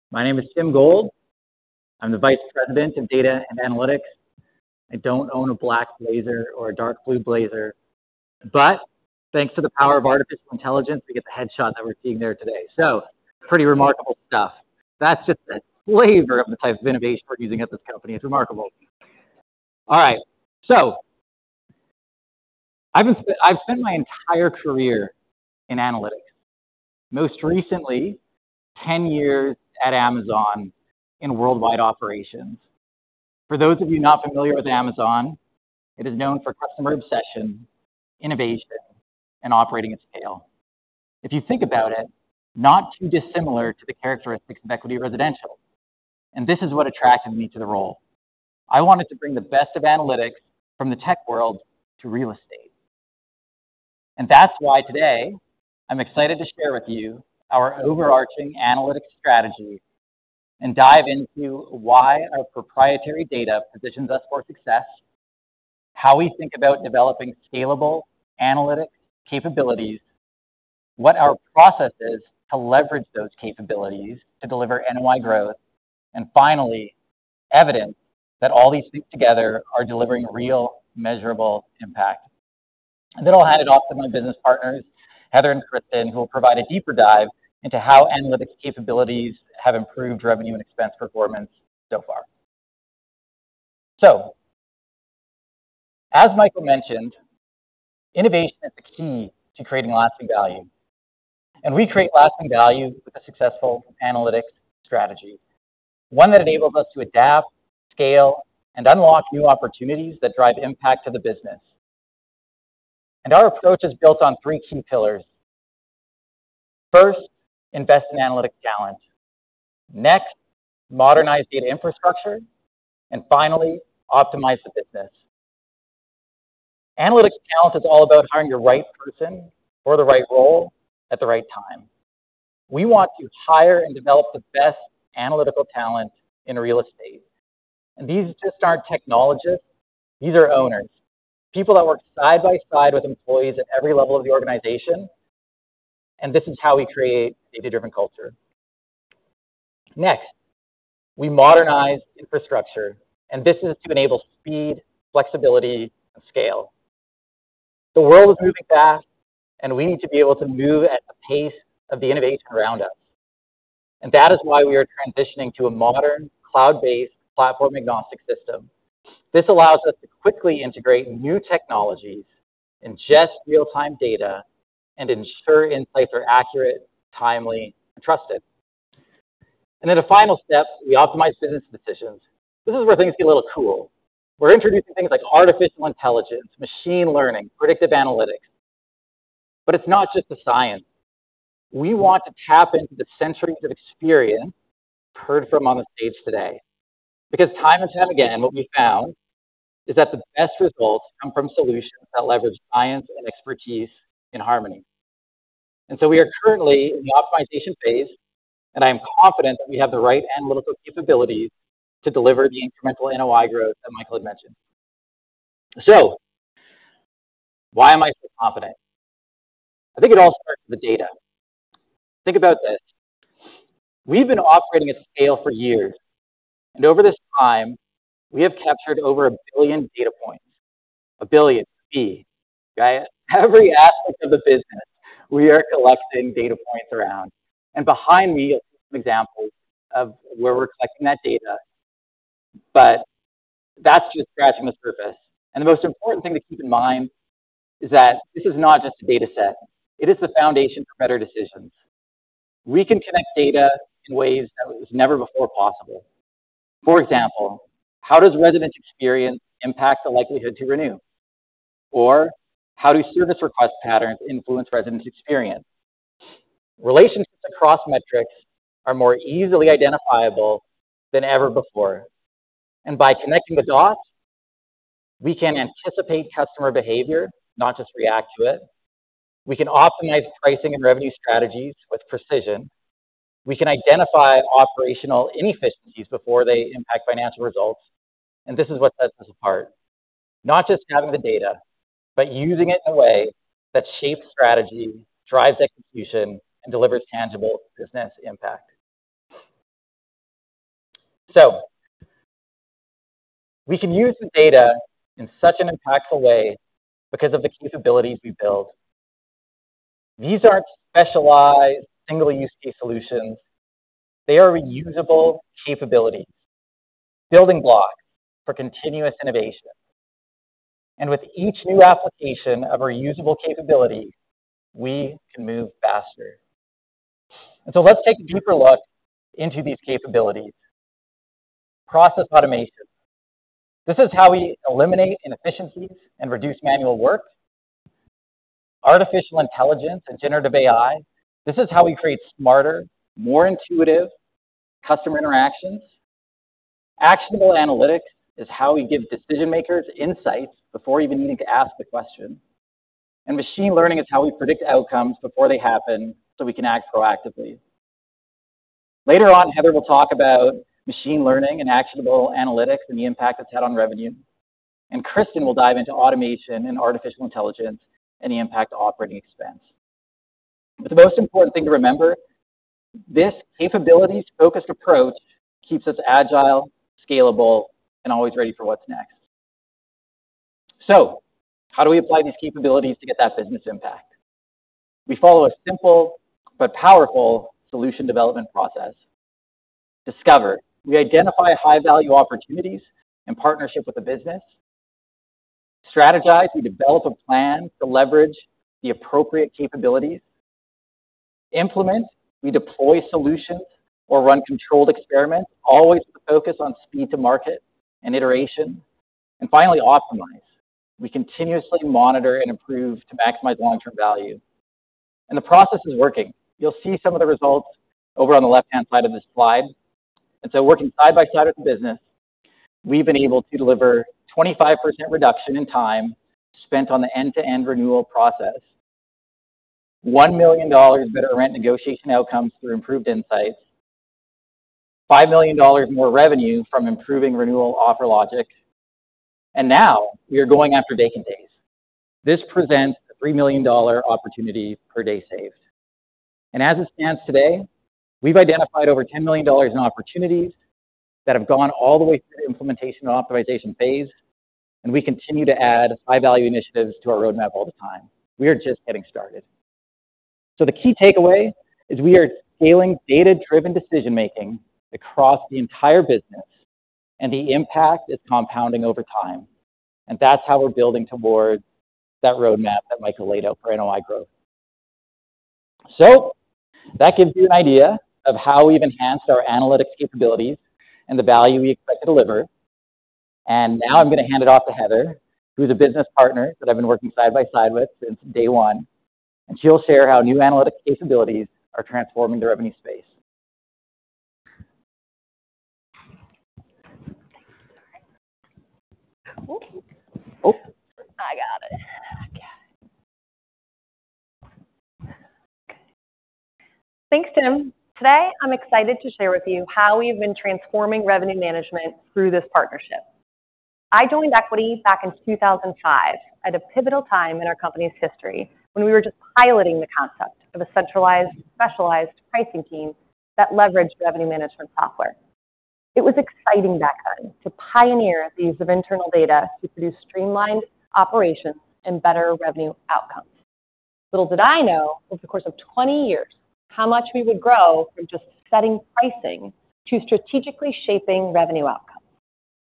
My name is Tim Gohl. I'm the Vice President of Data and Analytics. I don't own a black blazer or a dark blue blazer, but thanks to the power of artificial intelligence, we get the headshot that we're seeing there today. So pretty remarkable stuff. That's just a flavor of the type of innovation we're using at this company. It's remarkable. All right. So I've spent my entire career in analytics, most recently 10 years at Amazon in worldwide operations. For those of you not familiar with Amazon, it is known for customer obsession, innovation, and operating at scale. If you think about it, not too dissimilar to the characteristics of Equity Residential. And this is what attracted me to the role. I wanted to bring the best of analytics from the tech world to real estate. And that's why today I'm excited to share with you our overarching analytics strategy and dive into why our proprietary data positions us for success, how we think about developing scalable analytics capabilities, what our process is to leverage those capabilities to deliver NOI growth, and finally, evidence that all these things together are delivering real measurable impact. And then I'll hand it off to my business partners, Heather and Kristen, who will provide a deeper dive into how analytics capabilities have improved revenue and expense performance so far. So, as Michael mentioned, innovation is the key to creating lasting value. And we create lasting value with a successful analytics strategy, one that enables us to adapt, scale, and unlock new opportunities that drive impact to the business. And our approach is built on three key pillars. First, invest in analytic talent. Next, modernize data infrastructure. Finally, optimize the business. Analytics talent is all about hiring the right person for the right role at the right time. We want to hire and develop the best analytical talent in real estate. These just aren't technologists. These are owners, people that work side by side with employees at every level of the organization. This is how we create a data-driven culture. Next, we modernize infrastructure. This is to enable speed, flexibility, and scale. The world is moving fast, and we need to be able to move at the pace of the innovation around us. That is why we are transitioning to a modern cloud-based platform-agnostic system. This allows us to quickly integrate new technologies, ingest real-time data, and ensure insights are accurate, timely, and trusted. Then a final step, we optimize business decisions. This is where things get a little cool. We're introducing things like artificial intelligence, machine learning, predictive analytics. But it's not just the science. We want to tap into the centuries of experience we've heard from on the stage today. Because time and time again, what we found is that the best results come from solutions that leverage science and expertise in harmony. And so we are currently in the optimization phase, and I am confident that we have the right analytical capabilities to deliver the incremental NOI growth that Michael had mentioned. So why am I so confident? I think it all starts with the data. Think about this. We've been operating at scale for years. And over this time, we have captured over a billion data points. A billion, B. Every aspect of the business, we are collecting data points around. And behind me, you'll see some examples of where we're collecting that data. But that's just scratching the surface. And the most important thing to keep in mind is that this is not just a data set. It is the foundation for better decisions. We can connect data in ways that were never before possible. For example, how does resident experience impact the likelihood to renew? Or how do service request patterns influence resident experience? Relationships across metrics are more easily identifiable than ever before. And by connecting the dots, we can anticipate customer behavior, not just react to it. We can optimize pricing and revenue strategies with precision. We can identify operational inefficiencies before they impact financial results. And this is what sets us apart. Not just having the data, but using it in a way that shapes strategy, drives execution, and delivers tangible business impact. So we can use the data in such an impactful way because of the capabilities we build. These aren't specialized single-use solutions. They are reusable capabilities, building blocks for continuous innovation. And with each new application of reusable capabilities, we can move faster. And so let's take a deeper look into these capabilities. Process automation. This is how we eliminate inefficiencies and reduce manual work. Artificial intelligence and generative AI. This is how we create smarter, more intuitive customer interactions. Actionable analytics is how we give decision-makers insights before even needing to ask the question. And machine learning is how we predict outcomes before they happen so we can act proactively. Later on, Heather will talk about machine learning and actionable analytics and the impact it's had on revenue. And Kristen will dive into automation and artificial intelligence and the impact of operating expense. But the most important thing to remember, this capabilities-focused approach keeps us agile, scalable, and always ready for what's next. So how do we apply these capabilities to get that business impact? We follow a simple but powerful solution development process. Discover. We identify high-value opportunities in partnership with the business. Strategize. We develop a plan to leverage the appropriate capabilities. Implement. We deploy solutions or run controlled experiments, always with a focus on speed to market and iteration. And finally, optimize. We continuously monitor and improve to maximize long-term value. And the process is working. You'll see some of the results over on the left-hand side of this slide. And so, working side by side with the business, we've been able to deliver 25% reduction in time spent on the end-to-end renewal process, $1 million better rent negotiation outcomes through improved insights, $5 million more revenue from improving renewal offer logic. And now we are going after day-to-days. This presents a $3 million opportunity per day saved. And as it stands today, we've identified over $10 million in opportunities that have gone all the way through the implementation and optimization phase. And we continue to add high-value initiatives to our roadmap all the time. We are just getting started. So the key takeaway is we are scaling data-driven decision-making across the entire business, and the impact is compounding over time. And that's how we're building towards that roadmap that Michael laid out for NOI growth. So that gives you an idea of how we've enhanced our analytics capabilities and the value we expect to deliver. And now I'm going to hand it off to Heather, who's a business partner that I've been working side by side with since day one. And she'll share how new analytics capabilities are transforming the revenue space. Oh. I got it. Okay. Thanks, Tim. Today, I'm excited to share with you how we've been transforming revenue management through this partnership. I joined Equity back in 2005 at a pivotal time in our company's history when we were just piloting the concept of a centralized, specialized pricing team that leveraged revenue management software. It was exciting back then to pioneer the use of internal data to produce streamlined operations and better revenue outcomes. Little did I know, over the course of 20 years, how much we would grow from just setting pricing to strategically shaping revenue outcomes.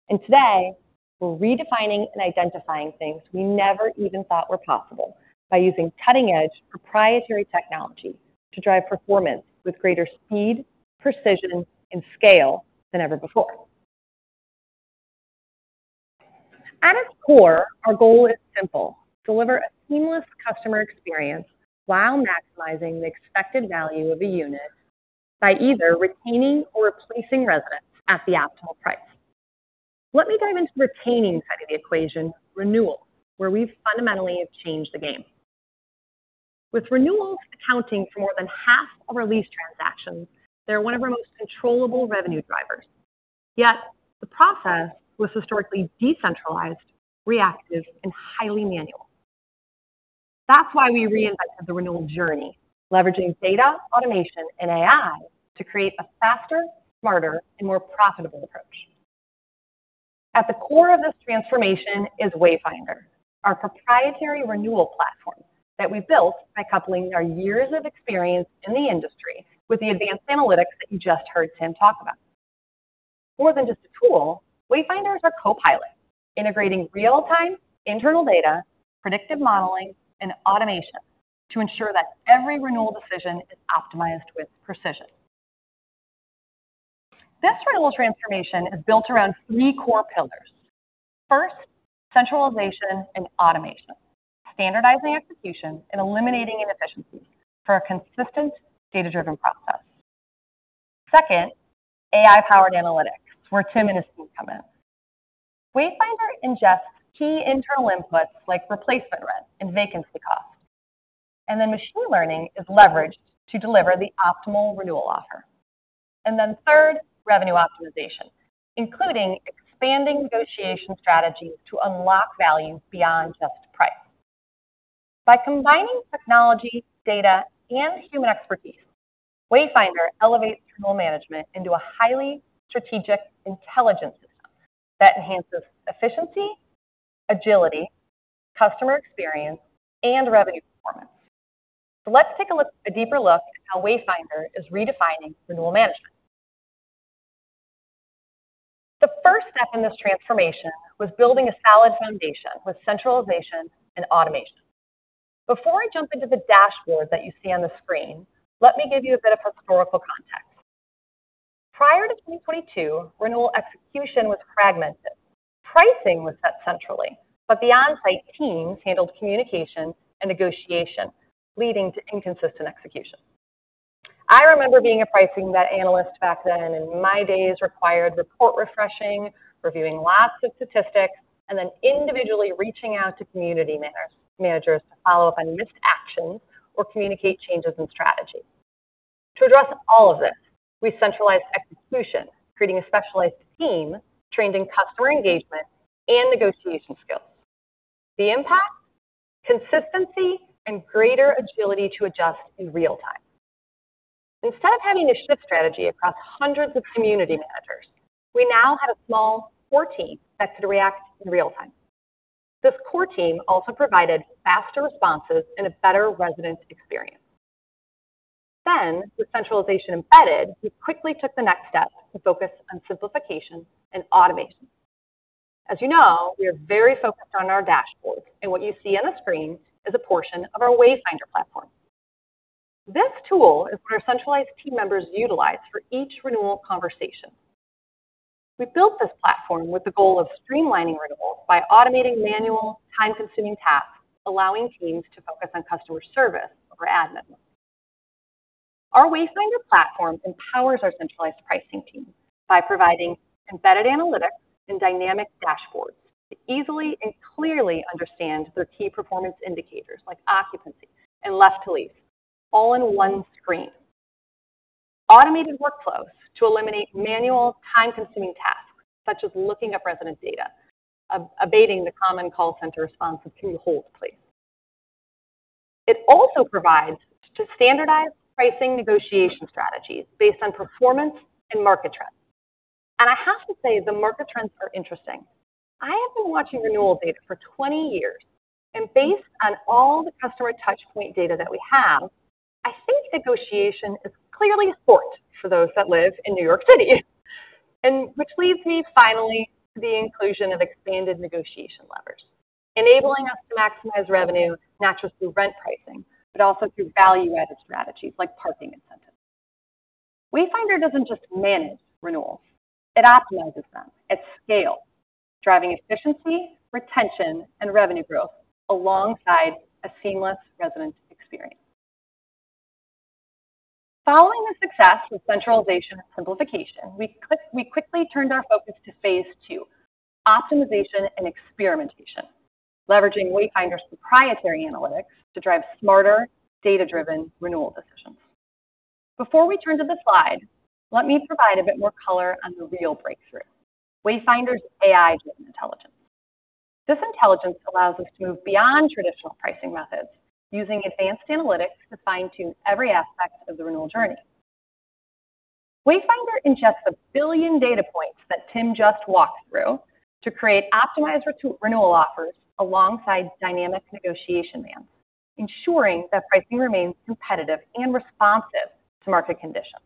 And today, we're redefining and identifying things we never even thought were possible by using cutting-edge proprietary technology to drive performance with greater speed, precision, and scale than ever before. At its core, our goal is simple: deliver a seamless customer experience while maximizing the expected value of a unit by either retaining or replacing residents at the optimal price. Let me dive into the retaining side of the equation, renewal, where we fundamentally have changed the game. With renewals accounting for more than half of our lease transactions, they're one of our most controllable revenue drivers. Yet the process was historically decentralized, reactive, and highly manual. That's why we reinvented the renewal journey, leveraging data, automation, and AI to create a faster, smarter, and more profitable approach. At the core of this transformation is Wayfinder, our proprietary renewal platform that we built by coupling our years of experience in the industry with the advanced analytics that you just heard Tim talk about. More than just a tool, Wayfinder is our co-pilot, integrating real-time internal data, predictive modeling, and automation to ensure that every renewal decision is optimized with precision. This renewal transformation is built around three core pillars. First, centralization and automation, standardizing execution and eliminating inefficiencies for a consistent data-driven process. Second, AI-powered analytics, where Tim and his team come in. Wayfinder ingests key internal inputs like replacement rent and vacancy costs, and then machine learning is leveraged to deliver the optimal renewal offer. And then third, revenue optimization, including expanding negotiation strategies to unlock value beyond just price. By combining technology, data, and human expertise, Wayfinder elevates renewal management into a highly strategic intelligence system that enhances efficiency, agility, customer experience, and revenue performance. So let's take a deeper look at how Wayfinder is redefining renewal management. The first step in this transformation was building a solid foundation with centralization and automation. Before I jump into the dashboard that you see on the screen, let me give you a bit of historical context. Prior to 2022, renewal execution was fragmented. Pricing was set centrally, but the on-site teams handled communication and negotiation, leading to inconsistent execution. I remember being a pricing analyst back then, and my days required report refreshing, reviewing lots of statistics, and then individually reaching out to community managers to follow up on missed actions or communicate changes in strategy. To address all of this, we centralized execution, creating a specialized team trained in customer engagement and negotiation skills. The impact? Consistency and greater agility to adjust in real time. Instead of having to shift strategy across hundreds of community managers, we now had a small core team that could react in real time. This core team also provided faster responses and a better resident experience. Then, with centralization embedded, we quickly took the next step to focus on simplification and automation. As you know, we are very focused on our dashboards, and what you see on the screen is a portion of our Wayfinder platform. This tool is what our centralized team members utilize for each renewal conversation. We built this platform with the goal of streamlining renewals by automating manual, time-consuming tasks, allowing teams to focus on customer service over admin. Our Wayfinder platform empowers our centralized pricing team by providing embedded analytics and dynamic dashboards to easily and clearly understand their key performance indicators like occupancy and left-to-lease, all in one screen. Automated workflows to eliminate manual, time-consuming tasks such as looking up resident data, abating the common call center response of, "Can you hold, please?" It also provides standardized pricing negotiation strategies based on performance and market trends, and I have to say, the market trends are interesting. I have been watching renewal data for 20 years, and based on all the customer touchpoint data that we have, I think negotiation is clearly a sport for those that live in New York City, and which leads me finally to the inclusion of expanded negotiation levers, enabling us to maximize revenue not just through rent pricing, but also through value-added strategies like parking incentives. Wayfinder doesn't just manage renewals. It optimizes them at scale, driving efficiency, retention, and revenue growth alongside a seamless resident experience. Following the success of centralization and simplification, we quickly turned our focus to phase two, optimization and experimentation, leveraging Wayfinder's proprietary analytics to drive smarter, data-driven renewal decisions. Before we turn to the slide, let me provide a bit more color on the real breakthrough: Wayfinder's AI-driven intelligence. This intelligence allows us to move beyond traditional pricing methods, using advanced analytics to fine-tune every aspect of the renewal journey. Wayfinder ingests a billion data points that Tim just walked through to create optimized renewal offers alongside dynamic negotiation lands, ensuring that pricing remains competitive and responsive to market conditions.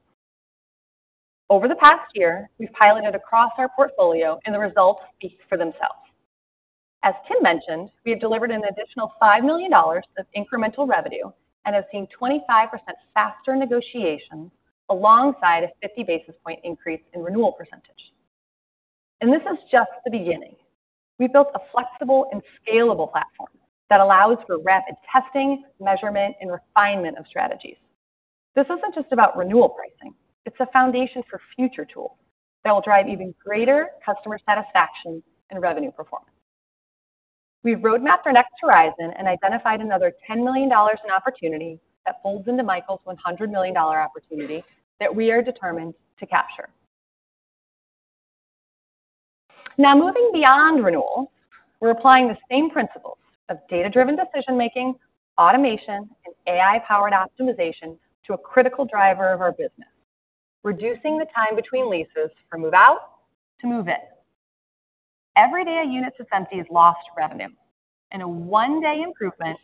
Over the past year, we've piloted across our portfolio, and the results speak for themselves. As Tim mentioned, we have delivered an additional $5 million of incremental revenue and have seen 25% faster negotiations alongside a 50 basis point increase in renewal percentage. This is just the beginning. We built a flexible and scalable platform that allows for rapid testing, measurement, and refinement of strategies. This isn't just about renewal pricing. It's a foundation for future tools that will drive even greater customer satisfaction and revenue performance. We've roadmapped our next horizon and identified another $10 million in opportunity that folds into Michael's $100 million opportunity that we are determined to capture. Now, moving beyond renewals, we're applying the same principles of data-driven decision-making, automation, and AI-powered optimization to a critical driver of our business: reducing the time between leases from move-out to move-in. Every day a unit is empty is lost revenue, and a one-day improvement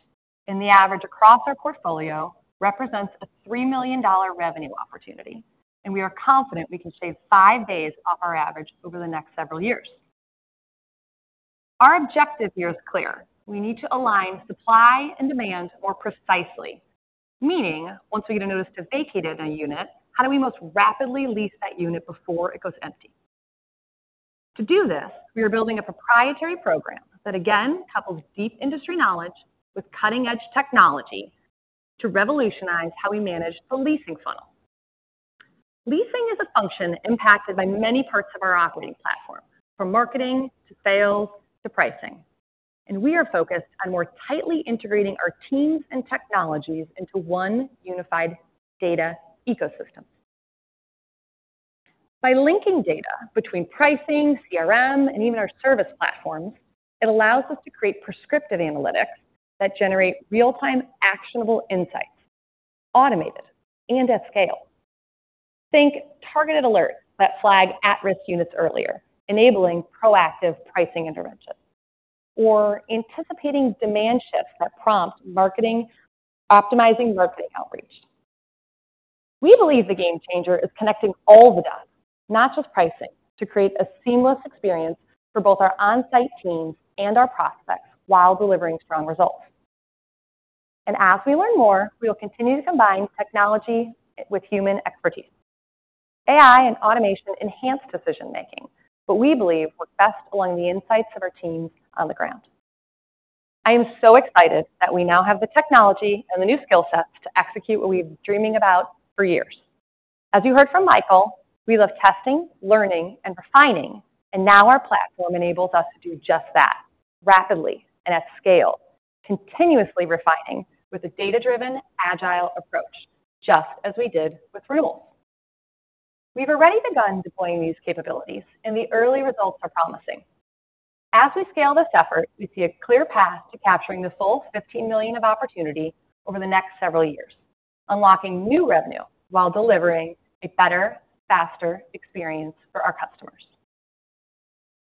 in the average across our portfolio represents a $3 million revenue opportunity. We are confident we can save five days off our average over the next several years. Our objective here is clear. We need to align supply and demand more precisely, meaning once we get a notice to vacate a unit, how do we most rapidly lease that unit before it goes empty? To do this, we are building a proprietary program that, again, couples deep industry knowledge with cutting-edge technology to revolutionize how we manage the leasing funnel. Leasing is a function impacted by many parts of our operating platform, from marketing to sales to pricing. We are focused on more tightly integrating our teams and technologies into one unified data ecosystem. By linking data between pricing, CRM, and even our service platforms, it allows us to create prescriptive analytics that generate real-time actionable insights, automated and at scale. Think targeted alerts that flag at-risk units earlier, enabling proactive pricing interventions, or anticipating demand shifts that prompt marketing, optimizing marketing outreach. We believe the game changer is connecting all the dots, not just pricing, to create a seamless experience for both our on-site teams and our prospects while delivering strong results and as we learn more, we will continue to combine technology with human expertise. AI and automation enhance decision-making, but we believe work best along the insights of our teams on the ground. I am so excited that we now have the technology and the new skill sets to execute what we've been dreaming about for years. As you heard from Michael, we love testing, learning, and refining, and now our platform enables us to do just that rapidly and at scale, continuously refining with a data-driven, agile approach, just as we did with renewals. We've already begun deploying these capabilities, and the early results are promising. As we scale this effort, we see a clear path to capturing the full $15 million of opportunity over the next several years, unlocking new revenue while delivering a better, faster experience for our customers.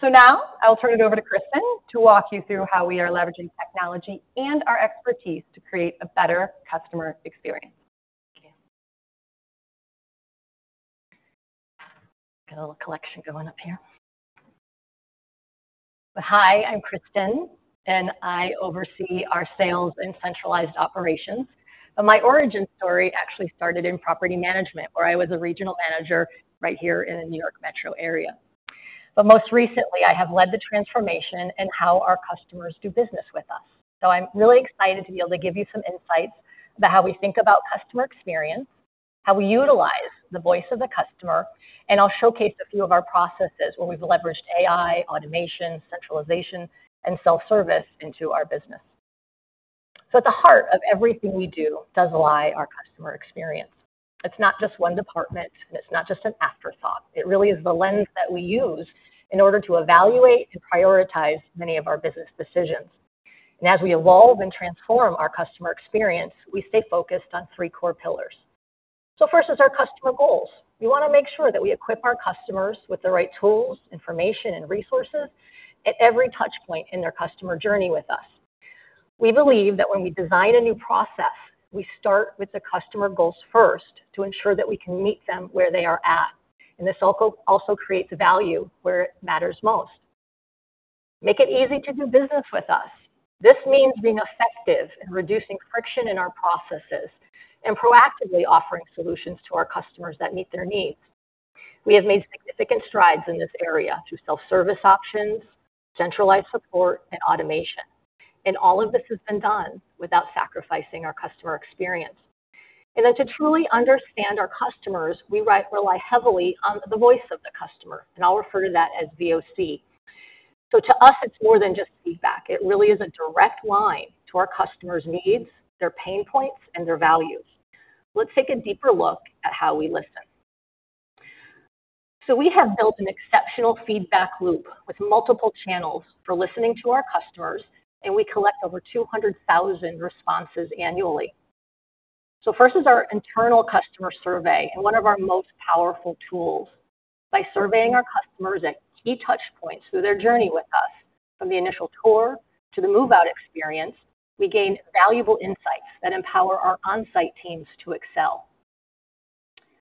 So now, I'll turn it over to Kristen to walk you through how we are leveraging technology and our expertise to create a better customer experience. Thank you. Got a little collection going up here. Hi, I'm Kristen, and I oversee our sales and centralized operations. But my origin story actually started in property management, where I was a regional manager right here in the New York metro area. But most recently, I have led the transformation in how our customers do business with us. So I'm really excited to be able to give you some insights about how we think about customer experience, how we utilize the voice of the customer, and I'll showcase a few of our processes where we've leveraged AI, automation, centralization, and self-service into our business. So at the heart of everything we do does lie our customer experience. It's not just one department, and it's not just an afterthought. It really is the lens that we use in order to evaluate and prioritize many of our business decisions. And as we evolve and transform our customer experience, we stay focused on three core pillars. So first is our customer goals. We want to make sure that we equip our customers with the right tools, information, and resources at every touchpoint in their customer journey with us. We believe that when we design a new process, we start with the customer goals first to ensure that we can meet them where they are at. And this also creates value where it matters most. Make it easy to do business with us. This means being effective in reducing friction in our processes and proactively offering solutions to our customers that meet their needs. We have made significant strides in this area through self-service options, centralized support, and automation. And all of this has been done without sacrificing our customer experience. And then to truly understand our customers, we rely heavily on the voice of the customer, and I'll refer to that as VOC. So to us, it's more than just feedback. It really is a direct line to our customers' needs, their pain points, and their values. Let's take a deeper look at how we listen. So we have built an exceptional feedback loop with multiple channels for listening to our customers, and we collect over 200,000 responses annually. So first is our internal customer survey and one of our most powerful tools. By surveying our customers at key touchpoints through their journey with us, from the initial tour to the move-out experience, we gain valuable insights that empower our on-site teams to excel.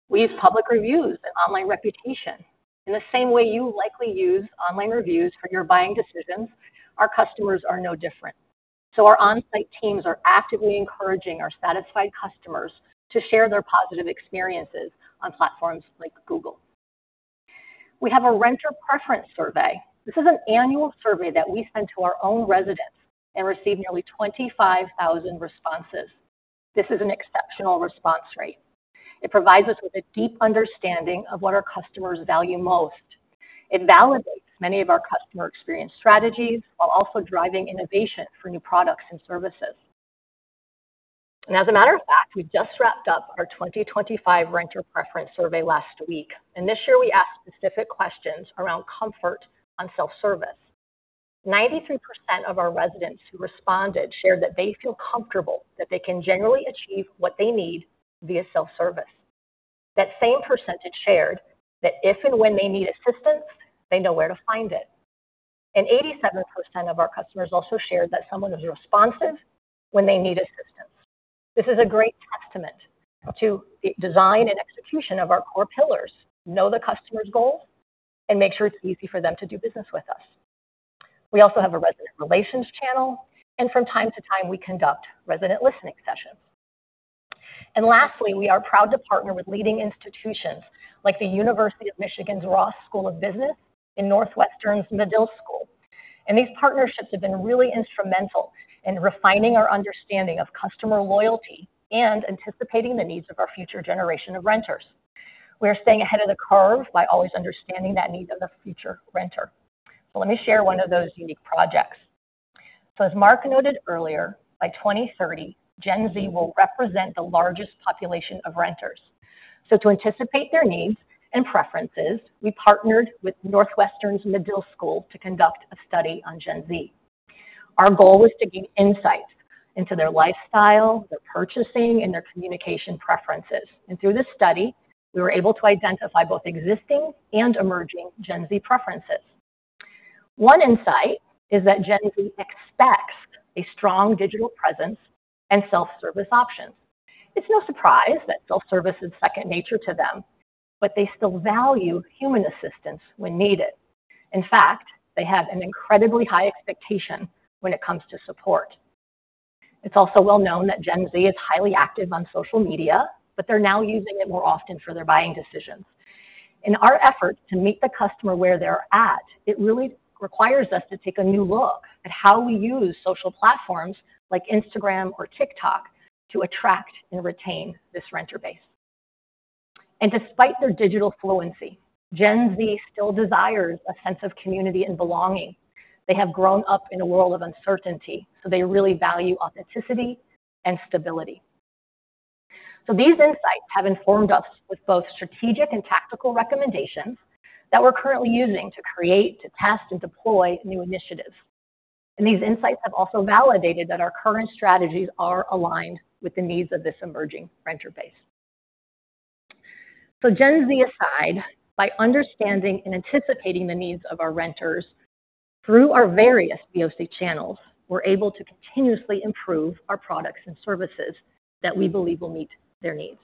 We use public reviews and online reputation. In the same way you likely use online reviews for your buying decisions, our customers are no different. So our on-site teams are actively encouraging our satisfied customers to share their positive experiences on platforms like Google. We have a renter preference survey. This is an annual survey that we send to our own residents and receive nearly 25,000 responses. This is an exceptional response rate. It provides us with a deep understanding of what our customers value most. It validates many of our customer experience strategies while also driving innovation for new products and services, and as a matter of fact, we just wrapped up our 2025 Renter Preference Survey last week, and this year, we asked specific questions around comfort on self-service. 93% of our residents who responded shared that they feel comfortable that they can generally achieve what they need via self-service. That same percentage shared that if and when they need assistance, they know where to find it, and 87% of our customers also shared that someone is responsive when they need assistance. This is a great testament to the design and execution of our core pillars: know the customer's goals and make sure it's easy for them to do business with us. We also have a resident relations channel, and from time to time, we conduct resident listening sessions, and lastly, we are proud to partner with leading institutions like the University of Michigan Ross School of Business and Northwestern University Medill School. These partnerships have been really instrumental in refining our understanding of customer loyalty and anticipating the needs of our future generation of renters. We are staying ahead of the curve by always understanding that need of the future renter, so let me share one of those unique projects. As Mark noted earlier, by 2030, Gen Z will represent the largest population of renters. So to anticipate their needs and preferences, we partnered with Northwestern's Medill School to conduct a study on Gen Z. Our goal was to gain insights into their lifestyle, their purchasing, and their communication preferences. And through this study, we were able to identify both existing and emerging Gen Z preferences. One insight is that Gen Z expects a strong digital presence and self-service options. It's no surprise that self-service is second nature to them, but they still value human assistance when needed. In fact, they have an incredibly high expectation when it comes to support. It's also well known that Gen Z is highly active on social media, but they're now using it more often for their buying decisions. In our effort to meet the customer where they're at, it really requires us to take a new look at how we use social platforms like Instagram or TikTok to attract and retain this renter base. And despite their digital fluency, Gen Z still desires a sense of community and belonging. They have grown up in a world of uncertainty, so they really value authenticity and stability. So these insights have informed us with both strategic and tactical recommendations that we're currently using to create, to test, and deploy new initiatives. And these insights have also validated that our current strategies are aligned with the needs of this emerging renter base. So Gen Z aside, by understanding and anticipating the needs of our renters through our various VOC channels, we're able to continuously improve our products and services that we believe will meet their needs.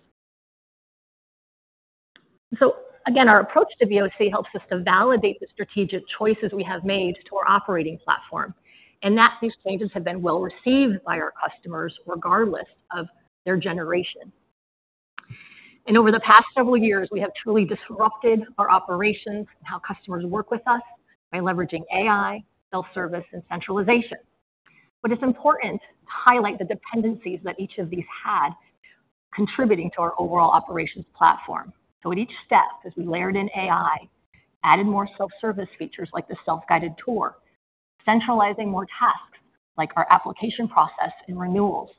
So again, our approach to VOC helps us to validate the strategic choices we have made to our operating platform. And these changes have been well received by our customers regardless of their generation. And over the past several years, we have truly disrupted our operations and how customers work with us by leveraging AI, self-service, and centralization. But it's important to highlight the dependencies that each of these had contributing to our overall operations platform. So at each step, as we layered in AI, added more self-service features like the self-guided tour, centralizing more tasks like our application process and renewals.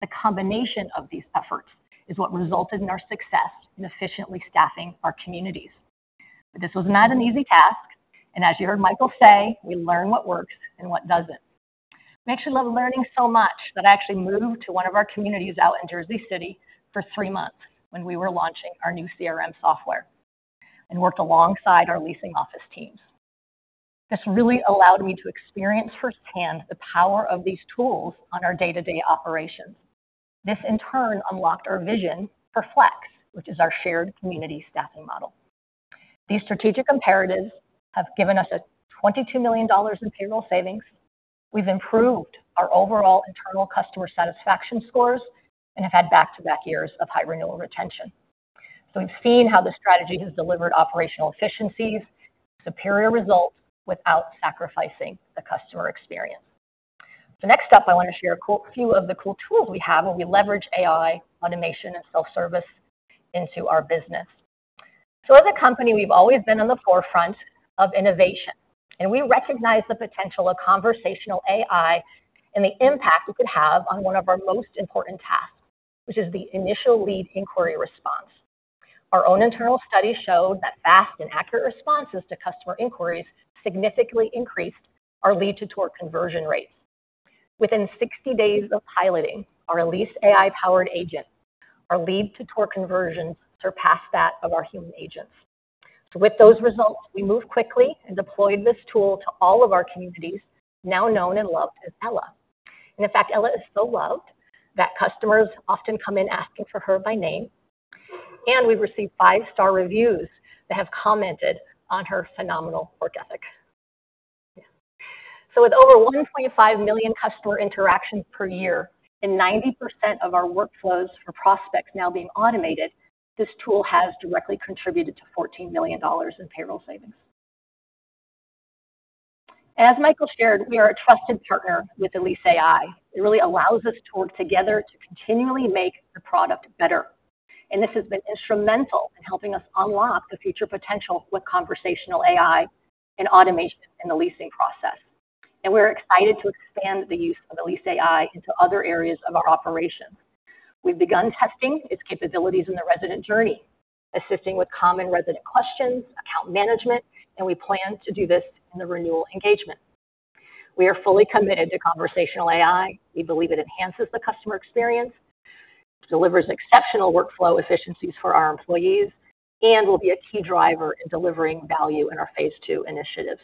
The combination of these efforts is what resulted in our success in efficiently staffing our communities. But this was not an easy task. And as you heard Michael say, we learn what works and what doesn't. I actually love learning so much that I actually moved to one of our communities out in Jersey City for three months when we were launching our new CRM software and worked alongside our leasing office teams. This really allowed me to experience firsthand the power of these tools on our day-to-day operations. This, in turn, unlocked our vision for Flex, which is our shared community staffing model. These strategic imperatives have given us $22 million in payroll savings. We've improved our overall internal customer satisfaction scores and have had back-to-back years of high renewal retention. So we've seen how the strategy has delivered operational efficiencies, superior results without sacrificing the customer experience. So next up, I want to share a few of the cool tools we have when we leverage AI, automation, and self-service into our business. As a company, we've always been on the forefront of innovation. We recognize the potential of conversational AI and the impact it could have on one of our most important tasks, which is the initial lead inquiry response. Our own internal study showed that fast and accurate responses to customer inquiries significantly increased our lead-to-lease conversion rates. Within 60 days of piloting our Elise AI-powered agent, our lead-to-lease conversions surpassed that of our human agents. With those results, we moved quickly and deployed this tool to all of our communities, now known and loved as Ela. In fact, Ela is so loved that customers often come in asking for her by name. We've received five-star reviews that have commented on her phenomenal work ethic. With over 1.5 million customer interactions per year and 90% of our workflows for prospects now being automated, this tool has directly contributed to $14 million in payroll savings. As Michael shared, we are a trusted partner with EliseAI. It really allows us to work together to continually make the product better. And this has been instrumental in helping us unlock the future potential with conversational AI and automation in the leasing process. And we're excited to expand the use of EliseAI into other areas of our operations. We've begun testing its capabilities in the resident journey, assisting with common resident questions, account management, and we plan to do this in the renewal engagement. We are fully committed to conversational AI. We believe it enhances the customer experience, delivers exceptional workflow efficiencies for our employees, and will be a key driver in delivering value in our phase two initiatives.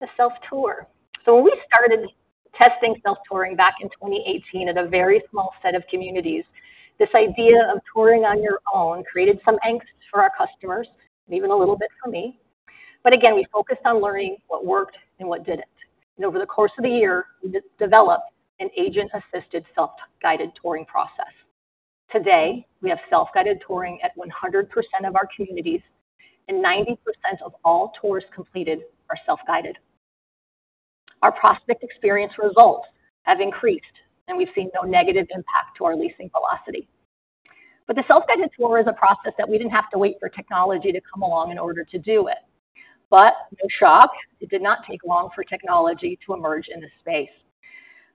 The self-tour. So when we started testing self-touring back in 2018 at a very small set of communities, this idea of touring on your own created some angst for our customers, and even a little bit for me. But again, we focused on learning what worked and what didn't. And over the course of the year, we developed an agent-assisted self-guided touring process. Today, we have self-guided touring at 100% of our communities, and 90% of all tours completed are self-guided. Our prospect experience results have increased, and we've seen no negative impact to our leasing velocity. But the self-guided tour is a process that we didn't have to wait for technology to come along in order to do it. No shock, it did not take long for technology to emerge in this space.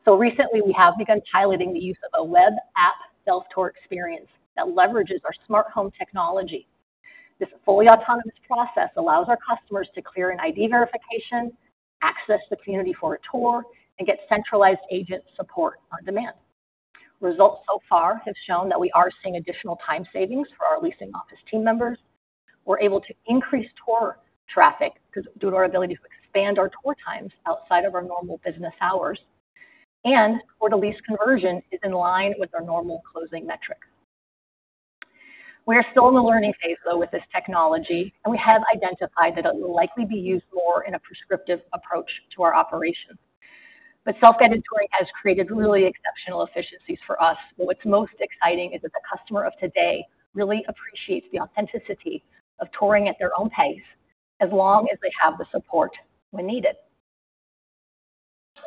Recently, we have begun piloting the use of a web app self-tour experience that leverages our smart home technology. This fully autonomous process allows our customers to clear an ID verification, access the community for a tour, and get centralized agent support on demand. Results so far have shown that we are seeing additional time savings for our leasing office team members. We're able to increase tour traffic due to our ability to expand our tour times outside of our normal business hours, and tour-to-lease conversion is in line with our normal closing metrics. We are still in the learning phase, though, with this technology, and we have identified that it will likely be used more in a prescriptive approach to our operations. Self-guided touring has created really exceptional efficiencies for us. What's most exciting is that the customer of today really appreciates the authenticity of touring at their own pace as long as they have the support when needed.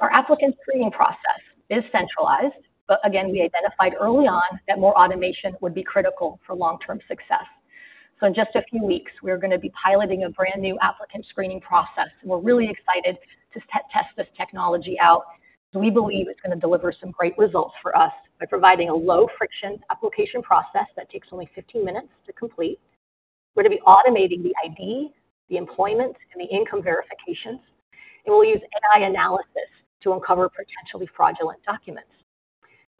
Our applicant screening process is centralized, but again, we identified early on that more automation would be critical for long-term success. So in just a few weeks, we're going to be piloting a brand new applicant screening process. We're really excited to test this technology out because we believe it's going to deliver some great results for us by providing a low-friction application process that takes only 15 minutes to complete. We're going to be automating the ID, the employment, and the income verifications, and we'll use AI analysis to uncover potentially fraudulent documents.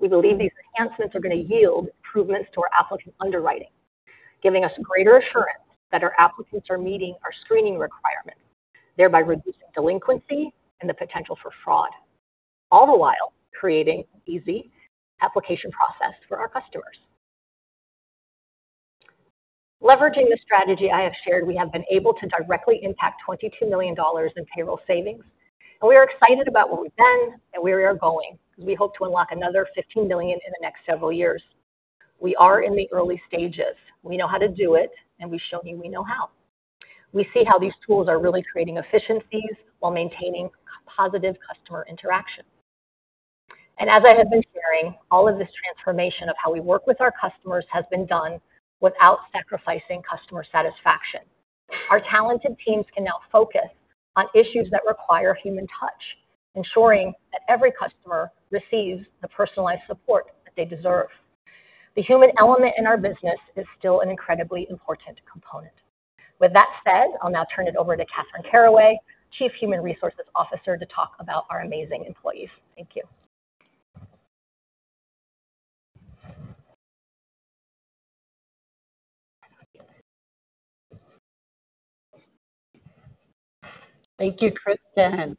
We believe these enhancements are going to yield improvements to our applicant underwriting, giving us greater assurance that our applicants are meeting our screening requirements, thereby reducing delinquency and the potential for fraud, all the while creating an easy application process for our customers. Leveraging the strategy I have shared, we have been able to directly impact $22 million in payroll savings, and we are excited about where we've been and where we are going because we hope to unlock another $15 million in the next several years. We are in the early stages. We know how to do it, and we show you we know how. We see how these tools are really creating efficiencies while maintaining positive customer interaction, and as I have been sharing, all of this transformation of how we work with our customers has been done without sacrificing customer satisfaction. Our talented teams can now focus on issues that require human touch, ensuring that every customer receives the personalized support that they deserve. The human element in our business is still an incredibly important component. With that said, I'll now turn it over to Catherine Carraway, Chief Human Resources Officer, to talk about our amazing employees. Thank you. Thank you, Kristen.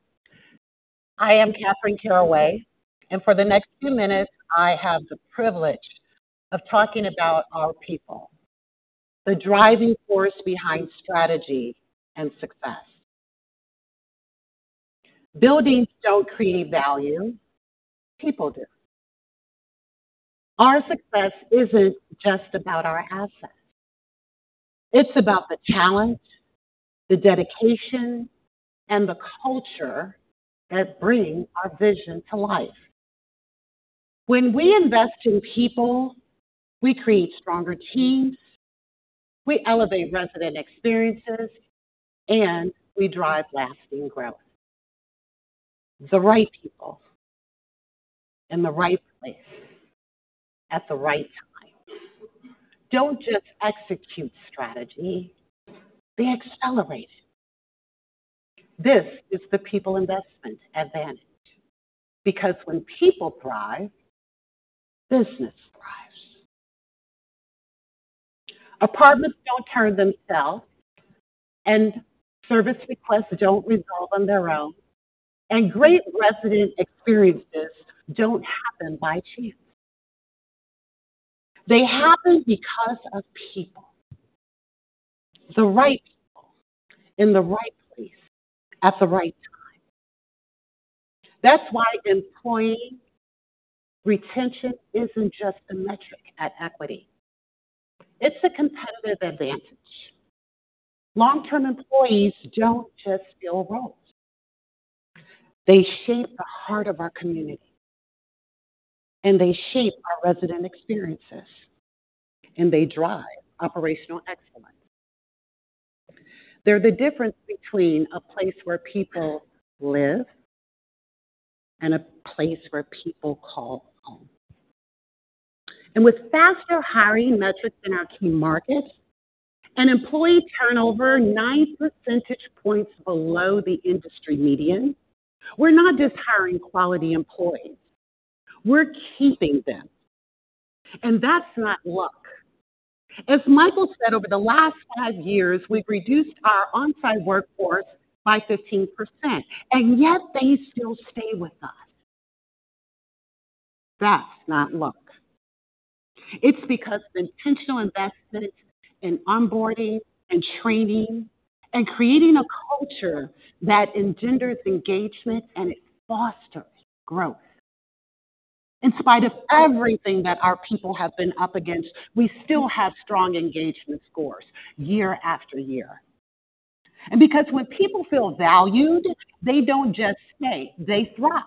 I am Catherine Carraway, and for the next few minutes, I have the privilege of talking about our people, the driving force behind strategy and success. Buildings don't create value. People do. Our success isn't just about our assets. It's about the talent, the dedication, and the culture that bring our vision to life. When we invest in people, we create stronger teams, we elevate resident experiences, and we drive lasting growth. The right people in the right place at the right time. Don't just execute strategy. They accelerate it. This is the People Investment Advantage because when people thrive, business thrives. Apartments don't turn themselves, and service requests don't resolve on their own, and great resident experiences don't happen by chance. They happen because of people, the right people in the right place at the right time. That's why employee retention isn't just a metric at Equity. It's a competitive advantage. Long-term employees don't just fill roles. They shape the heart of our community, and they shape our resident experiences, and they drive operational excellence. They're the difference between a place where people live and a place where people call home. And with faster hiring metrics in our key markets and employee turnover nine percentage points below the industry median, we're not just hiring quality employees. We're keeping them. And that's not luck. As Michael said, over the last five years, we've reduced our onsite workforce by 15%, and yet they still stay with us. That's not luck. It's because of intentional investments in onboarding and training and creating a culture that engenders engagement and fosters growth. In spite of everything that our people have been up against, we still have strong engagement scores year-after-year. Because when people feel valued, they don't just stay. They thrive.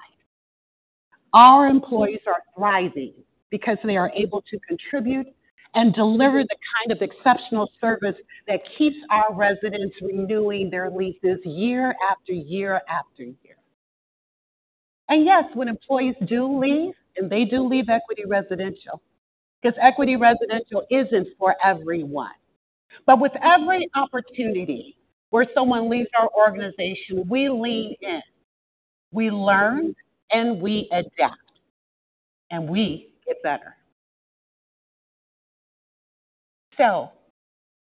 Our employees are thriving because they are able to contribute and deliver the kind of exceptional service that keeps our residents renewing their leases year after year after year. Yes, when employees do leave, and they do leave Equity Residential because Equity Residential isn't for everyone. With every opportunity where someone leaves our organization, we lean in. We learn, and we adapt, and we get better.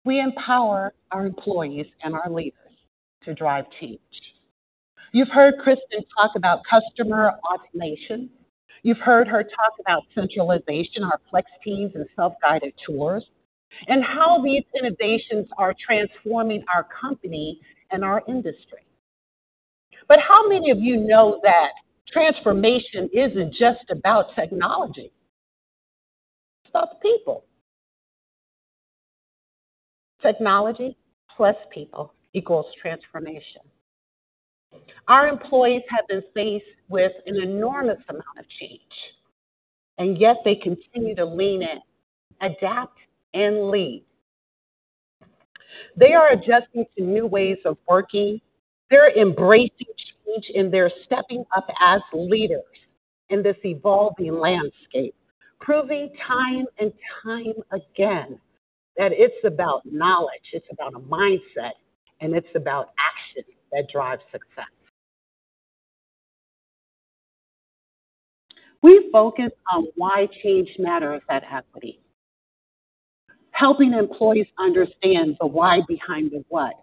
We empower our employees and our leaders to drive change. You've heard Kristen talk about customer automation. You've heard her talk about centralization, our Flex teams, and self-guided tours, and how these innovations are transforming our company and our industry. How many of you know that transformation isn't just about technology? It's about the people. Technology plus people equals transformation. Our employees have been faced with an enormous amount of change, and yet they continue to lean in, adapt, and lead. They are adjusting to new ways of working. They're embracing change, and they're stepping up as leaders in this evolving landscape, proving time and time again that it's about knowledge, it's about a mindset, and it's about action that drives success. We focus on why change matters at Equity, helping employees understand the why behind the what,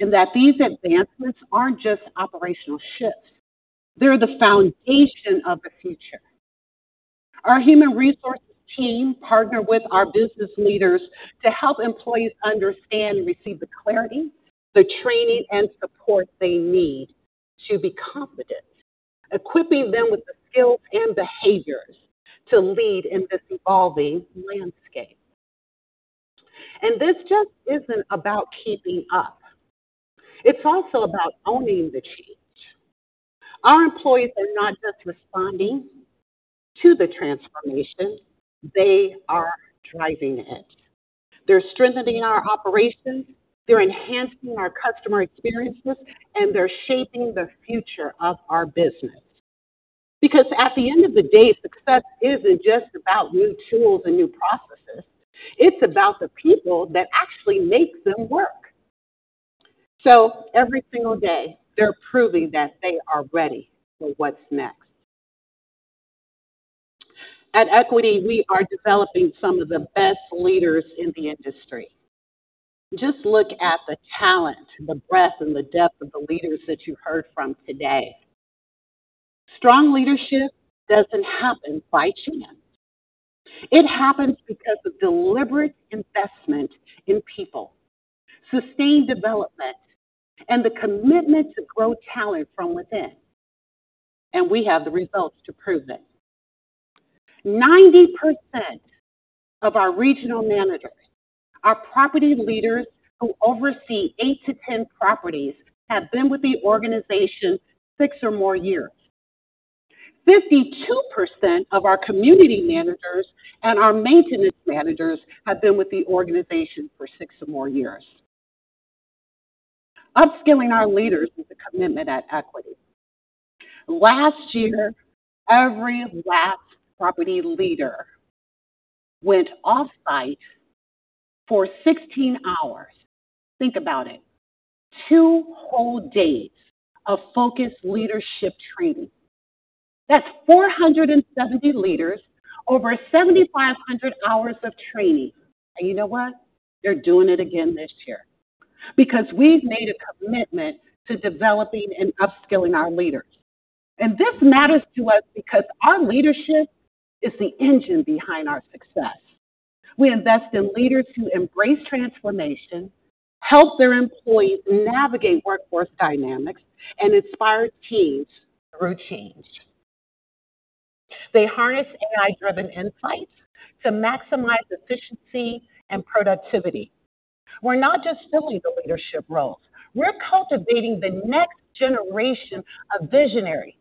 and that these advancements aren't just operational shifts. They're the foundation of the future. Our human resources team partners with our business leaders to help employees understand and receive the clarity, the training, and support they need to be confident, equipping them with the skills and behaviors to lead in this evolving landscape, and this just isn't about keeping up. It's also about owning the change. Our employees are not just responding to the transformation. They are driving it. They're strengthening our operations. They're enhancing our customer experiences, and they're shaping the future of our business. Because at the end of the day, success isn't just about new tools and new processes. It's about the people that actually make them work. So every single day, they're proving that they are ready for what's next. At Equity, we are developing some of the best leaders in the industry. Just look at the talent, the breadth, and the depth of the leaders that you heard from today. Strong leadership doesn't happen by chance. It happens because of deliberate investment in people, sustained development, and the commitment to grow talent from within. And we have the results to prove it. 90% of our regional managers, our property leaders who oversee 8 to 10 properties, have been with the organization 6 or more years. 52% of our community managers and our maintenance managers have been with the organization for 6 or more years. Upskilling our leaders is a commitment at Equity. Last year, every last property leader went offsite for 16 hours. Think about it. Two whole days of focused leadership training. That's 470 leaders, over 7,500 hours of training. And you know what? They're doing it again this year because we've made a commitment to developing and upskilling our leaders. And this matters to us because our leadership is the engine behind our success. We invest in leaders who embrace transformation, help their employees navigate workforce dynamics, and inspire teams through change. They harness AI-driven insights to maximize efficiency and productivity. We're not just filling the leadership roles. We're cultivating the next generation of visionaries,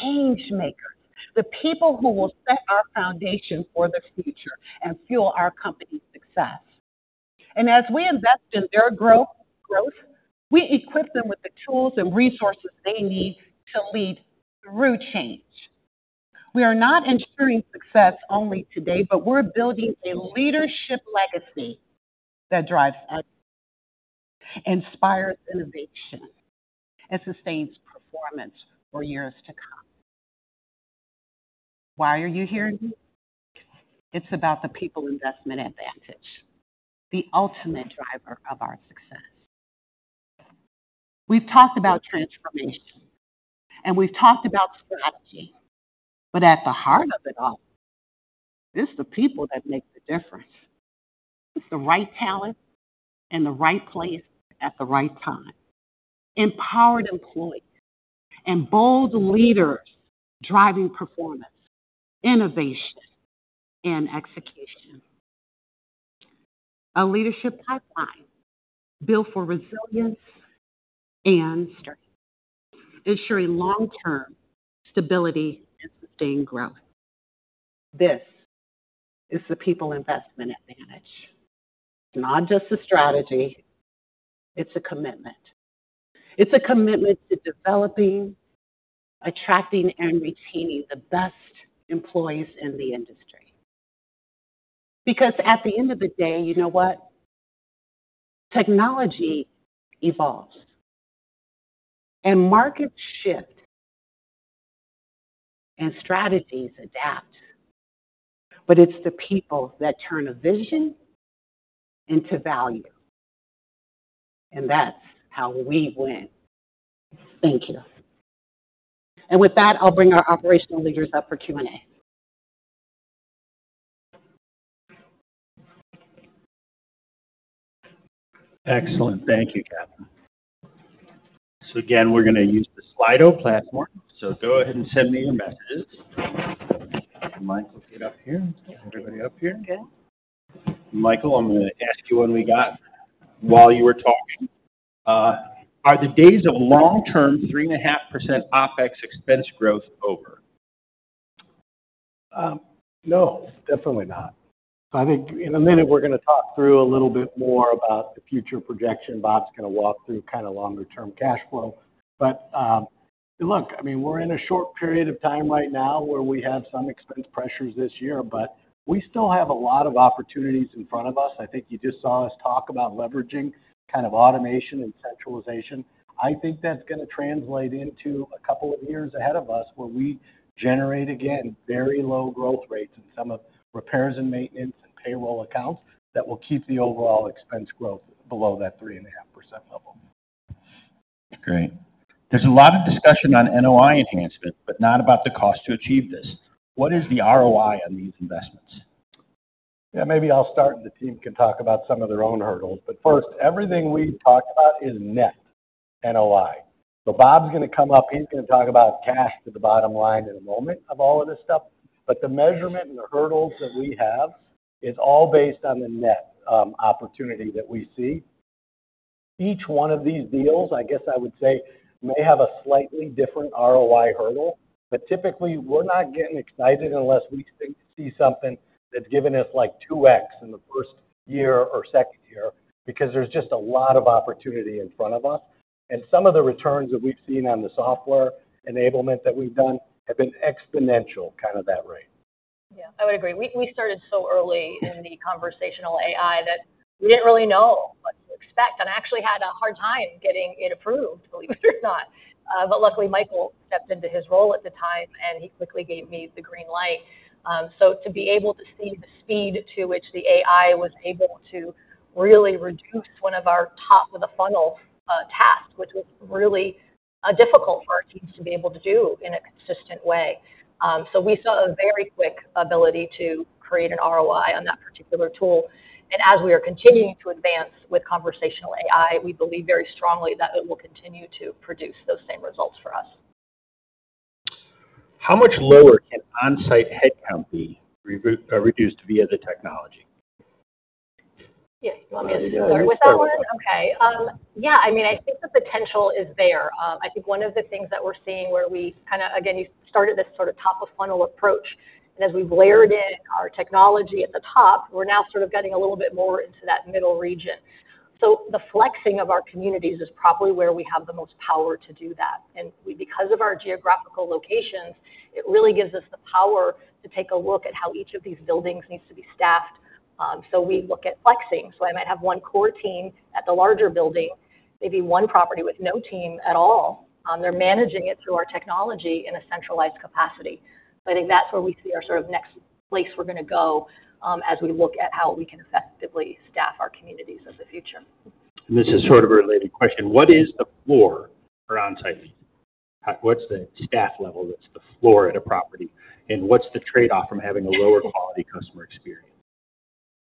change makers, the people who will set our foundation for the future and fuel our company's success. And as we invest in their growth, we equip them with the tools and resources they need to lead through change. We are not ensuring success only today, but we're building a leadership legacy that drives us, inspires innovation, and sustains performance for years to come. Why are you here? It's about the People Investment Advantage, the ultimate driver of our success. We've talked about transformation, and we've talked about strategy. But at the heart of it all, it's the people that make the difference. It's the right talent in the right place at the right time. Empowered employees and bold leaders driving performance, innovation, and execution. A leadership pipeline built for resilience and strength, ensuring long-term stability and sustained growth. This is the People Investment Advantage. It's not just a strategy. It's a commitment. It's a commitment to developing, attracting, and retaining the best employees in the industry. Because at the end of the day, you know what? Technology evolves, and markets shift, and strategies adapt. But it's the people that turn a vision into value. And that's how we win. Thank you. And with that, I'll bring our operational leaders up for Q&A. Excellent. Thank you, Catherine. So again, we're going to use the Slido platform. So go ahead and send me your messages. Michael, get up here. Everybody, up here. Michael, I'm going to ask you one we got while you were talking. Are the days of long-term 3.5% OpEx expense growth over? No. Definitely not. I think in a minute, we're going to talk through a little bit more about the future projection. Robert's going to walk through kind of longer-term cash flow. But look, I mean, we're in a short period of time right now where we have some expense pressures this year, but we still have a lot of opportunities in front of us. I think you just saw us talk about leveraging kind of automation and centralization. I think that's going to translate into a couple of years ahead of us where we generate, again, very low growth rates in some of repairs and maintenance and payroll accounts that will keep the overall expense growth below that 3.5% level. Great. There's a lot of discussion on NOI enhancement, but not about the cost to achieve this. What is the ROI on these investments? Yeah. Maybe I'll start, and the team can talk about some of their own hurdles. But first, everything we've talked about is net NOI. So Robert's going to come up. He's going to talk about cash to the bottom line in a moment of all of this stuff. But the measurement and the hurdles that we have is all based on the net opportunity that we see. Each one of these deals, I guess I would say, may have a slightly different ROI hurdle. But typically, we're not getting excited unless we see something that's given us like 2x in the first year or second year because there's just a lot of opportunity in front of us. And some of the returns that we've seen on the software enablement that we've done have been exponential kind of that rate. Yeah. I would agree. We started so early in the conversational AI that we didn't really know what to expect, and I actually had a hard time getting it approved, believe it or not. But luckily, Michael stepped into his role at the time, and he quickly gave me the green light, so to be able to see the speed to which the AI was able to really reduce one of our top-of-the-funnel tasks, which was really difficult for our teams to be able to do in a consistent way, so we saw a very quick ability to create an ROI on that particular tool, and as we are continuing to advance with conversational AI, we believe very strongly that it will continue to produce those same results for us. How much lower can onsite headcount be reduced via the technology? Yeah. Do you want me to start with that one? Okay. Yeah. I mean, I think the potential is there. I think one of the things that we're seeing where we kind of, again, you started this sort of top-of-funnel approach. And as we've layered in our technology at the top, we're now sort of getting a little bit more into that middle region. So the flexing of our communities is probably where we have the most power to do that. And because of our geographical locations, it really gives us the power to take a look at how each of these buildings needs to be staffed. So we look at flexing. So I might have one core team at the larger building, maybe one property with no team at all. They're managing it through our technology in a centralized capacity. So I think that's where we see our sort of next place we're going to go as we look at how we can effectively staff our communities in the future. This is sort of a related question. What is the floor for onsite? What's the staff level that's the floor at a property? And what's the trade-off from having a lower-quality customer experience?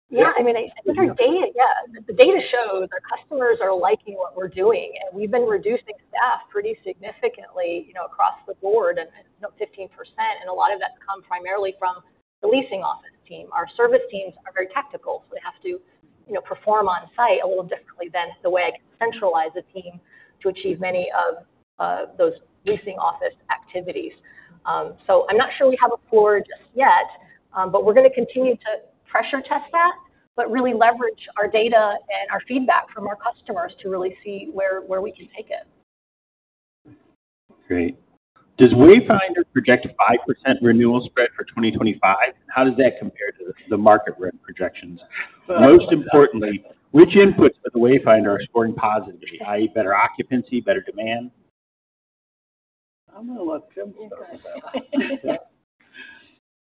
Yeah. I mean, I think our data shows our customers are liking what we're doing, and we've been reducing staff pretty significantly across the board, and 15%, and a lot of that's come primarily from the leasing office team. Our service teams are very tactical, so they have to perform onsite a little differently than the way I can centralize a team to achieve many of those leasing office activities, so I'm not sure we have a floor just yet, but we're going to continue to pressure test that, but really leverage our data and our feedback from our customers to really see where we can take it. Great. Does Wayfinder project a 5% renewal spread for 2025? How does that compare to the market rate projections? Most importantly, which inputs for the Wayfinder are scoring positively, i.e., better occupancy, better demand? I'm going to let Tim speak.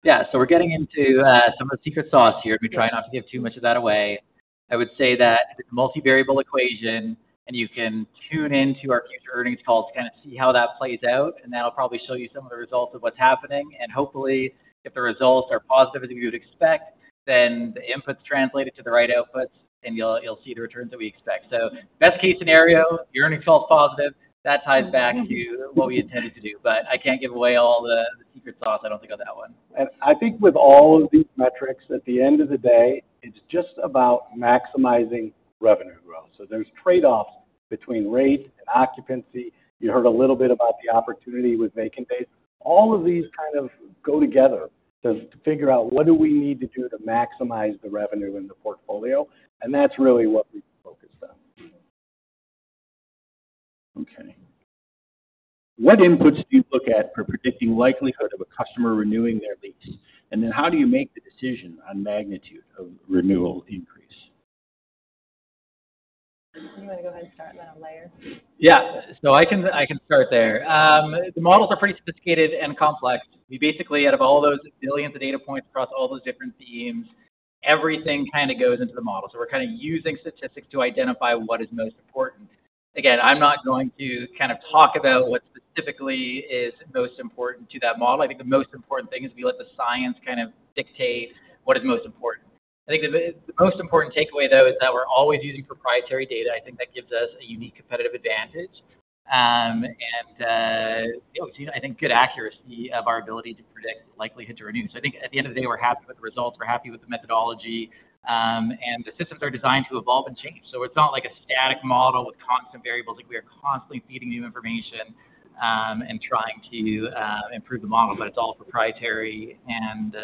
Yeah. So we're getting into some of the secret sauce here. We try not to give too much of that away. I would say that it's a multivariable equation, and you can tune into our future earnings calls to kind of see how that plays out. And that'll probably show you some of the results of what's happening. And hopefully, if the results are positive as we would expect, then the inputs translate to the right outputs, and you'll see the returns that we expect. So best case scenario, your earnings call is positive. That ties back to what we intended to do. But I can't give away all the secret sauce. I don't think of that one. I think with all of these metrics, at the end of the day, it's just about maximizing revenue growth. There's trade-offs between rate and occupancy. You heard a little bit about the opportunity with vacant days. All of these kind of go together to figure out what do we need to do to maximize the revenue in the portfolio. That's really what we focus on. Okay. What inputs do you look at for predicting the likelihood of a customer renewing their lease? And then how do you make the decision on magnitude of renewal increase? You want to go ahead and start, and then I'll layer. Yeah. So I can start there. The models are pretty sophisticated and complex. We basically have all those billions of data points across all those different teams. Everything kind of goes into the model. So we're kind of using statistics to identify what is most important. Again, I'm not going to kind of talk about what specifically is most important to that model. I think the most important thing is we let the science kind of dictate what is most important. I think the most important takeaway, though, is that we're always using proprietary data. I think that gives us a unique competitive advantage. And I think good accuracy of our ability to predict the likelihood to renew. So I think at the end of the day, we're happy with the results. We're happy with the methodology. And the systems are designed to evolve and change. So it's not like a static model with constant variables. We are constantly feeding new information and trying to improve the model. But it's all proprietary. And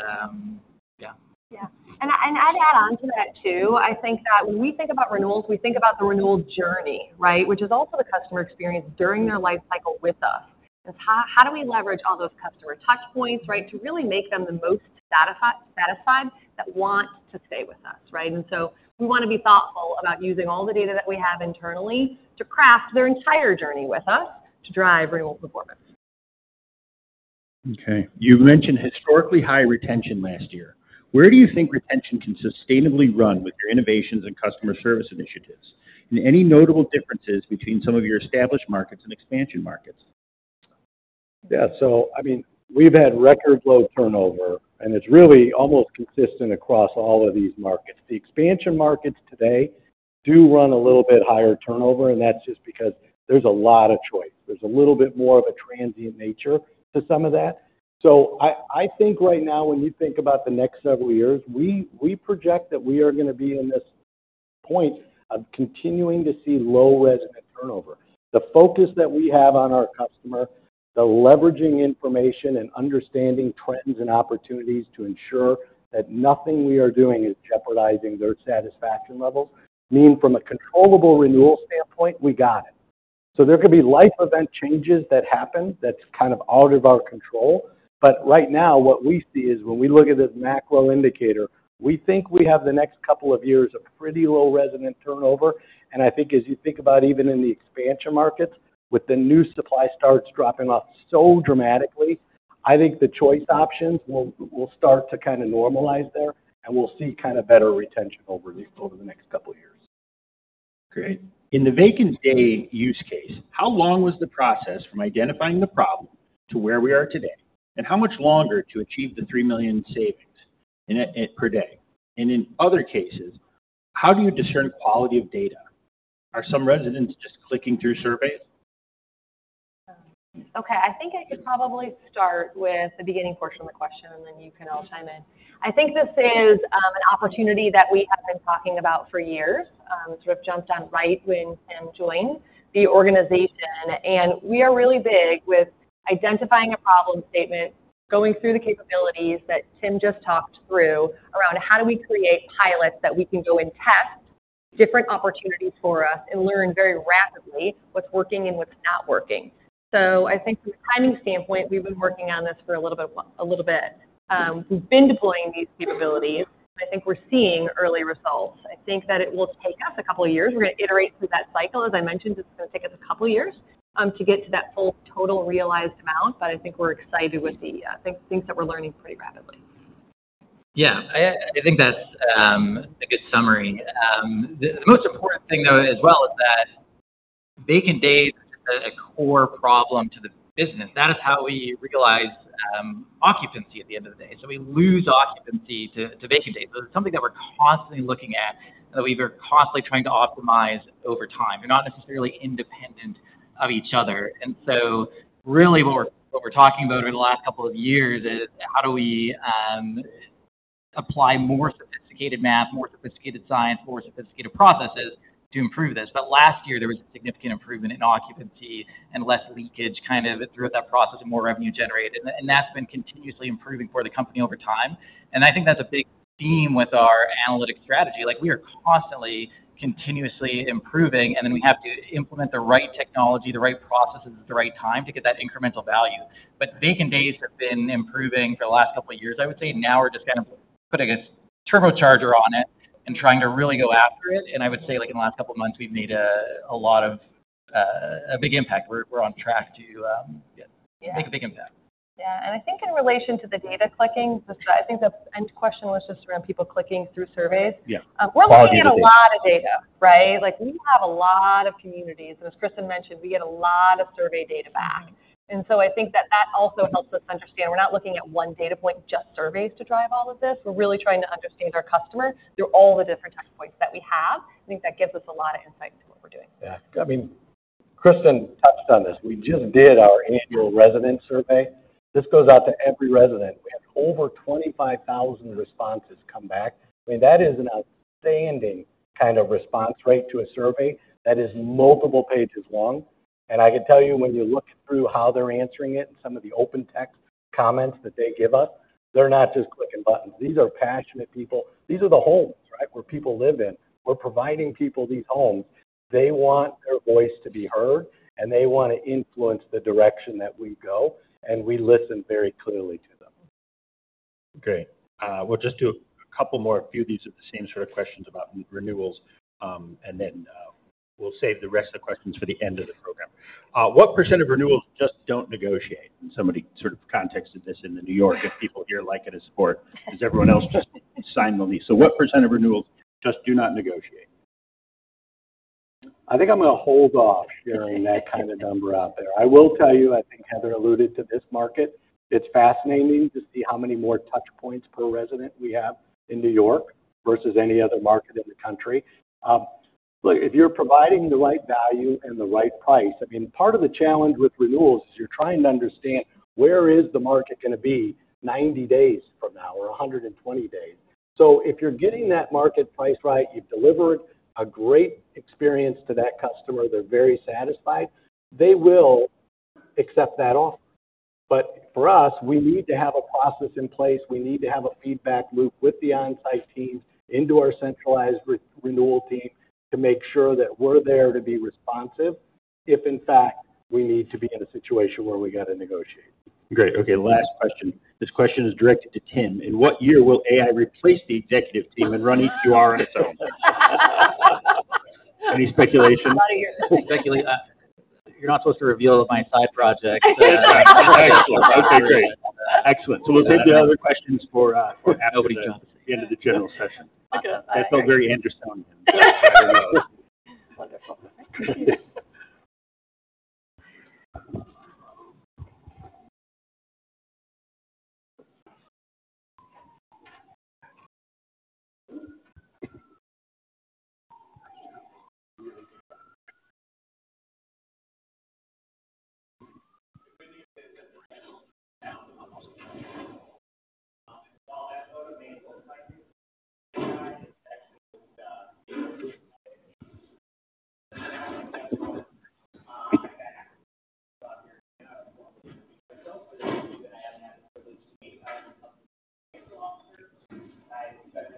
yeah. Yeah, and I'd add on to that too. I think that when we think about renewals, we think about the renewal journey, right, which is also the customer experience during their life cycle with us. It's how do we leverage all those customer touchpoints, right, to really make them the most satisfied that want to stay with us, right? And so we want to be thoughtful about using all the data that we have internally to craft their entire journey with us to drive renewal performance. Okay. You've mentioned historically high retention last year. Where do you think retention can sustainably run with your innovations and customer service initiatives? And any notable differences between some of your established markets and expansion markets? Yeah. So I mean, we've had record low turnover, and it's really almost consistent across all of these markets. The expansion markets today do run a little bit higher turnover, and that's just because there's a lot of choice. There's a little bit more of a transient nature to some of that. So I think right now, when you think about the next several years, we project that we are going to be in this point of continuing to see low resident turnover. The focus that we have on our customer, the leveraging information and understanding trends and opportunities to ensure that nothing we are doing is jeopardizing their satisfaction levels, meaning from a controllable renewal standpoint, we got it. So there could be life event changes that happen that's kind of out of our control. But right now, what we see is when we look at this macro indicator, we think we have the next couple of years of pretty low resident turnover. And I think as you think about even in the expansion markets, with the new supply starts dropping off so dramatically, I think the choice options will start to kind of normalize there, and we'll see kind of better retention over the next couple of years. Great. In the vacant day use case, how long was the process from identifying the problem to where we are today? And how much longer to achieve the 3 million savings per day? And in other cases, how do you discern quality of data? Are some residents just clicking through surveys? Okay. I think I could probably start with the beginning portion of the question, and then you can all chime in. I think this is an opportunity that we have been talking about for years. Sort of jumped on right when Tim joined, the organization. And we are really big with identifying a problem statement, going through the capabilities that Tim just talked through around how do we create pilots that we can go and test different opportunities for us and learn very rapidly what's working and what's not working. So I think from a timing standpoint, we've been working on this for a little bit. We've been deploying these capabilities, and I think we're seeing early results. I think that it will take us a couple of years. We're going to iterate through that cycle. As I mentioned, it's going to take us a couple of years to get to that full total realized amount. But I think we're excited with the things that we're learning pretty rapidly. Yeah. I think that's a good summary. The most important thing, though, as well, is that vacant day is a core problem to the business. That is how we realize occupancy at the end of the day. So we lose occupancy to vacant days. So it's something that we're constantly looking at that we've been constantly trying to optimize over time. They're not necessarily independent of each other. And so really what we're talking about over the last couple of years is how do we apply more sophisticated math, more sophisticated science, more sophisticated processes to improve this. But last year, there was a significant improvement in occupancy and less leakage kind of throughout that process and more revenue generated. And that's been continuously improving for the company over time. And I think that's a big theme with our analytic strategy. We are constantly continuously improving, and then we have to implement the right technology, the right processes at the right time to get that incremental value. But vacant days have been improving for the last couple of years, I would say. Now we're just kind of putting a turbocharger on it and trying to really go after it. And I would say in the last couple of months, we've made a lot of a big impact. We're on track to make a big impact. Yeah, and I think in relation to the data clicking, I think the end question was just around people clicking through surveys. Yeah. Quality, yeah. We're looking at a lot of data, right? We have a lot of communities, and as Kristen mentioned, we get a lot of survey data back, and so I think that that also helps us understand. We're not looking at one data point, just surveys to drive all of this. We're really trying to understand our customer through all the different touchpoints that we have. I think that gives us a lot of insight to what we're doing. Yeah. I mean, Kristen touched on this. We just did our annual resident survey. This goes out to every resident. We had over 25,000 responses come back. I mean, that is an outstanding kind of response rate to a survey that is multiple pages long, and I can tell you when you look through how they're answering it and some of the open text comments that they give us, they're not just clicking buttons. These are passionate people. These are the homes, right, where people live in. We're providing people these homes. They want their voice to be heard, and they want to influence the direction that we go, and we listen very clearly to them. Great. We'll just do a couple more, a few of these of the same sort of questions about renewals. And then we'll save the rest of the questions for the end of the program. What % of renewals just don't negotiate? And somebody sort of contexted this in the New York. If people here like it as sport, does everyone else just sign the lease? So what % of renewals just do not negotiate? I think I'm going to hold off hearing that kind of number out there. I will tell you, I think Heather alluded to this market. It's fascinating to see how many more touchpoints per resident we have in New York versus any other market in the country. Look, if you're providing the right value and the right price, I mean, part of the challenge with renewals is you're trying to understand where is the market going to be 90 days from now or 120 days. So if you're getting that market price right, you've delivered a great experience to that customer. They're very satisfied. They will accept that offer. But for us, we need to have a process in place. We need to have a feedback loop with the onsite teams into our centralized renewal team to make sure that we're there to be responsive if, in fact, we got to negotiate. Great. Okay. Last question. This question is directed to Tim. In what year will AI replace the executive team and run EQR on its own? Any speculation? You're not supposed to reveal my side project. Excellent. Okay. Great. Excellent. So we'll take the other questions for after we jump at the end of the general session. That felt very Andrew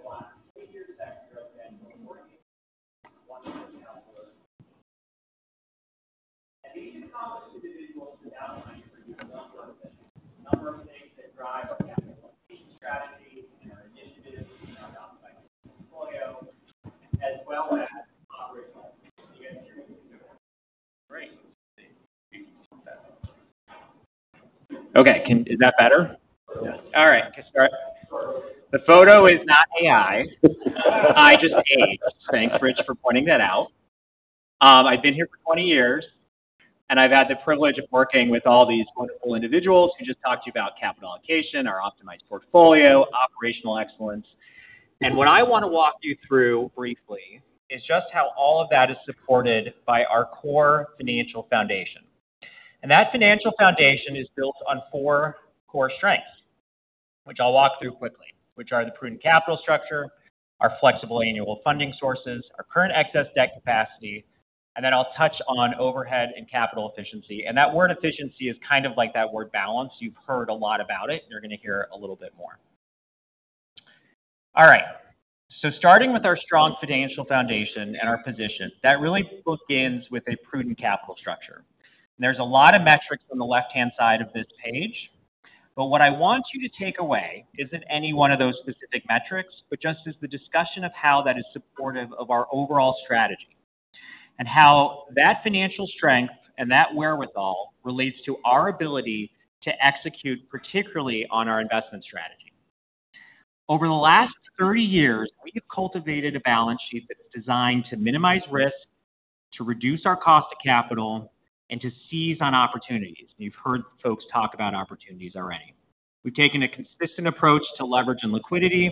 sounding. Wonderful. These accomplished individuals are dialed in for a number of things. A number of things that drive our strategy and our initiatives and our portfolio, as well as operations. Great. Okay. Is that better? All right. The photo is not AI. I just aged. Thanks, Rich, for pointing that out. I've been here for 20 years, and I've had the privilege of working with all these wonderful individuals who just talked to you about capital allocation, our optimized portfolio, operational excellence. And what I want to walk you through briefly is just how all of that is supported by our core financial foundation. And that financial foundation is built on four core strengths, which I'll walk through quickly, which are the prudent capital structure, our flexible annual funding sources, our current excess debt capacity, and then I'll touch on overhead and capital efficiency. And that word efficiency is kind of like that word balance. You've heard a lot about it. You're going to hear a little bit more. All right. So starting with our strong financial foundation and our position, that really begins with a prudent capital structure. And there's a lot of metrics on the left-hand side of this page. But what I want you to take away isn't any one of those specific metrics, but just is the discussion of how that is supportive of our overall strategy and how that financial strength and that wherewithal relates to our ability to execute, particularly on our investment strategy. Over the last 30 years, we have cultivated a balance sheet that's designed to minimize risk, to reduce our cost of capital, and to seize on opportunities. And you've heard folks talk about opportunities already. We've taken a consistent approach to leverage and liquidity,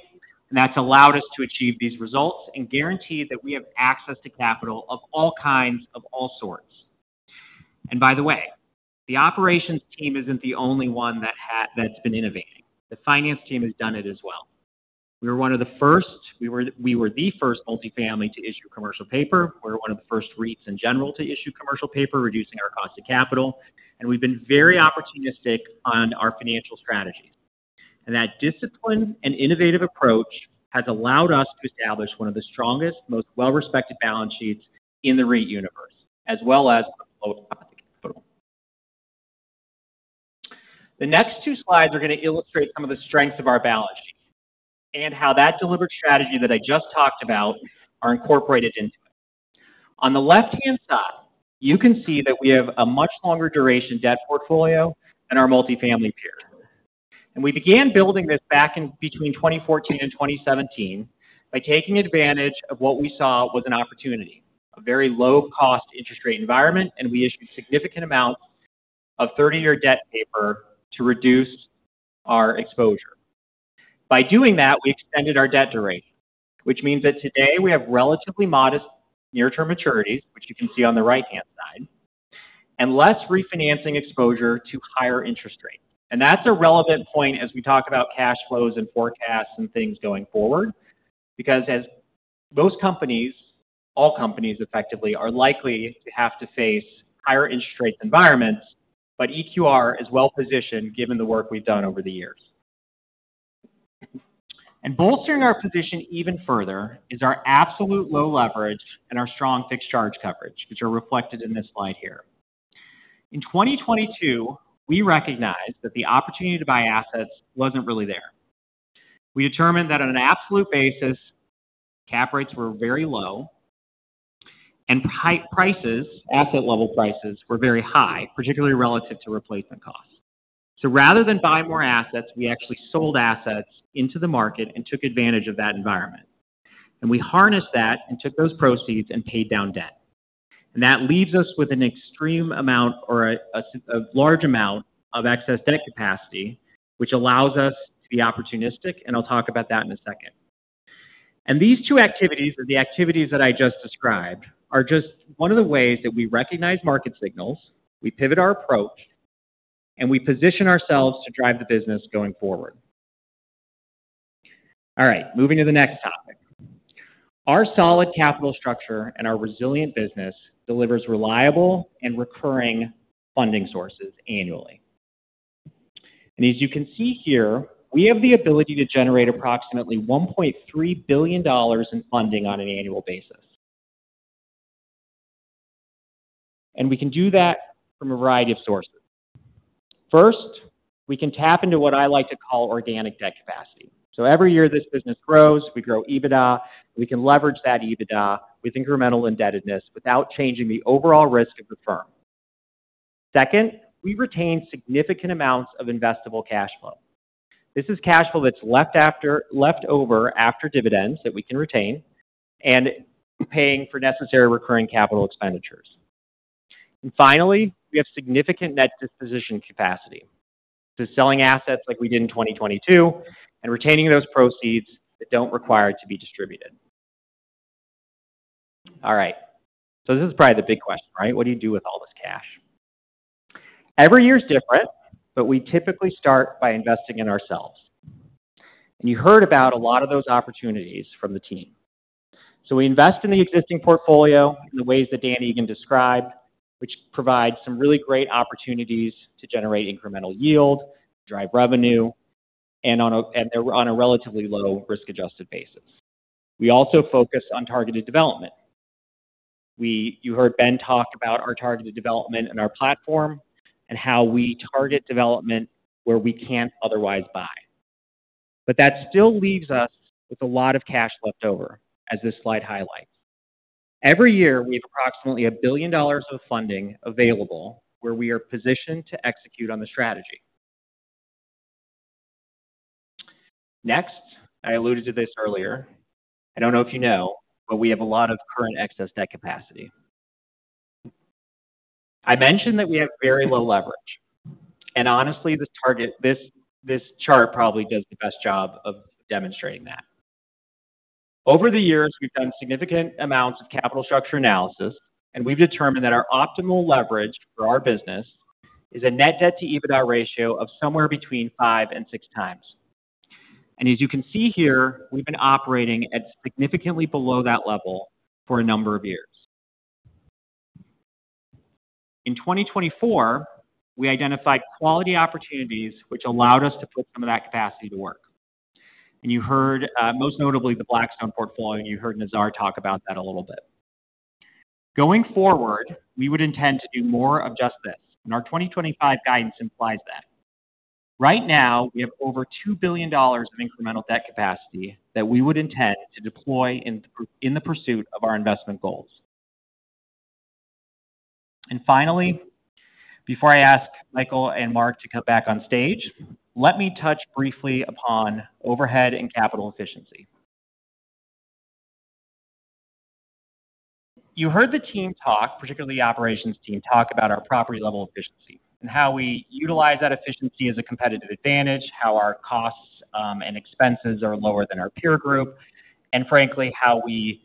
and that's allowed us to achieve these results and guarantee that we have access to capital of all kinds of all sorts. And by the way, the operations team isn't the only one that's been innovating. The finance team has done it as well. We were one of the first. We were the first multifamily to issue commercial paper. We were one of the first REITs in general to issue commercial paper, reducing our cost of capital. And we've been very opportunistic on our financial strategies. And that discipline and innovative approach has allowed us to establish one of the strongest, most well-respected balance sheets in the REIT universe, as well as our flow of capital. The next two slides are going to illustrate some of the strengths of our balance sheet and how that delivered strategy that I just talked about are incorporated into it. On the left-hand side, you can see that we have a much longer duration debt portfolio than our multifamily peer. And we began building this back in between 2014 and 2017 by taking advantage of what we saw was an opportunity, a very low-cost interest rate environment, and we issued significant amounts of 30-year debt paper to reduce our exposure. By doing that, we extended our debt duration, which means that today we have relatively modest near-term maturities, which you can see on the right-hand side, and less refinancing exposure to higher interest rates. And that's a relevant point as we talk about cash flows and forecasts and things going forward because as most companies, all companies effectively, are likely to have to face higher interest rate environments, but EQR is well-positioned given the work we've done over the years. And bolstering our position even further is our absolute low leverage and our strong fixed charge coverage, which are reflected in this slide here. In 2022, we recognized that the opportunity to buy assets wasn't really there. We determined that on an absolute basis, cap rates were very low, and asset-level prices were very high, particularly relative to replacement costs. So rather than buy more assets, we actually sold assets into the market and took advantage of that environment. And we harnessed that and took those proceeds and paid down debt. And that leaves us with an extreme amount or a large amount of excess debt capacity, which allows us to be opportunistic, and I'll talk about that in a second. And these two activities, the activities that I just described, are just one of the ways that we recognize market signals, we pivot our approach, and we position ourselves to drive the business going forward. All right. Moving to the next topic. Our solid capital structure and our resilient business delivers reliable and recurring funding sources annually. And as you can see here, we have the ability to generate approximately $1.3 billion in funding on an annual basis. And we can do that from a variety of sources. First, we can tap into what I like to call organic debt capacity. So every year this business grows, we grow EBITDA. We can leverage that EBITDA with incremental indebtedness without changing the overall risk of the firm. Second, we retain significant amounts of investable cash flow. This is cash flow that's left over after dividends that we can retain and paying for necessary recurring capital expenditures. And finally, we have significant net disposition capacity. This is selling assets like we did in 2022 and retaining those proceeds that don't require it to be distributed. All right. So this is probably the big question, right? What do you do with all this cash? Every year is different, but we typically start by investing in ourselves. And you heard about a lot of those opportunities from the team. So we invest in the existing portfolio in the ways that Danny even described, which provides some really great opportunities to generate incremental yield, to drive revenue, and on a relatively low risk-adjusted basis. We also focus on targeted development. You heard Ben talk about our targeted development and our platform and how we target development where we can't otherwise buy. But that still leaves us with a lot of cash left over, as this slide highlights. Every year, we have approximately $1 billion of funding available where we are positioned to execute on the strategy. Next, I alluded to this earlier. I don't know if you know, but we have a lot of current excess debt capacity. I mentioned that we have very low leverage. And honestly, this chart probably does the best job of demonstrating that. Over the years, we've done significant amounts of capital structure analysis, and we've determined that our optimal leverage for our business is a net debt-to-EBITDA ratio of somewhere between five and six times. And as you can see here, we've been operating at significantly below that level for a number of years. In 2024, we identified quality opportunities, which allowed us to put some of that capacity to work. And you heard most notably the Blackstone portfolio, and you heard Nizar talk about that a little bit. Going forward, we would intend to do more of just this. And our 2025 guidance implies that. Right now, we have over $2 billion of incremental debt capacity that we would intend to deploy in the pursuit of our investment goals. And finally, before I ask Michael and Mark to come back on stage, let me touch briefly upon overhead and capital efficiency. You heard the team talk, particularly the operations team, talk about our property-level efficiency and how we utilize that efficiency as a competitive advantage, how our costs and expenses are lower than our peer group, and frankly, how we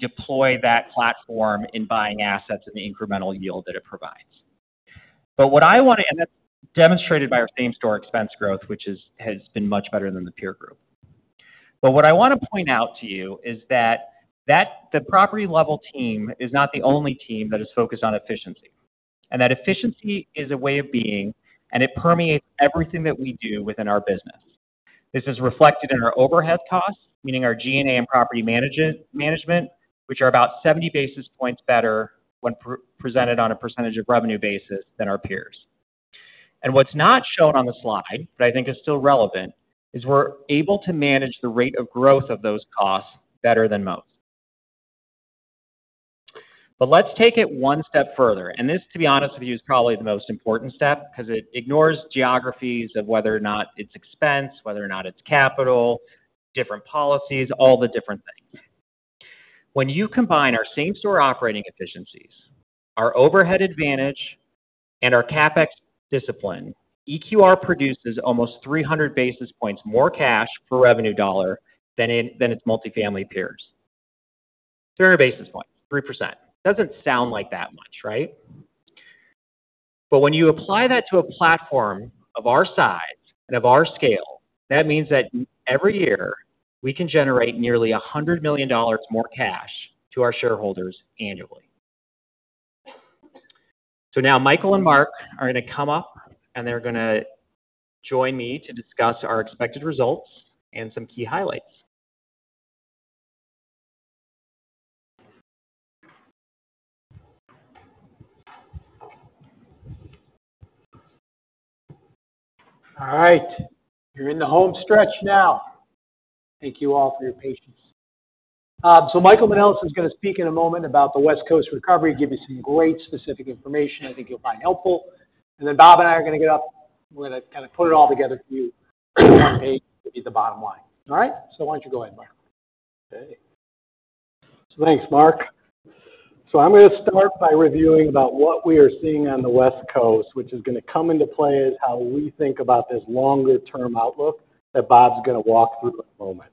deploy that platform in buying assets and the incremental yield that it provides. But what I want to demonstrate is our Same-Store expense growth, which has been much better than the peer group. But what I want to point out to you is that the property-level team is not the only team that is focused on efficiency. That efficiency is a way of being, and it permeates everything that we do within our business. This is reflected in our overhead costs, meaning our G&A and property management, which are about 70 basis points better when presented on a percentage of revenue basis than our peers. What's not shown on the slide, but I think is still relevant, is we're able to manage the rate of growth of those costs better than most. Let's take it one step further. This, to be honest with you, is probably the most important step because it ignores geographies of whether or not it's expense, whether or not it's capital, different policies, all the different things. When you combine our Same-Store operating efficiencies, our overhead advantage, and our CapEx discipline, EQR produces almost 300 basis points more cash per revenue dollar than its multifamily peers. 300 basis points, 3%. Doesn't sound like that much, right? But when you apply that to a platform of our size and of our scale, that means that every year we can generate nearly $100 million more cash to our shareholders annually. So now Michael and Mark are going to come up, and they're going to join me to discuss our expected results and some key highlights. All right. You're in the home stretch now. Thank you all for your patience. So Michael Manelis is going to speak in a moment about the West Coast recovery, give you some great specific information I think you'll find helpful. And then Robert and I are going to get up. We're going to kind of put it all together for you on the bottom line. All right? So why don't you go ahead, Mark? Okay. So thanks, Mark. So I'm going to start by reviewing about what we are seeing on the West Coast, which is going to come into play as how we think about this longer-term outlook that Robert's going to walk through in a moment.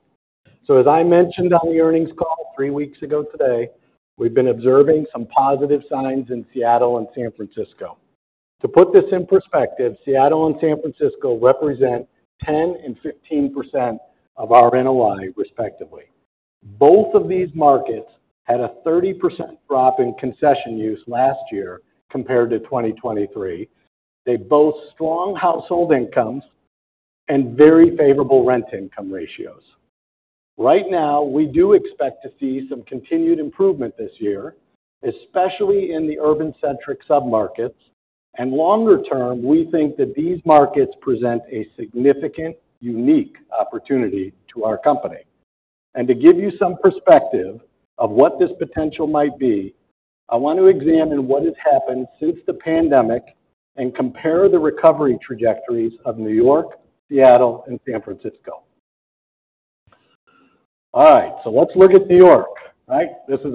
So as I mentioned on the earnings call three weeks ago today, we've been observing some positive signs in Seattle and San Francisco. To put this in perspective, Seattle and San Francisco represent 10% and 15% of our NOI, respectively. Both of these markets had a 30% drop in concession use last year compared to 2023. They both have strong household incomes and very favorable rent income ratios. Right now, we do expect to see some continued improvement this year, especially in the urban-centric submarkets. And longer term, we think that these markets present a significant, unique opportunity to our company. To give you some perspective of what this potential might be, I want to examine what has happened since the pandemic and compare the recovery trajectories of New York, Seattle, and San Francisco. All right. Let's look at New York, right? This is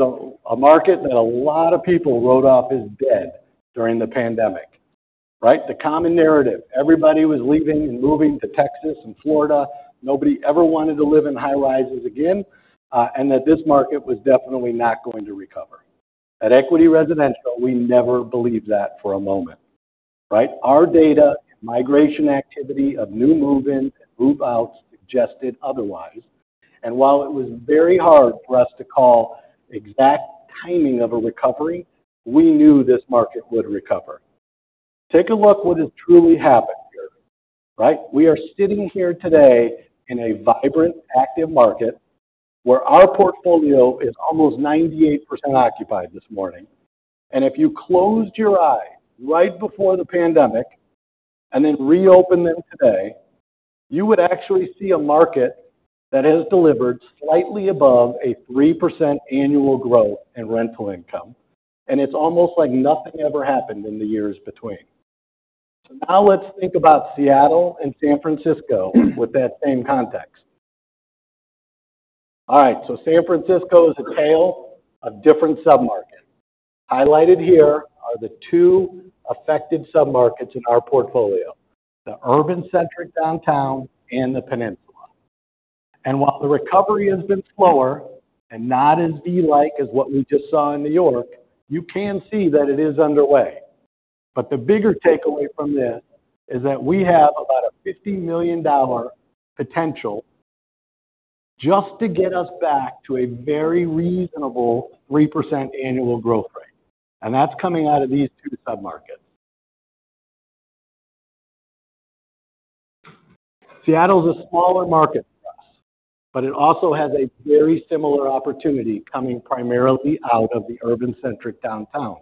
a market that a lot of people wrote off as dead during the pandemic, right? The common narrative, everybody was leaving and moving to Texas and Florida. Nobody ever wanted to live in high-rises again, and that this market was definitely not going to recover. At Equity Residential, we never believed that for a moment, right? Our data, migration activity of new move-ins and move-outs suggested otherwise. While it was very hard for us to call the exact timing of a recovery, we knew this market would recover. Take a look at what has truly happened here, right? We are sitting here today in a vibrant, active market where our portfolio is almost 98% occupied this morning, and if you closed your eyes right before the pandemic and then reopened them today, you would actually see a market that has delivered slightly above a 3% annual growth in rental income. And it's almost like nothing ever happened in the years between, so now let's think about Seattle and San Francisco with that same context. All right, so San Francisco is a tale of different submarkets. Highlighted here are the two affected submarkets in our portfolio, the urban-centric downtown and the peninsula, and while the recovery has been slower and not as V-like as what we just saw in New York, you can see that it is underway. But the bigger takeaway from this is that we have about a $50 million potential just to get us back to a very reasonable 3% annual growth rate, and that's coming out of these two submarkets. Seattle is a smaller market for us, but it also has a very similar opportunity coming primarily out of the urban-centric downtown.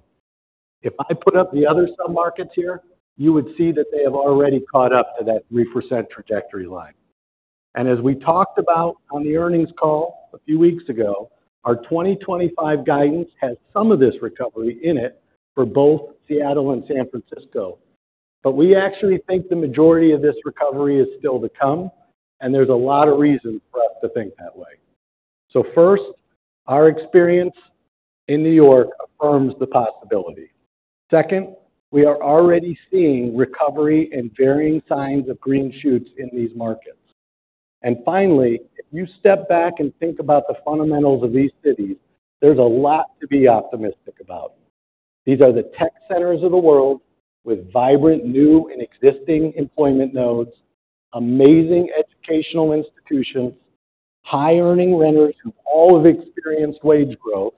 If I put up the other submarkets here, you would see that they have already caught up to that 3% trajectory line, and as we talked about on the earnings call a few weeks ago, our 2025 guidance has some of this recovery in it for both Seattle and San Francisco, but we actually think the majority of this recovery is still to come, and there's a lot of reasons for us to think that way, so first, our experience in New York affirms the possibility. Second, we are already seeing recovery and varying signs of green shoots in these markets. And finally, if you step back and think about the fundamentals of these cities, there's a lot to be optimistic about. These are the tech centers of the world with vibrant new and existing employment nodes, amazing educational institutions, high-earning renters who all have experienced wage growth.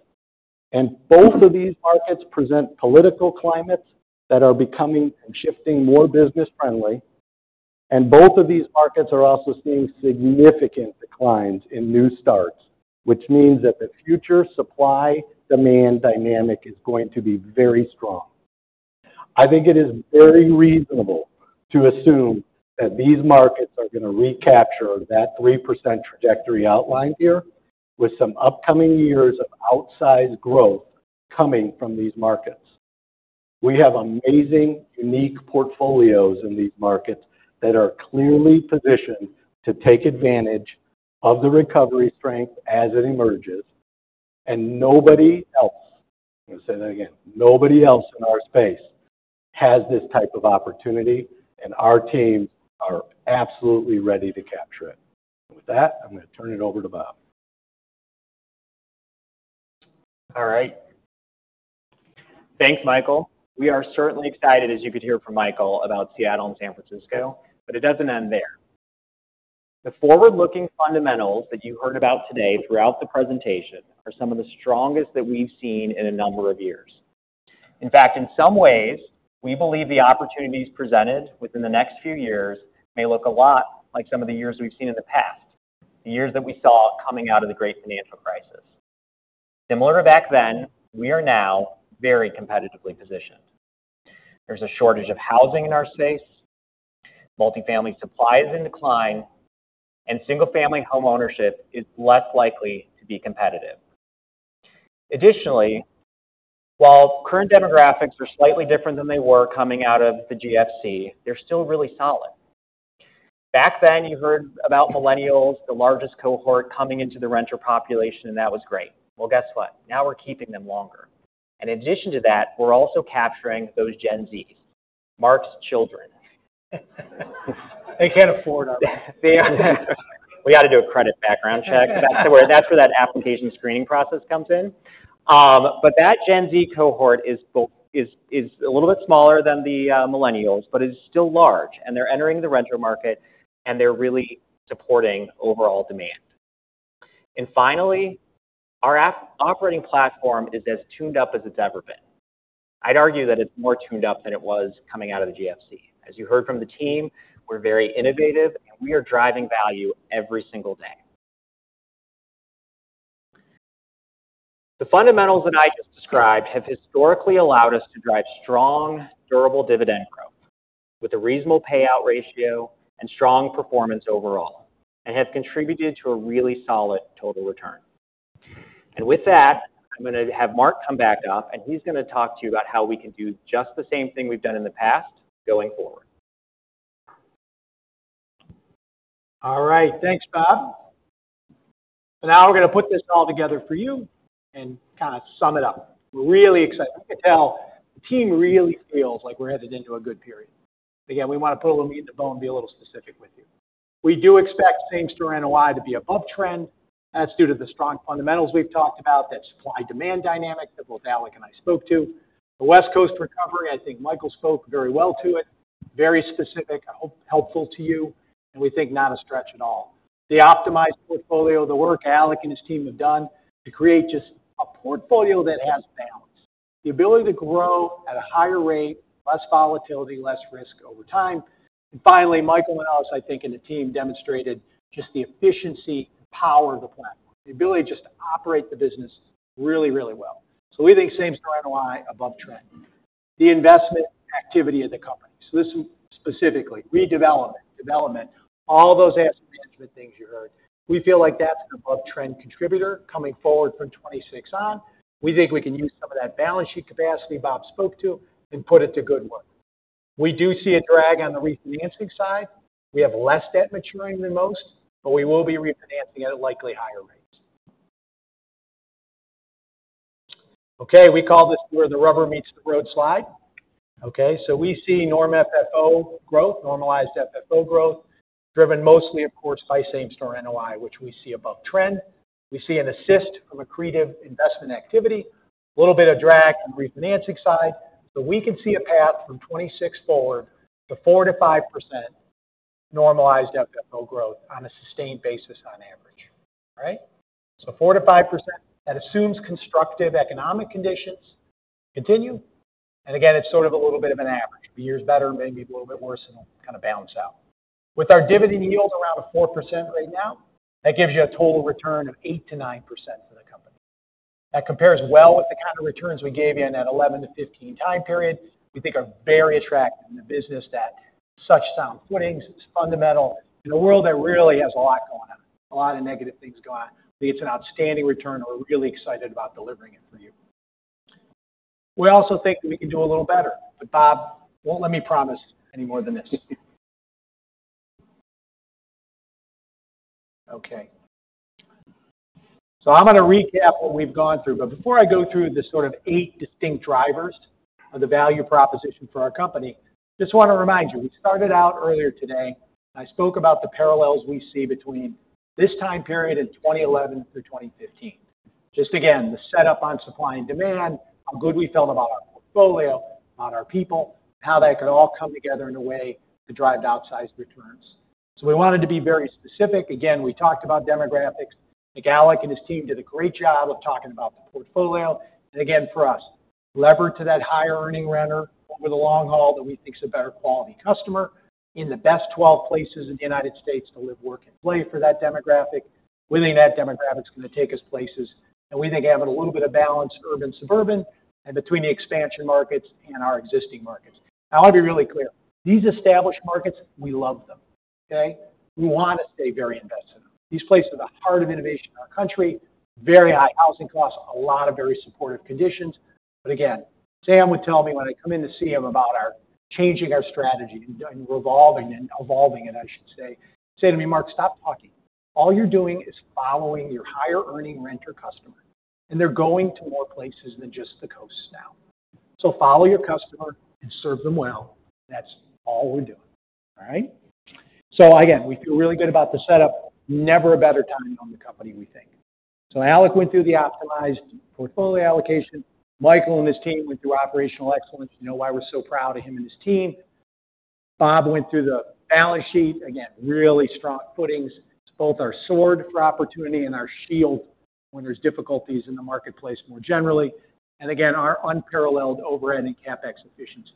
And both of these markets present political climates that are becoming and shifting more business-friendly. And both of these markets are also seeing significant declines in new starts, which means that the future supply-demand dynamic is going to be very strong. I think it is very reasonable to assume that these markets are going to recapture that 3% trajectory outlined here with some upcoming years of outsized growth coming from these markets. We have amazing, unique portfolios in these markets that are clearly positioned to take advantage of the recovery strength as it emerges, and nobody else, I'm going to say that again, nobody else in our space has this type of opportunity, and our teams are absolutely ready to capture it. With that, I'm going to turn it over to Robert. All right. Thanks, Michael. We are certainly excited, as you could hear from Michael, about Seattle and San Francisco. But it doesn't end there. The forward-looking fundamentals that you heard about today throughout the presentation are some of the strongest that we've seen in a number of years. In fact, in some ways, we believe the opportunities presented within the next few years may look a lot like some of the years we've seen in the past, the years that we saw coming out of the Great Financial Crisis. Similar to back then, we are now very competitively positioned. There's a shortage of housing in our space. Multifamily supply is in decline, and single-family homeownership is less likely to be competitive. Additionally, while current demographics are slightly different than they were coming out of the GFC, they're still really solid. Back then, you heard about Millennials, the largest cohort coming into the renter population, and that was great. Well, guess what? Now we're keeping them longer. In addition to that, we're also capturing those Gen Zs, Mark's children. They can't afford our rents. We got to do a credit background check. That's where that application screening process comes in. But that Gen Z cohort is a little bit smaller than the millennials, but it is still large. And they're entering the renter market, and they're really supporting overall demand. And finally, our operating platform is as tuned up as it's ever been. I'd argue that it's more tuned up than it was coming out of the GFC. As you heard from the team, we're very innovative, and we are driving value every single day. The fundamentals that I just described have historically allowed us to drive strong, durable dividend growth with a reasonable payout ratio and strong performance overall and have contributed to a really solid total return. And with that, I'm going to have Mark come back up, and he's going to talk to you about how we can do just the same thing we've done in the past going forward. All right. Thanks, Robert. Now we're going to put this all together for you and kind of sum it up. We're really excited. I can tell the team really feels like we're headed into a good period. Again, we want to put a little meat in the bone and be a little specific with you. We do expect Same-Store NOI to be above trend. That's due to the strong fundamentals we've talked about, that supply-demand dynamic that both Alec and I spoke to. The West Coast recovery, I think Michael spoke very well to it, very specific, helpful to you, and we think not a stretch at all. The optimized portfolio, the work Alec and his team have done to create just a portfolio that has balance, the ability to grow at a higher rate, less volatility, less risk over time. Finally, Michael and Alec, I think, and the team demonstrated just the efficiency and power of the platform, the ability just to operate the business really, really well. We think Same-Store NOI above trend. The investment activity of the company, so this specifically, redevelopment, development, all those asset management things you heard, we feel like that's an above-trend contributor coming forward from 2026 on. We think we can use some of that balance sheet capacity Robert spoke to and put it to good work. We do see a drag on the refinancing side. We have less debt maturing than most, but we will be refinancing at a likely higher rate. Okay. We call this where the rubber meets the road slide. Okay. We see normal FFO growth, normalized FFO growth, driven mostly, of course, by Same-Store NOI, which we see above trend. We see an assist from accretive investment activity, a little bit of drag on the refinancing side. So we can see a path from 2026 forward to 4%-5% normalized FFO growth on a sustained basis on average, right? So 4%-5% that assumes constructive economic conditions continue. And again, it's sort of a little bit of an average. The year's better, maybe a little bit worse, and it'll kind of bounce out. With our dividend yield around 4% right now, that gives you a total return of 8%-9% for the company. That compares well with the kind of returns we gave you in that 11%-15% time period. We think are very attractive in a business that has such sound footings, is fundamental, in a world that really has a lot going on, a lot of negative things going on. We think it's an outstanding return. We're really excited about delivering it for you. We also think we can do a little better, but Robert won't let me promise any more than this. Okay, so I'm going to recap what we've gone through. Before I go through the sort of eight distinct drivers of the value proposition for our company, just want to remind you, we started out earlier today, and I spoke about the parallels we see between this time period in 2011 through 2015. Just again, the setup on supply and demand, how good we felt about our portfolio, about our people, and how that could all come together in a way to drive outsized returns. We wanted to be very specific. Again, we talked about demographics. I think Alec and his team did a great job of talking about the portfolio. And again, for us, leverage to that higher-earning renter over the long haul that we think is a better quality customer in the best 12 places in the United States to live, work, and play for that demographic. Within that demographic, it's going to take us places. And we think having a little bit of balance, urban-suburban, and between the expansion markets and our existing markets. Now, I want to be really clear. These established markets, we love them, okay? We want to stay very invested in them. These places are the heart of innovation in our country, very high housing costs, a lot of very supportive conditions. But again, Sam would tell me when I come in to see him about our changing our strategy and revolving and evolving it, I should say, say to me, "Mark, stop talking. All you're doing is following your higher-earning renter customer. And they're going to more places than just the coasts now. So follow your customer and serve them well. That's all we're doing, all right? So again, we feel really good about the setup. Never a better time to own the company, we think. So Alec went through the optimized portfolio allocation. Michael and his team went through operational excellence. You know why we're so proud of him and his team. Robert went through the balance sheet. Again, really strong footings. It's both our sword for opportunity and our shield when there's difficulties in the marketplace more generally. And again, our unparalleled overhead and CapEx efficiency.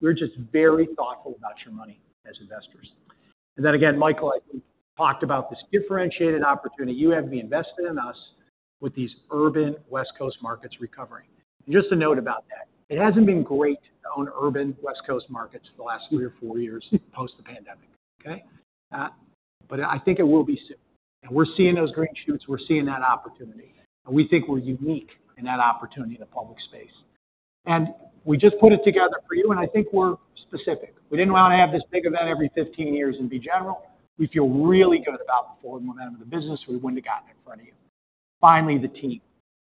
We're just very thoughtful about your money as investors. And then again, Michael, I think, talked about this differentiated opportunity. You have the investment in us with these urban West Coast markets recovering. And just a note about that. It hasn't been great to own urban West Coast markets for the last three or four years post the pandemic, okay? But I think it will be soon. And we're seeing those green shoots. We're seeing that opportunity. And we think we're unique in that opportunity in the public space. And we just put it together for you, and I think we're specific. We didn't want to have this big event every 15 years and be general. We feel really good about the forward momentum of the business. We wouldn't have gotten it in front of you. Finally, the team.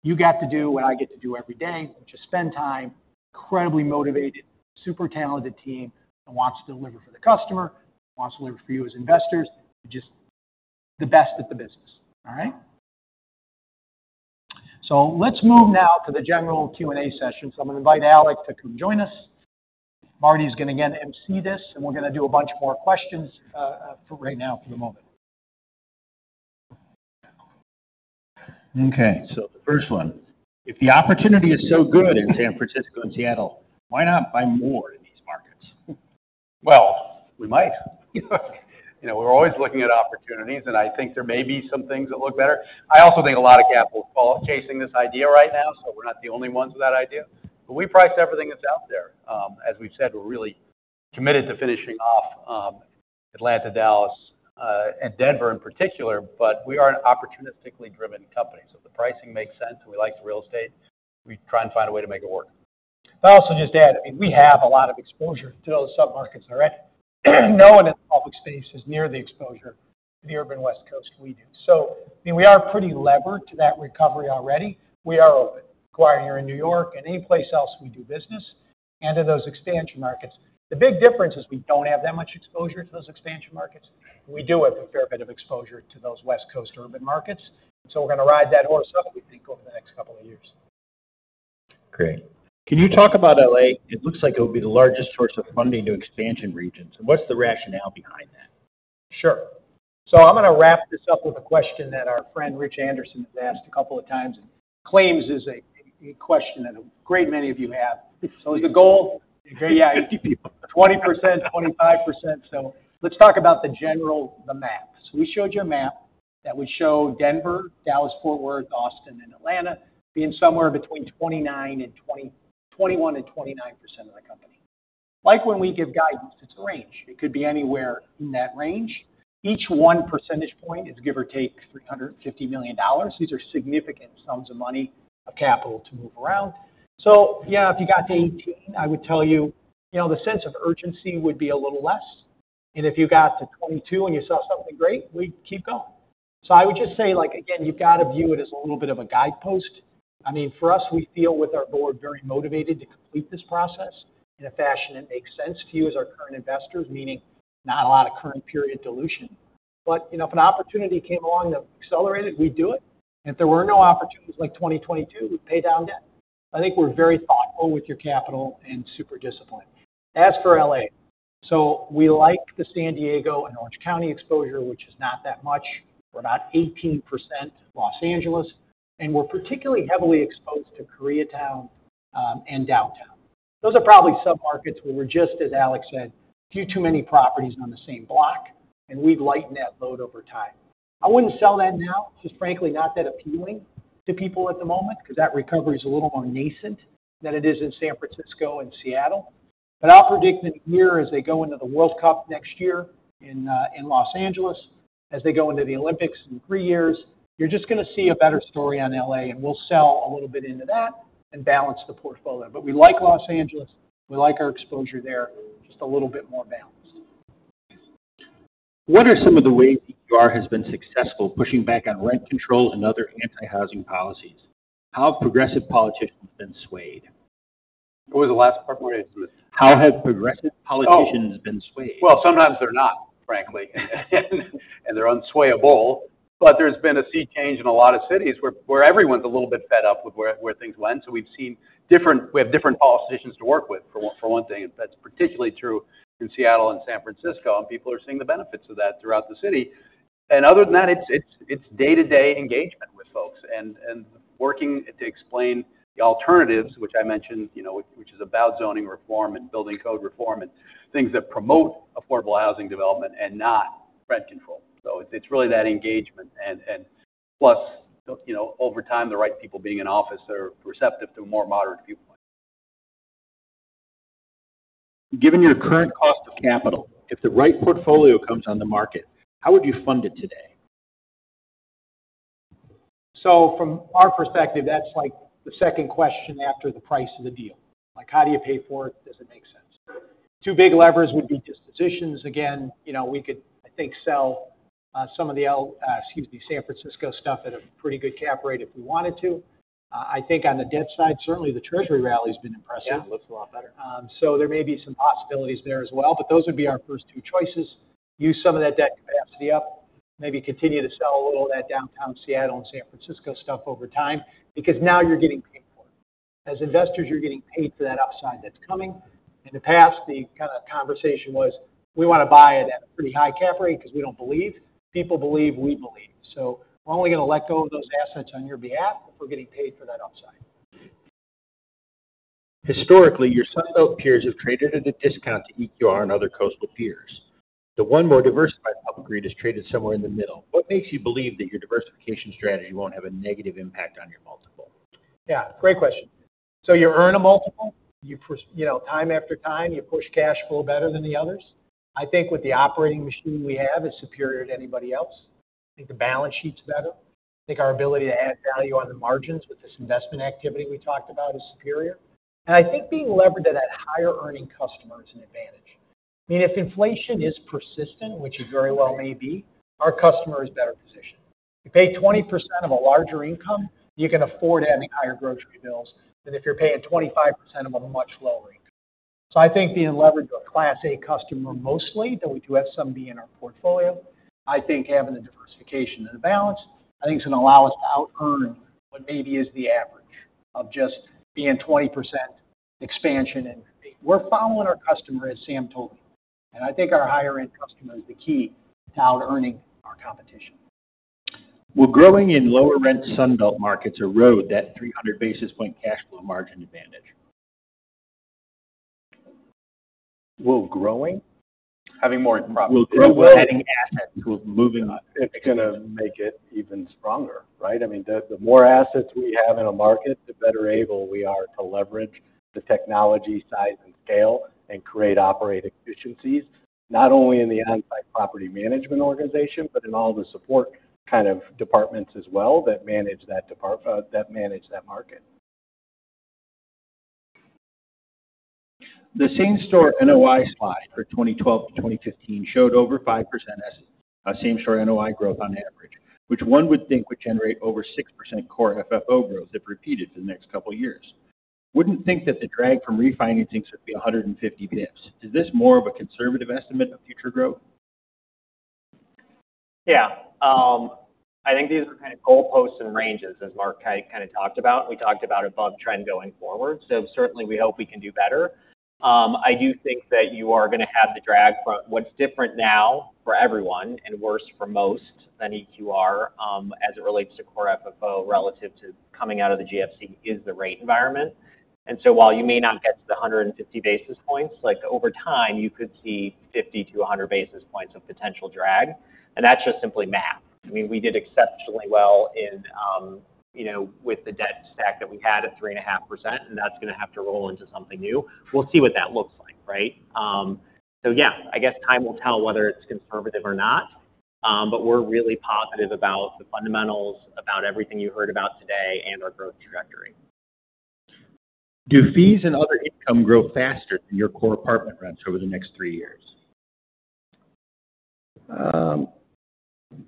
You got to do what I get to do every day, which is spend time, incredibly motivated, super talented team, that wants to deliver for the customer, wants to deliver for you as investors. Just the best at the business, all right? So let's move now to the general Q&A session. So I'm going to invite Alec to come join us. Marty's going to, again, emcee this, and we're going to do a bunch more questions right now for the moment. Okay. So the first one. If the opportunity is so good in San Francisco and Seattle, why not buy more in these markets? We might. We're always looking at opportunities, and I think there may be some things that look better. I also think a lot of capital is chasing this idea right now, so we're not the only ones with that idea. But we price everything that's out there. As we've said, we're really committed to finishing off Atlanta, Dallas, and Denver in particular, but we are an opportunistically driven company. So if the pricing makes sense and we like the real estate, we try and find a way to make it work. I'll also just add, I mean, we have a lot of exposure to those submarkets already. No one in the public space is near the exposure to the urban West Coast we do. So I mean, we are pretty levered to that recovery already. We are open, acquiring here in New York and any place else we do business, and to those expansion markets. The big difference is we don't have that much exposure to those expansion markets. We do have a fair bit of exposure to those West Coast urban markets. So we're going to ride that horse up, we think, over the next couple of years. Great. Can you talk about LA? It looks like it would be the largest source of funding to expansion regions. And what's the rationale behind that? Sure. So I'm going to wrap this up with a question that our friend Rich Anderson has asked a couple of times and claims is a question that a great many of you have. So is the goal? Yeah. 20%, 25%. So let's talk about the general, the map. So we showed you a map that would show Denver, Dallas, Fort Worth, Austin, and Atlanta being somewhere between 21% and 29% of the company. Like when we give guidance, it's a range. It could be anywhere in that range. Each one percentage point is, give or take, $350 million. These are significant sums of money, of capital to move around. So yeah, if you got to 18, I would tell you the sense of urgency would be a little less. And if you got to 22 and you saw something great, we'd keep going. So I would just say, again, you've got to view it as a little bit of a guidepost. I mean, for us, we feel with our board very motivated to complete this process in a fashion that makes sense to you as our current investors, meaning not a lot of current-period dilution. But if an opportunity came along that accelerated, we'd do it. And if there were no opportunities like 2022, we'd pay down debt. I think we're very thoughtful with your capital and super disciplined. As for LA, so we like the San Diego and Orange County exposure, which is not that much. We're about 18% Los Angeles. And we're particularly heavily exposed to Koreatown and downtown. Those are probably submarkets where we're just, as Alec said, a few too many properties on the same block, and we've lightened that load over time. I wouldn't sell that now. It's just frankly not that appealing to people at the moment because that recovery is a little more nascent than it is in San Francisco and Seattle. But I'll predict that here as they go into the World Cup next year in Los Angeles, as they go into the Olympics in three years, you're just going to see a better story on LA, and we'll sell a little bit into that and balance the portfolio. But we like Los Angeles. We like our exposure there, just a little bit more balanced. What are some of the ways that you have been successful pushing back on rent control and other anti-housing policies? How have progressive politicians been swayed? What was the last part? How have progressive politicians been swayed? Sometimes they're not, frankly, and they're unswayable. But there's been a sea change in a lot of cities where everyone's a little bit fed up with where things went. So we have different politicians to work with, for one thing. That's particularly true in Seattle and San Francisco, and people are seeing the benefits of that throughout the city. And other than that, it's day-to-day engagement with folks and working to explain the alternatives, which I mentioned, which is about zoning reform and building code reform and things that promote affordable housing development and not rent control. So it's really that engagement. And plus, over time, the right people being in office are receptive to a more moderate viewpoint. Given your current cost of capital, if the right portfolio comes on the market, how would you fund it today? From our perspective, that's like the second question after the price of the deal. How do you pay for it? Does it make sense? Two big levers would be dispositions. Again, we could, I think, sell some of the San Francisco stuff at a pretty good cap rate if we wanted to. I think on the debt side, certainly the Treasury rally has been impressive. Yeah, it looks a lot better. So there may be some possibilities there as well. But those would be our first two choices. Use some of that debt capacity up. Maybe continue to sell a little of that downtown Seattle and San Francisco stuff over time because now you're getting paid for it. As investors, you're getting paid for that upside that's coming. In the past, the kind of conversation was, "We want to buy it at a pretty high cap rate because we don't believe." People believe, we believe. So we're only going to let go of those assets on your behalf if we're getting paid for that upside. Historically, your Sunbelt peers have traded at a discount to EQR and other coastal peers. The only more diversified public REIT has traded somewhere in the middle. What makes you believe that your diversification strategy won't have a negative impact on your multiple? Yeah. Great question. So you earn a multiple. Time after time, you push cash flow better than the others. I think with the operating machine we have, it's superior to anybody else. I think the balance sheet's better. I think our ability to add value on the margins with this investment activity we talked about is superior. And I think being levered at that higher-earning customer is an advantage. I mean, if inflation is persistent, which it very well may be, our customer is better positioned. If you pay 20% of a larger income, you can afford having higher grocery bills than if you're paying 25% of a much lower income. So, I think being levered to a Class A customer mostly, though we do have some B in our portfolio, I think having the diversification and the balance. I think it's going to allow us to out-earn what maybe is the average of just being 20% expansion and B. We're following our customer, as Sam told me. And I think our higher-end customer is the key to out-earning our competition. Will growing in lower-rent Sunbelt markets erode that 300 basis point cash flow margin advantage? Will growing? Having more property? Will growing adding assets? It's going to make it even stronger, right? I mean, the more assets we have in a market, the better able we are to leverage the technology size and scale and create operating efficiencies, not only in the onsite property management organization, but in all the support kind of departments as well that manage that market. The Same-Store NOI slide for 2012 to 2015 showed over 5% Same-Store NOI growth on average, which one would think would generate over 6% Core FFO growth if repeated for the next couple of years. Wouldn't think that the drag from refinancing should be 150 basis points? Is this more of a conservative estimate of future growth? Yeah. I think these are kind of goalposts and ranges, as Mark kind of talked about. We talked about above trend going forward, so certainly, we hope we can do better. I do think that you are going to have the drag from what's different now for everyone and worse for most than EQR as it relates to core FFO relative to coming out of the GFC is the rate environment. And so while you may not get to the 150 basis points, over time, you could see 50 to 100 basis points of potential drag. And that's just simply math. I mean, we did exceptionally well with the debt stack that we had at 3.5%, and that's going to have to roll into something new. We'll see what that looks like, right? So yeah, I guess time will tell whether it's conservative or not. But we're really positive about the fundamentals, about everything you heard about today, and our growth trajectory. Do fees and other income grow faster than your core apartment rents over the next three years?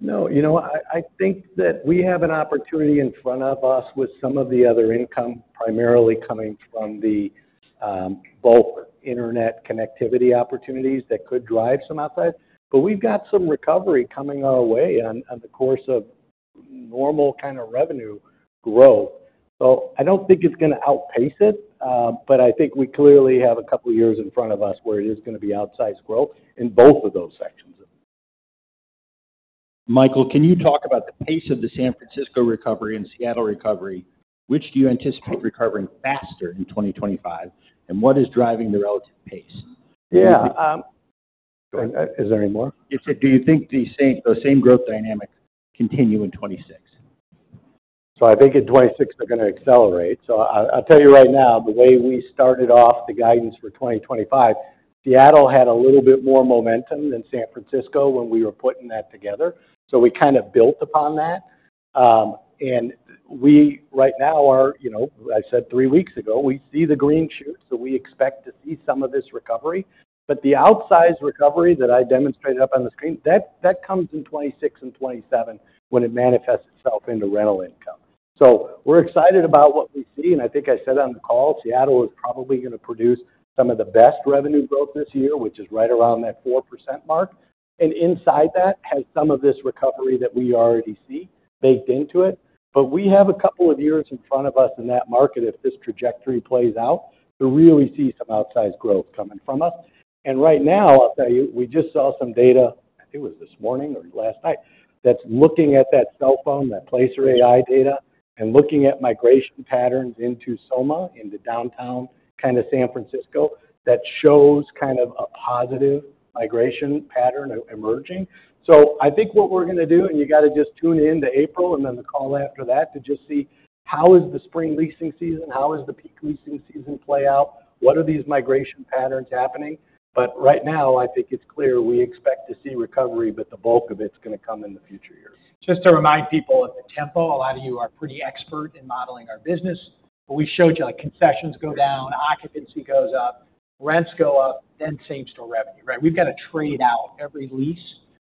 No. You know what? I think that we have an opportunity in front of us with some of the other income primarily coming from the bulk internet connectivity opportunities that could drive some upside. But we've got some recovery coming our way on the course of normal kind of revenue growth. So I don't think it's going to outpace it, but I think we clearly have a couple of years in front of us where it is going to be outsized growth in both of those sections. Michael, can you talk about the pace of the San Francisco recovery and Seattle recovery? Which do you anticipate recovering faster in 2025, and what is driving the relative pace? Yeah. Is there any more? Do you think the same growth dynamic will continue in 2026? I think in 2026, they're going to accelerate. So I'll tell you right now, the way we started off the guidance for 2025, Seattle had a little bit more momentum than San Francisco when we were putting that together. So we kind of built upon that. And we right now are, as I said three weeks ago, we see the green shoot. So we expect to see some of this recovery. But the outsized recovery that I demonstrated up on the screen, that comes in 2026 and 2027 when it manifests itself into rental income. So we're excited about what we see. And I think I said on the call, Seattle is probably going to produce some of the best revenue growth this year, which is right around that 4% mark. And inside that has some of this recovery that we already see baked into it. But we have a couple of years in front of us in that market if this trajectory plays out to really see some outsized growth coming from us. And right now, I'll tell you, we just saw some data, I think it was this morning or last night, that's looking at that cell phone, that Placer.ai data, and looking at migration patterns into SOMA, into downtown kind of San Francisco that shows kind of a positive migration pattern emerging. So I think what we're going to do, and you got to just tune into April and then the call after that to just see how is the spring leasing season, how is the peak leasing season play out, what are these migration patterns happening. But right now, I think it's clear we expect to see recovery, but the bulk of it's going to come in the future years. Just to remind people of the tempo, a lot of you are pretty expert in modeling our business. But we showed you like concessions go down, occupancy goes up, rents go up, then Same-Store revenue, right? We've got to trade out every lease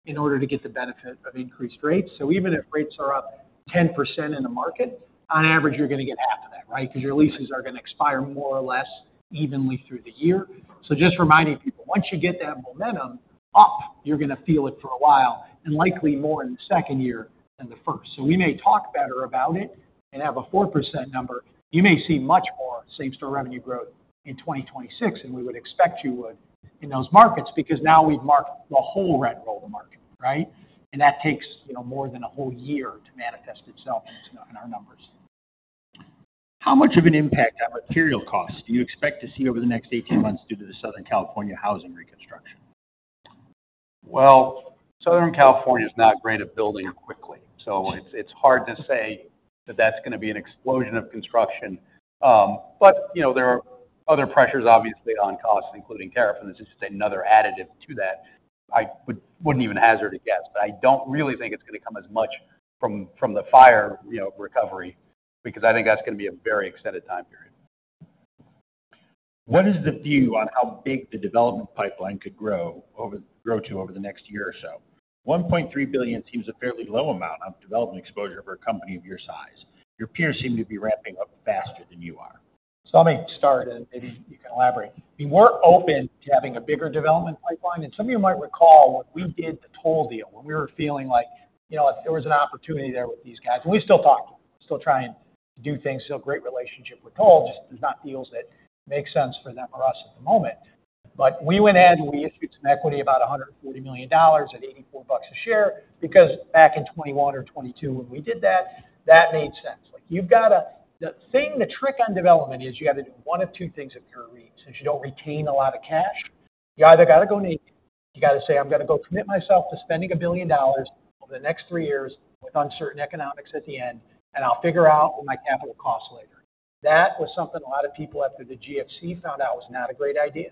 in order to get the benefit of increased rates. So even if rates are up 10% in the market, on average, you're going to get half of that, right? Because your leases are going to expire more or less evenly through the year. So just reminding people, once you get that momentum up, you're going to feel it for a while and likely more in the second year than the first. So we may talk better about it and have a 4% number. You may see much more Same-Store revenue growth in 2026, and we would expect you would in those markets because now we've marked the whole rent roll to market, right? And that takes more than a whole year to manifest itself in our numbers. How much of an impact on material costs do you expect to see over the next 18 months due to the Southern California housing reconstruction? Southern California is not great at building quickly. So it's hard to say that that's going to be an explosion of construction. But there are other pressures, obviously, on costs, including tariff, and this is just another additive to that. I wouldn't even hazard a guess. But I don't really think it's going to come as much from the fire recovery because I think that's going to be a very extended time period. What is the view on how big the development pipeline could grow to over the next year or so? $1.3 billion seems a fairly low amount of development exposure for a company of your size. Your peers seem to be ramping up faster than you are. So let me start, and maybe you can elaborate. I mean, we're open to having a bigger development pipeline. And some of you might recall when we did the Toll deal, when we were feeling like there was an opportunity there with these guys. And we still talk to them. We're still trying to do things. Still great relationship with Toll. Just there's not deals that make sense for them or us at the moment. But we went ahead and we issued some equity about $140 million at $84 a share because back in 2021 or 2022 when we did that, that made sense. The thing, the trick on development is you got to do one of two things if you're a REIT. Since you don't retain a lot of cash, you either got to go naked. You got to say, "I'm going to go commit myself to spending $1 billion over the next three years with uncertain economics at the end, and I'll figure out what my capital costs later." That was something a lot of people after the GFC found out was not a great idea,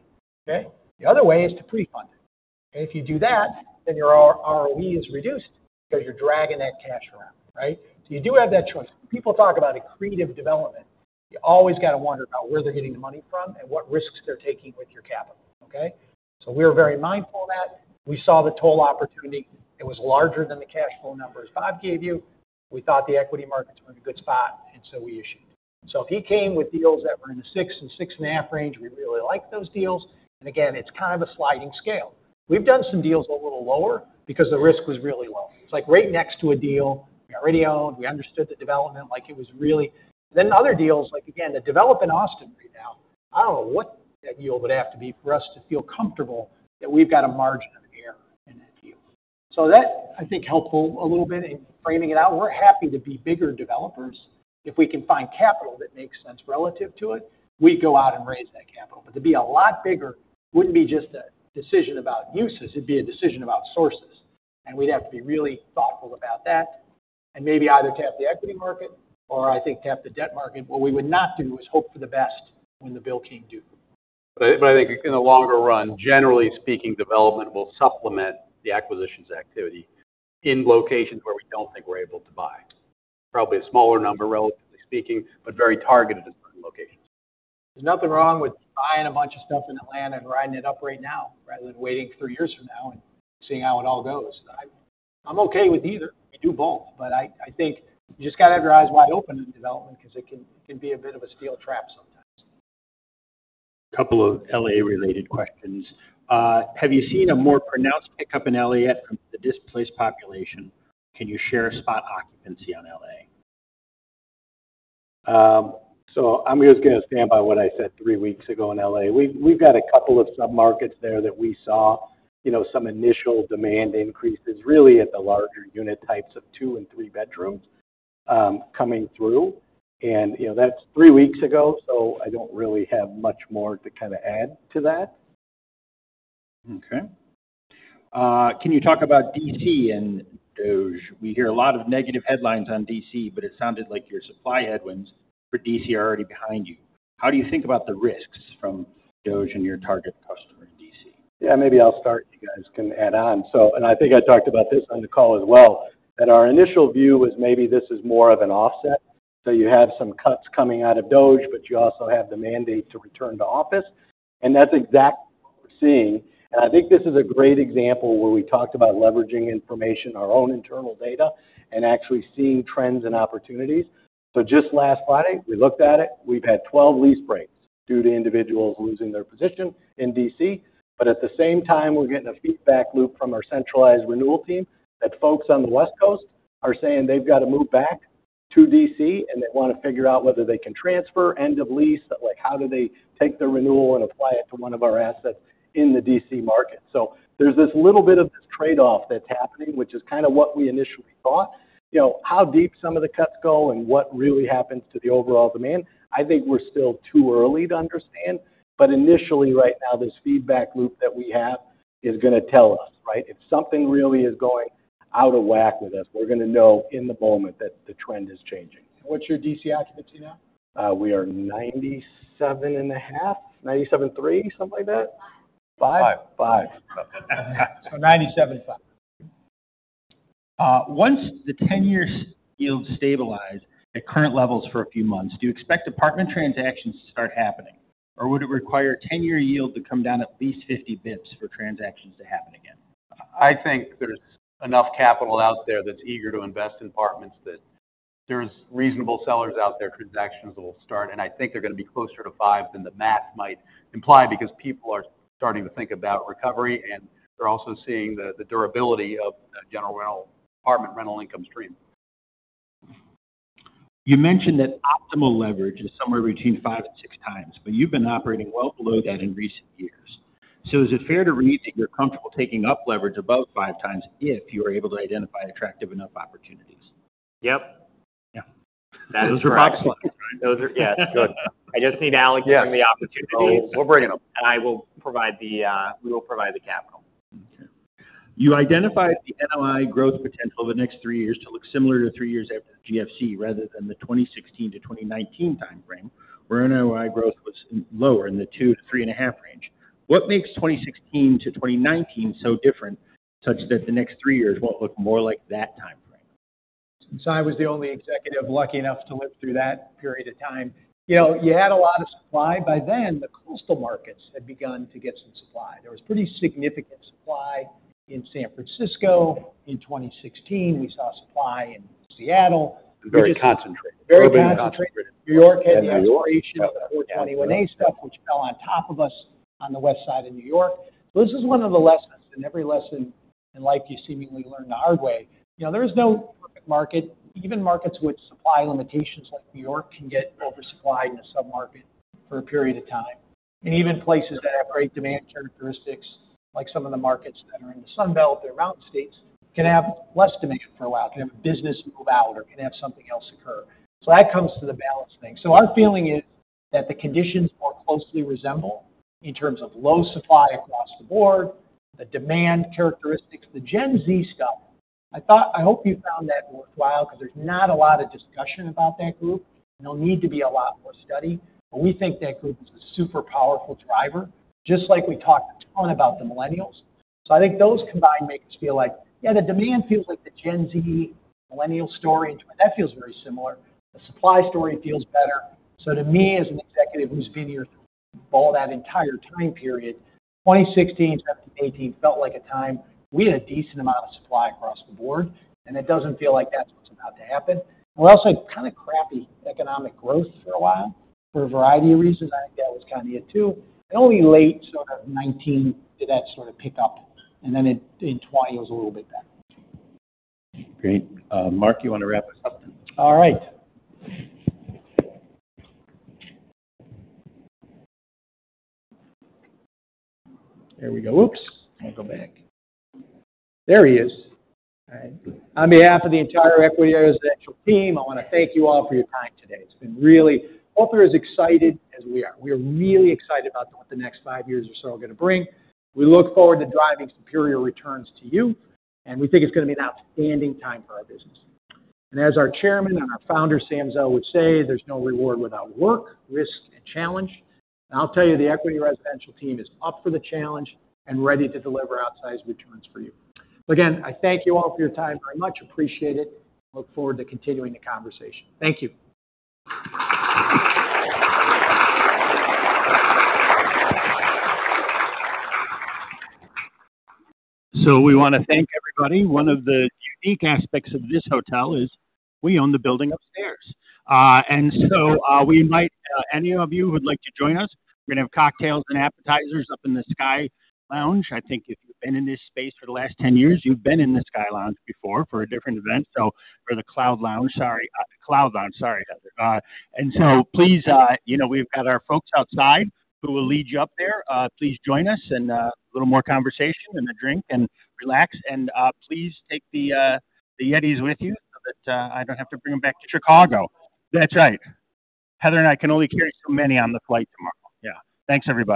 okay? The other way is to pre-fund it. If you do that, then your ROE is reduced because you're dragging that cash around, right? So you do have that choice. People talk about accretive development. You always got to wonder about where they're getting the money from and what risks they're taking with your capital, okay? So we're very mindful of that. We saw the Toll opportunity. It was larger than the cash flow numbers Robert gave you. We thought the equity markets were in a good spot, and so we issued. So if he came with deals that were in the 6 and 6 and a half range, we really liked those deals. And again, it's kind of a sliding scale. We've done some deals a little lower because the risk was really low. It's like right next to a deal we already owned. We understood the development. It was really. Then other deals, like again, the development in Austin right now, I don't know what that deal would have to be for us to feel comfortable that we've got a margin of error in that deal. So that, I think, helped a little bit in framing it out. We're happy to be bigger developers. If we can find capital that makes sense relative to it, we'd go out and raise that capital. But to be a lot bigger wouldn't be just a decision about uses. It'd be a decision about sources. And we'd have to be really thoughtful about that. And maybe either tap the equity market or, I think, tap the debt market. What we would not do is hope for the best when the bill came due. But I think in the longer run, generally speaking, development will supplement the acquisitions activity in locations where we don't think we're able to buy. Probably a smaller number, relatively speaking, but very targeted in certain locations. There's nothing wrong with buying a bunch of stuff in Atlanta and riding it up right now rather than waiting three years from now and seeing how it all goes. I'm okay with either. We do both. But I think you just got to have your eyes wide open in development because it can be a bit of a steel trap sometimes. A couple of LA-related questions. Have you seen a more pronounced pickup in LA yet from the displaced population? Can you share spot occupancy on LA? I'm just going to stand by what I said three weeks ago in LA. We've got a couple of submarkets there that we saw some initial demand increases, really at the larger unit types of two and three bedrooms coming through. That's three weeks ago, so I don't really have much more to kind of add to that. Okay. Can you talk about DC and DOGE? We hear a lot of negative headlines on DC, but it sounded like your supply headwinds for DC are already behind you. How do you think about the risks from DOGE and your target customer in DC? Yeah, maybe I'll start. You guys can add on. And I think I talked about this on the call as well, that our initial view was maybe this is more of an offset. So you have some cuts coming out of DOGE, but you also have the mandate to return to office. And that's exactly what we're seeing. And I think this is a great example where we talked about leveraging information, our own internal data, and actually seeing trends and opportunities. So just last Friday, we looked at it. We've had 12 lease breaks due to individuals losing their position in DC. But at the same time, we're getting a feedback loop from our centralized renewal team that folks on the West Coast are saying they've got to move back to D.C., and they want to figure out whether they can transfer end of lease, like how do they take their renewal and apply it to one of our assets in the D.C. market. So there's this little bit of this trade-off that's happening, which is kind of what we initially thought. How deep some of the cuts go and what really happens to the overall demand? I think we're still too early to understand. But initially, right now, this feedback loop that we have is going to tell us, right? If something really is going out of whack with us, we're going to know in the moment that the trend is changing. What's your DC occupancy now? We are 97.5, 97.3, something like that. Five. Five. Five. So 97.5. Once the 10-year yield stabilized at current levels for a few months, do you expect apartment transactions to start happening? Or would it require 10-year yield to come down at least 50 basis points for transactions to happen again? I think there's enough capital out there that's eager to invest in apartments that there's reasonable sellers out there, transactions that will start. I think they're going to be closer to 5 than the math might imply because people are starting to think about recovery, and they're also seeing the durability of general rental apartment rental income stream. You mentioned that optimal leverage is somewhere between five and six times, but you've been operating well below that in recent years. So is it fair to read that you're comfortable taking up leverage above five times if you are able to identify attractive enough opportunities? Yep. Yeah. That is right. Those are backslides. Those are good. I just need to allocate the opportunities. Yeah. We'll bring it up. We will provide the capital. Okay. You identified the NOI growth potential of the next three years to look similar to three years after the GFC rather than the 2016 to 2019 timeframe where NOI growth was lower in the 2%-3.5% range. What makes 2016 to 2019 so different such that the next three years won't look more like that timeframe? Since I was the only executive lucky enough to live through that period of time, you had a lot of supply by then. The coastal markets had begun to get some supply. There was pretty significant supply in San Francisco. In 2016, we saw supply in Seattle. Very concentrated. Very concentrated. New York had the. New York. New York issued the 421-a stuff, which fell on top of us on the west side of New York, so this is one of the lessons, and every lesson in life you seemingly learn the hard way. There is no perfect market. Even markets with supply limitations like New York can get oversupplied in a submarket for a period of time, and even places that have great demand characteristics, like some of the markets that are in the Sunbelt or Mountain States, can have less demand for a while, can have a business move out or can have something else occur, so that comes to the balance thing, so our feeling is that the conditions more closely resemble in terms of low supply across the board, the demand characteristics, the Gen Z stuff. I hope you found that worthwhile because there's not a lot of discussion about that group. There'll need to be a lot more study. We think that group is a super powerful driver, just like we talked a ton about the millennials. I think those combined make us feel like, yeah, the demand feels like the Gen Z, millennial story. That feels very similar. The supply story feels better. To me, as an executive who's been here through all that entire time period, 2016 to 2018 felt like a time we had a decent amount of supply across the board. It doesn't feel like that's what's about to happen. We also had kind of crappy economic growth for a while for a variety of reasons. I think that was kind of it too. Only late sort of 2019 did that sort of pick up. In 2020, it was a little bit better. Great. Mark, you want to wrap us up? All right. There we go. Oops. I'll go back. There he is. All right. On behalf of the entire Equity Residential team, I want to thank you all for your time today. It's been really both of you as excited as we are. We are really excited about what the next five years or so are going to bring. We look forward to driving superior returns to you. And we think it's going to be an outstanding time for our business. And as our chairman and our founder, Sam Zell, would say, there's no reward without work, risk, and challenge. And I'll tell you, the Equity Residential team is up for the challenge and ready to deliver outsized returns for you. So again, I thank you all for your time very much. Appreciate it. Look forward to continuing the conversation. Thank you. So we want to thank everybody. One of the unique aspects of this hotel is we own the building upstairs. And so any of you who would like to join us, we're going to have cocktails and appetizers up in the Sky Lounge. I think if you've been in this space for the last 10 years, you've been in the Sky Lounge before for a different event. So for the Cloud Lounge. Sorry. Cloud Lounge. Sorry, Heather. And so please, we've got our folks outside who will lead you up there. Please join us and a little more conversation and a drink and relax. And please take the Yetis with you so that I don't have to bring them back to Chicago. That's right. Heather and I can only carry so many on the flight tomorrow. Yeah. Thanks, everybody.